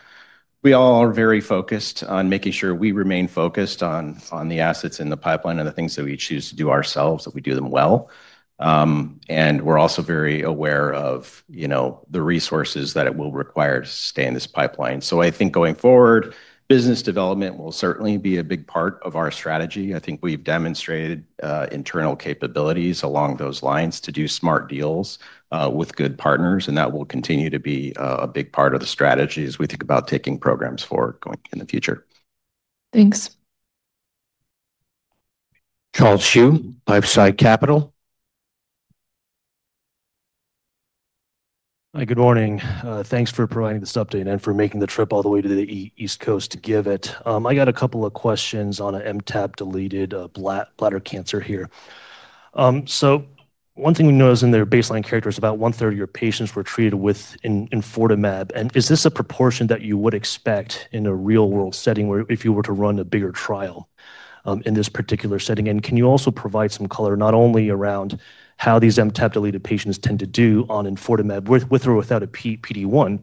are very focused on making sure we remain focused on the assets in the pipeline and the things that we choose to do ourselves, that we do them well. We're also very aware of the resources that it will require to stay in this pipeline. I think going forward, business development will certainly be a big part of our strategy. I think we've demonstrated internal capabilities along those lines to do smart deals with good partners. That will continue to be a big part of the strategy as we think about taking programs forward in the future. Thanks. Charles Zhu, LifeSci Capital. Hi, good morning. Thanks for providing this update and for making the trip all the way to the East Coast to give it. I got a couple of questions on an MTAP-deleted bladder cancer here. One thing we noticed in their baseline characteristics, about one-third of your patients were treated with enfortamab. Is this a proportion that you would expect in a real-world setting where if you were to run a bigger trial in this particular setting? Can you also provide some color, not only around how these MTAP-deleted patients tend to do on enfortamab with or without a PD-1,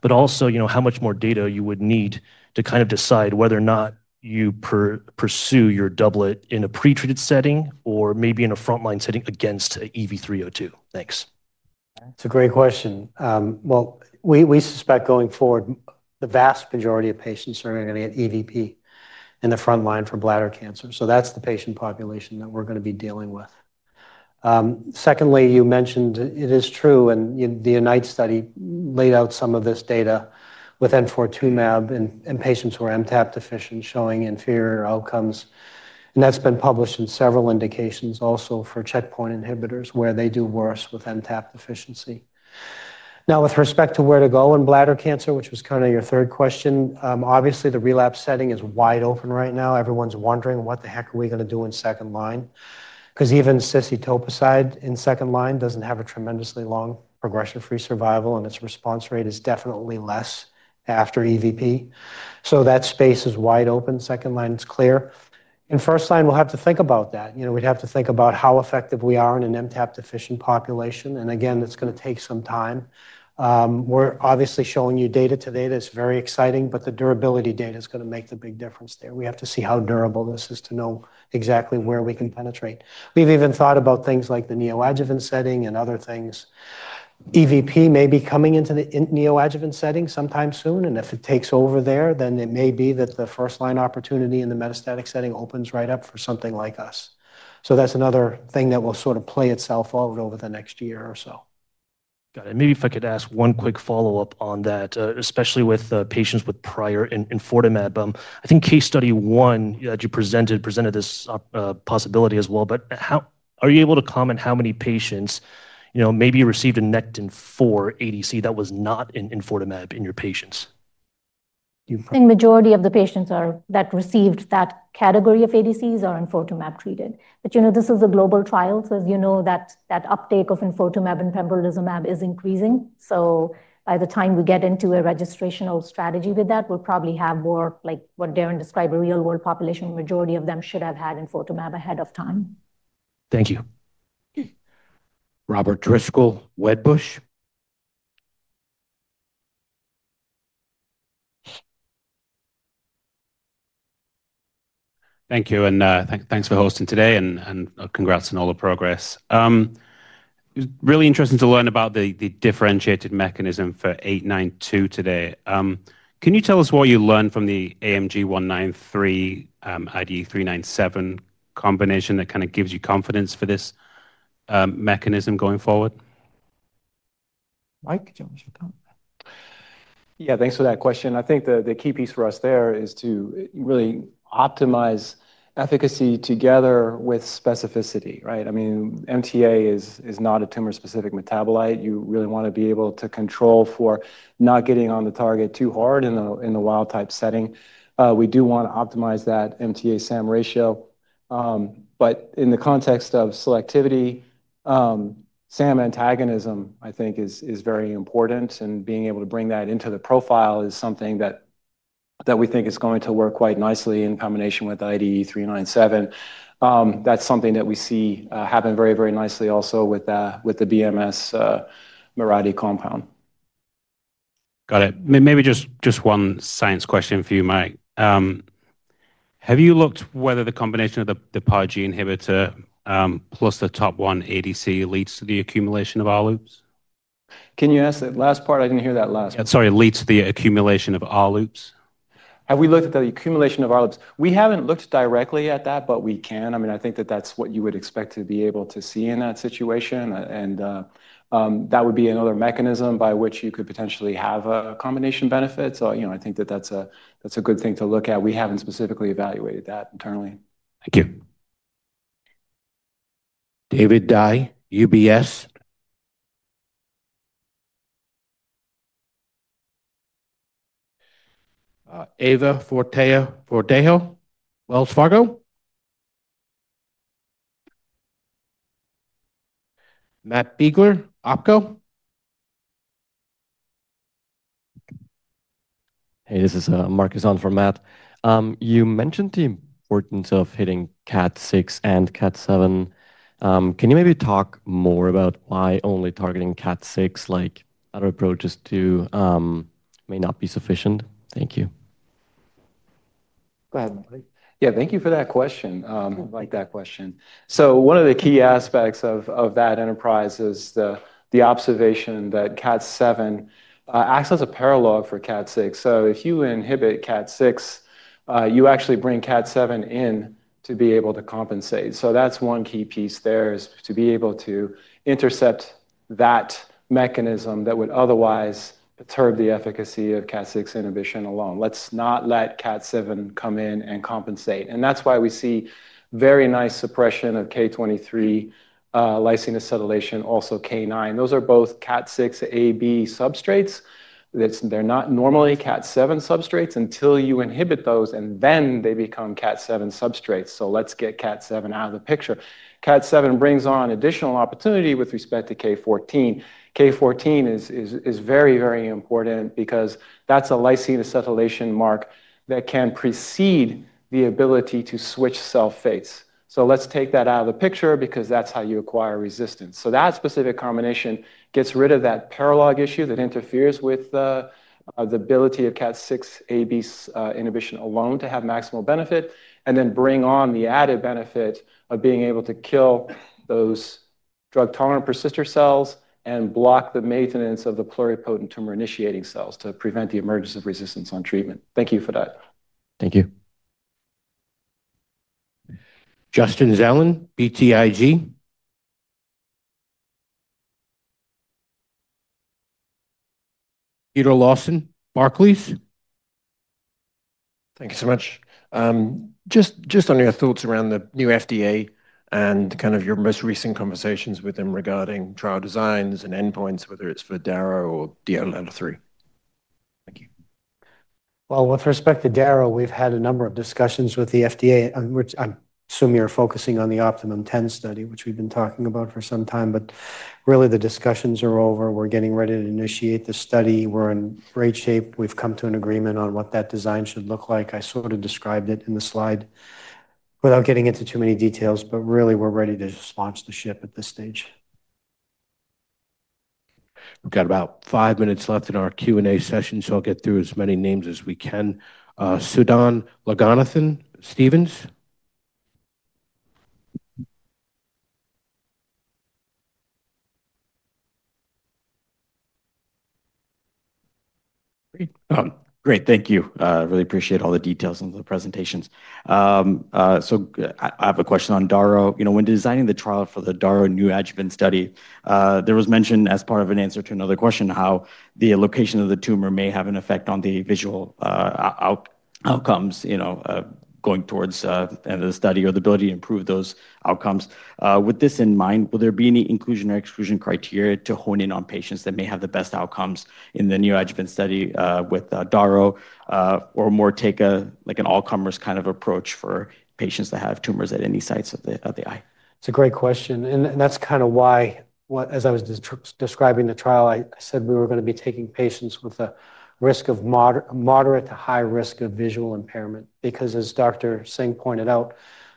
but also how much more data you would need to kind of decide whether or not you pursue your doublet in a pretreated setting or maybe in a frontline setting against EV302? Thanks. That's a great question. We suspect going forward, the vast majority of patients are going to get EVP in the front line for bladder cancer. That's the patient population that we're going to be dealing with. You mentioned it is true, and the UNITE study laid out some of this data with enfortumab in patients who are MTAP deficient, showing inferior outcomes. That's been published in several indications also for checkpoint inhibitors where they do worse with MTAP deficiency. With respect to where to go in bladder cancer, which was kind of your third question, obviously, the relapse setting is wide open right now. Everyone's wondering what the heck are we going to do in second line? Even cisetoposide in second line doesn't have a tremendously long progression-free survival, and its response rate is definitely less after EVP. That space is wide open. Second line is clear. In first line, we'll have to think about that. We'd have to think about how effective we are in an MTAP deficient population. Again, it's going to take some time. We're obviously showing you data to date. It's very exciting, but the durability data is going to make the big difference there. We have to see how durable this is to know exactly where we can penetrate. We've even thought about things like the neoadjuvant setting and other things. EVP may be coming into the neoadjuvant setting sometime soon. If it takes over there, then it may be that the first line opportunity in the metastatic setting opens right up for something like us. That's another thing that will sort of play itself out over the next year or so. Got it. Maybe if I could ask one quick follow-up on that, especially with patients with prior enfortamab. I think case study one that you presented presented this possibility as well. Are you able to comment how many patients maybe received a NECTIN-4 ADC that was not enfortamab in your patients? I think the majority of the patients that received that category of ADCs are enfortamab treated. This is a global trial. As you know, that uptake of enfortamab and pembrolizumab is increasing. By the time we get into a registrational strategy with that, we'll probably have more, like what Darrin described, a real-world population, the majority of them should have had enfortamab ahead of time. Thank you. Robert Driscoll, Wedbush. Thank you. Thanks for hosting today. Congrats on all the progress. It was really interesting to learn about the differentiated mechanism for 892 today. Can you tell us what you learned from the AMG-193/IDE397 combination that kind of gives you confidence for this mechanism going forward? Yeah, thanks for that question. I think the key piece for us there is to really optimize efficacy together with specificity. Right? I mean, MTA is not a tumor-specific metabolite. You really want to be able to control for not getting on the target too hard in a wild type setting. We do want to optimize that MTA/SAM ratio. In the context of selectivity, SAM antagonism, I think, is very important. Being able to bring that into the profile is something that we think is going to work quite nicely in combination with IDE397. That's something that we see happen very, very nicely also with the BMS Mirati compound. Got it. Maybe just one science question for you, Mike. Have you looked at whether the combination of the PARG inhibitor plus the TOP1 antibody-drug conjugate leads to the accumulation of R-loops? Can you ask that last part? I didn't hear that last part. Sorry, leads to the accumulation of R-loops? Have we looked at the accumulation of R-loops? We haven't looked directly at that, but we can. I think that that's what you would expect to be able to see in that situation. That would be another mechanism by which you could potentially have a combination benefit. I think that that's a good thing to look at. We haven't specifically evaluated that internally. Thank you. David Dai, UBS. Ava Fortejo, Wells Fargo. Matt Biegler, Opco. Hey, this is Marcus on for Matt. You mentioned the importance of hitting KAT6 and KAT7. Can you maybe talk more about why only targeting KAT6, like other approaches too, may not be sufficient? Thank you. Go ahead, Mike. Thank you for that question. I like that question. One of the key aspects of that enterprise is the observation that KAT7 acts as a parallel for KAT6. If you inhibit KAT6, you actually bring KAT7 in to be able to compensate. One key piece there is to be able to intercept that mechanism that would otherwise perturb the efficacy of KAT6 inhibition alone. Let's not let KAT7 come in and compensate. That is why we see very nice suppression of K23 lysine acetylation, also K9. Those are both KAT6A/B substrates. They're not normally KAT7 substrates until you inhibit those, and then they become KAT7 substrates. Let's get KAT7 out of the picture. KAT7 brings on additional opportunity with respect to K14. K14 is very, very important because that's a lysine acetylation mark that can precede the ability to switch cell fates. Let's take that out of the picture because that's how you acquire resistance. That specific combination gets rid of that parallel issue that interferes with the ability of KAT6A/B inhibition alone to have maximal benefit, and then bring on the added benefit of being able to kill those drug-tolerant persister cells and block the maintenance of the pluripotent tumor-initiating cells to prevent the emergence of resistance on treatment. Thank you for that. Thank you. Justin Zelin, BTIG. Peter Lawson, Barclays. Thank you so much. Just on your thoughts around the new FDA and your most recent conversations with them regarding trial designs and endpoints, whether it's for daro or DLL3. With respect to daro, we've had a number of discussions with the FDA. I assume you're focusing on the OptimUM-10 registration study, which we've been talking about for some time. The discussions are over. We're getting ready to initiate the study. We're in great shape. We've come to an agreement on what that design should look like. I sort of described it in the slide without getting into too many details. We're ready to launch the ship at this stage. We've got about five minutes left in our Q&A session. I'll get through as many names as we can. Sudan Loganathan, Stephens. Great. Thank you. I really appreciate all the details in the presentations. I have a question on darovasertib. When designing the trial for the darovasertib neoadjuvant study, there was mention as part of an answer to another question how the location of the tumor may have an effect on the visual outcomes, you know, going towards the end of the study or the ability to improve those outcomes. With this in mind, will there be any inclusion or exclusion criteria to hone in on patients that may have the best outcomes in the neoadjuvant study with daro, or more take an all-comers kind of approach for patients that have tumors at any sites of the eye? It's a great question. That's kind of why, as I was describing the trial, I said we were going to be taking patients with a risk of moderate to high risk of visual impairment. As Dr. Singh pointed out,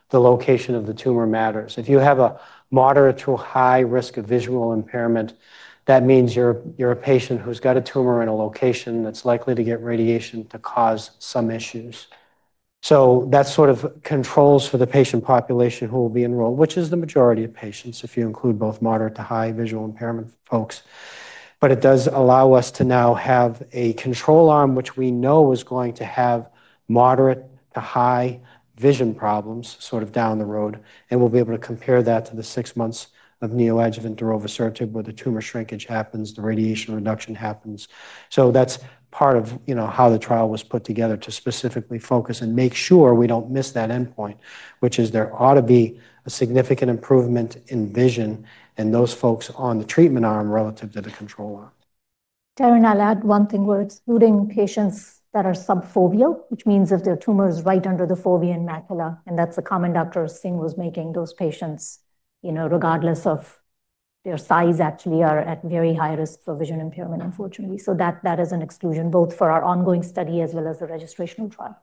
the location of the tumor matters. If you have a moderate to high risk of visual impairment, that means you're a patient who's got a tumor in a location that's likely to get radiation to cause some issues. That sort of controls for the patient population who will be enrolled, which is the majority of patients if you include both moderate to high visual impairment folks. It does allow us to now have a control arm, which we know is going to have moderate to high vision problems down the road. We'll be able to compare that to the six months of neoadjuvant darovasertib where the tumor shrinkage happens, the radiation reduction happens. That's part of how the trial was put together to specifically focus and make sure we don't miss that endpoint, which is there ought to be a significant improvement in vision in those folks on the treatment arm relative to the control arm. Darrin, I'll add one thing. We're excluding patients that are subfoveal, which means if their tumor is right under the fovea and macula. That's a comment Dr. Singh was making. Those patients, regardless of their size, actually are at very high risk for vision impairment, unfortunately. That is an exclusion both for our ongoing study as well as the registration trial.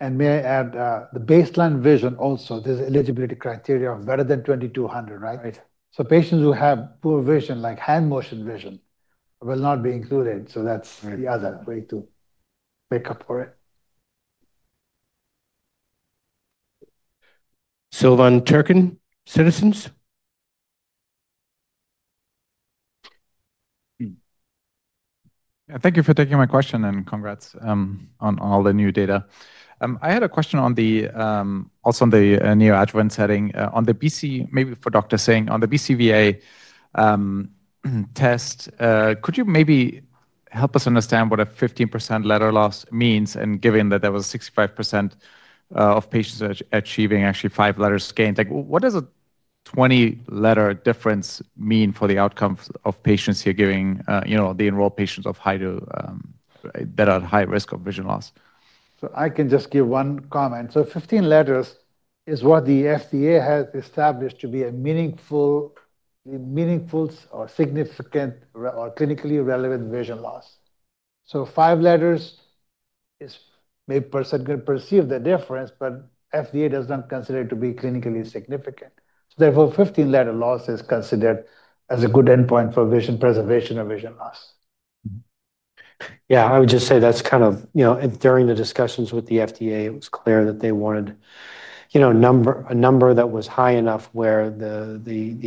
May I add the baseline vision also, there's eligibility criteria of better than 20/200, right?7 Patients who have poor vision, like hand motion vision, will not be included. That's the other way to make up for it. Silvan Türkcan, Citizens. Thank you for taking my question and congrats on all the new data. I had a question also on the neoadjuvant setting. Maybe for Dr. Singh, on the BCVA test, could you maybe help us understand what a 15% letter loss means? Given that there was 65% of patients achieving actually five letters gained, what does a 20-letter difference mean for the outcome of patients here, giving the enrolled patients that are at high risk of vision loss? I can just give one comment. 15 letters is what the FDA has established to be a meaningful, significant, or clinically relevant vision loss. Five letters is maybe perceived the difference, but FDA does not consider it to be clinically significant. Therefore, 15-letter loss is considered as a good endpoint for vision preservation or vision loss. Yeah, I would just say that's kind of, you know, during the discussions with the FDA, it was clear that they wanted, you know, a number that was high enough where the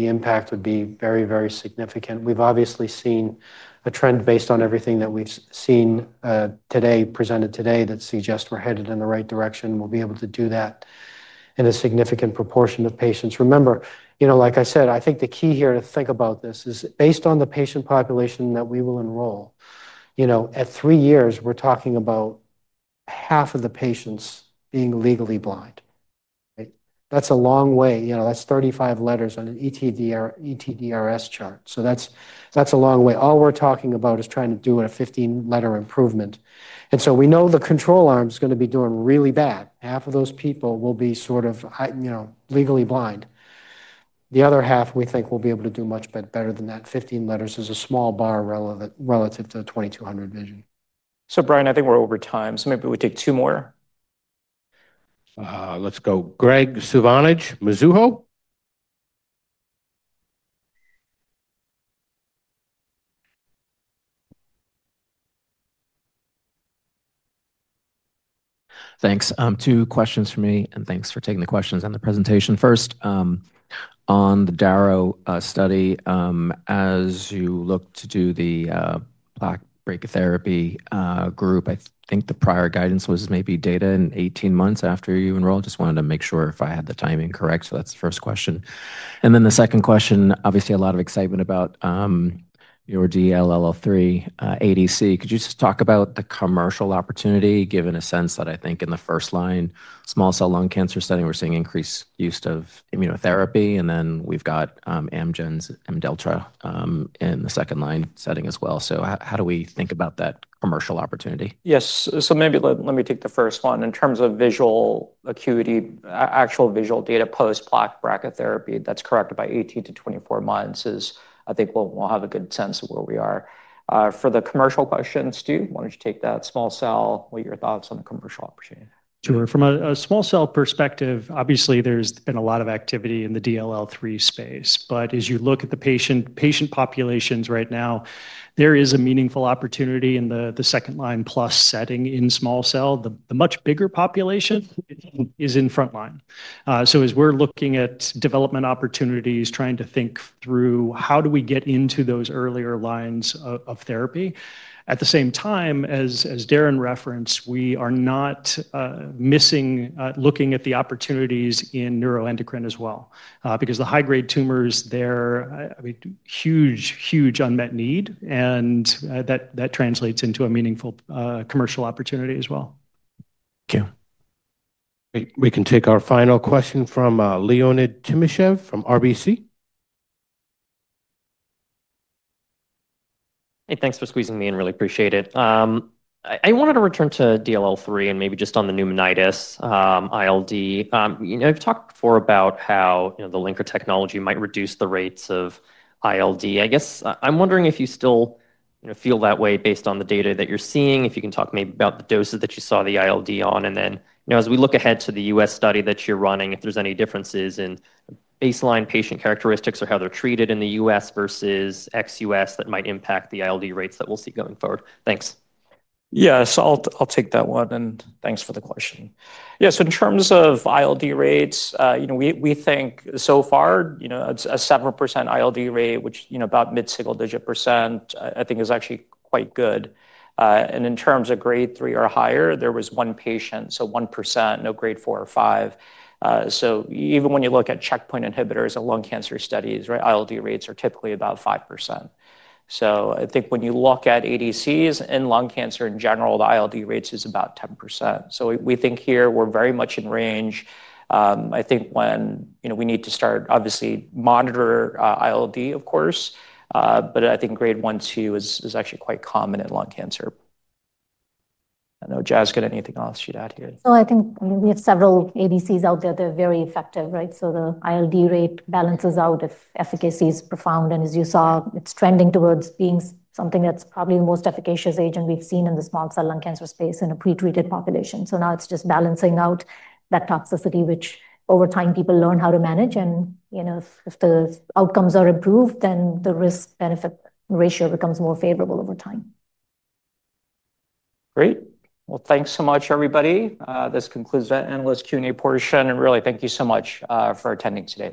impact would be very, very significant. We've obviously seen a trend based on everything that we've seen today, presented today, that suggests we're headed in the right direction. We'll be able to do that in a significant proportion of patients. Remember, like I said, I think the key here to think about this is based on the patient population that we will enroll. At three years, we're talking about half of the patients being legally blind. That's a long way. That's 35 letters on an ETDRS chart. That's a long way. All we're talking about is trying to do a 15-letter improvement. We know the control arm is going to be doing really bad. Half of those people will be sort of, you know, legally blind. The other half, we think, will be able to do much better than that. 15 letters is a small bar relative to 2,200 vision. Brian, I think we're over time. Maybe we take two more. Let's go. Graig Suvannavejh, Mizuho. Thanks. Two questions from me, and thanks for taking the questions and the presentation. First, on the daro study, as you look to do the plaque brachytherapy group, I think the prior guidance was maybe data in 18 months after you enroll. I just wanted to make sure if I had the timing correct, so that's the first question. The second question, obviously a lot of excitement about your DLL3 ADC. Could you just talk about the commercial opportunity, given a sense that I think in the first line small cell lung cancer setting, we're seeing increased use of immunotherapy, and then we've got Amgen's IMDELLTRA in the second line setting as well. How do we think about that commercial opportunity? Yes, maybe let me take the first one. In terms of visual acuity, actual visual data post plaque brachytherapy, that's corrected by 18-24 months, I think we'll have a good sense of where we are. For the commercial questions, Stu, why don't you take that small cell? What are your thoughts on the commercial opportunity? Sure, from a small cell perspective, obviously there's been a lot of activity in the DLL3 space, but as you look at the patient populations right now, there is a meaningful opportunity in the second line plus setting in small cell. The much bigger population is in front line. As we're looking at development opportunities, trying to think through how do we get into those earlier lines of therapy. At the same time, as Darrin referenced, we are not missing looking at the opportunities in neuroendocrine as well. The high-grade tumors, they're a huge, huge unmet need, and that translates into a meaningful commercial opportunity as well. Okay, we can take our final question from Leonid Timashev from RBC. Hey, thanks for squeezing me in, really appreciate it. I wanted to return to DLL3 and maybe just on the pneumonitis, ILD. I've talked before about how the LINKA technology might reduce the rates of ILD. I guess I'm wondering if you still feel that way based on the data that you're seeing, if you can talk maybe about the doses that you saw the ILD on, and then as we look ahead to the U.S. study that you're running, if there's any differences in baseline patient characteristics or how they're treated in the U.S. versus ex-U.S. that might impact the ILD rates that we'll see going forward. Thanks. Yes, I'll take that one, and thanks for the question. In terms of ILD rates, we think so far a 7% ILD rate, which is about mid-single-digit per cent, is actually quite good. In terms of grade 3 or higher, there was one patient, so 1%, no grade 4 or 5. Even when you look at checkpoint inhibitors in lung cancer studies, ILD rates are typically about 5%. When you look at ADCs and lung cancer in general, the ILD rates are about 10%. We think here we're very much in range. We need to start obviously monitoring ILD, of course, but grade 1-2 is actually quite common in lung cancer. I don't know, Jasgit, anything else you'd add here? I think we have several ADCs out there. They're very effective, right? The ILD rate balances out if efficacy is profound, and as you saw, it's trending towards being something that's probably the most efficacious agent we've seen in the small cell lung cancer space in a pre-treated population. Now it's just balancing out that toxicity, which over time people learn how to manage, and you know, if the outcomes are improved, then the risk-benefit ratio becomes more favorable over time. Great, thank you so much, everybody. This concludes the analyst Q&A portion, and really thank you so much for attending today.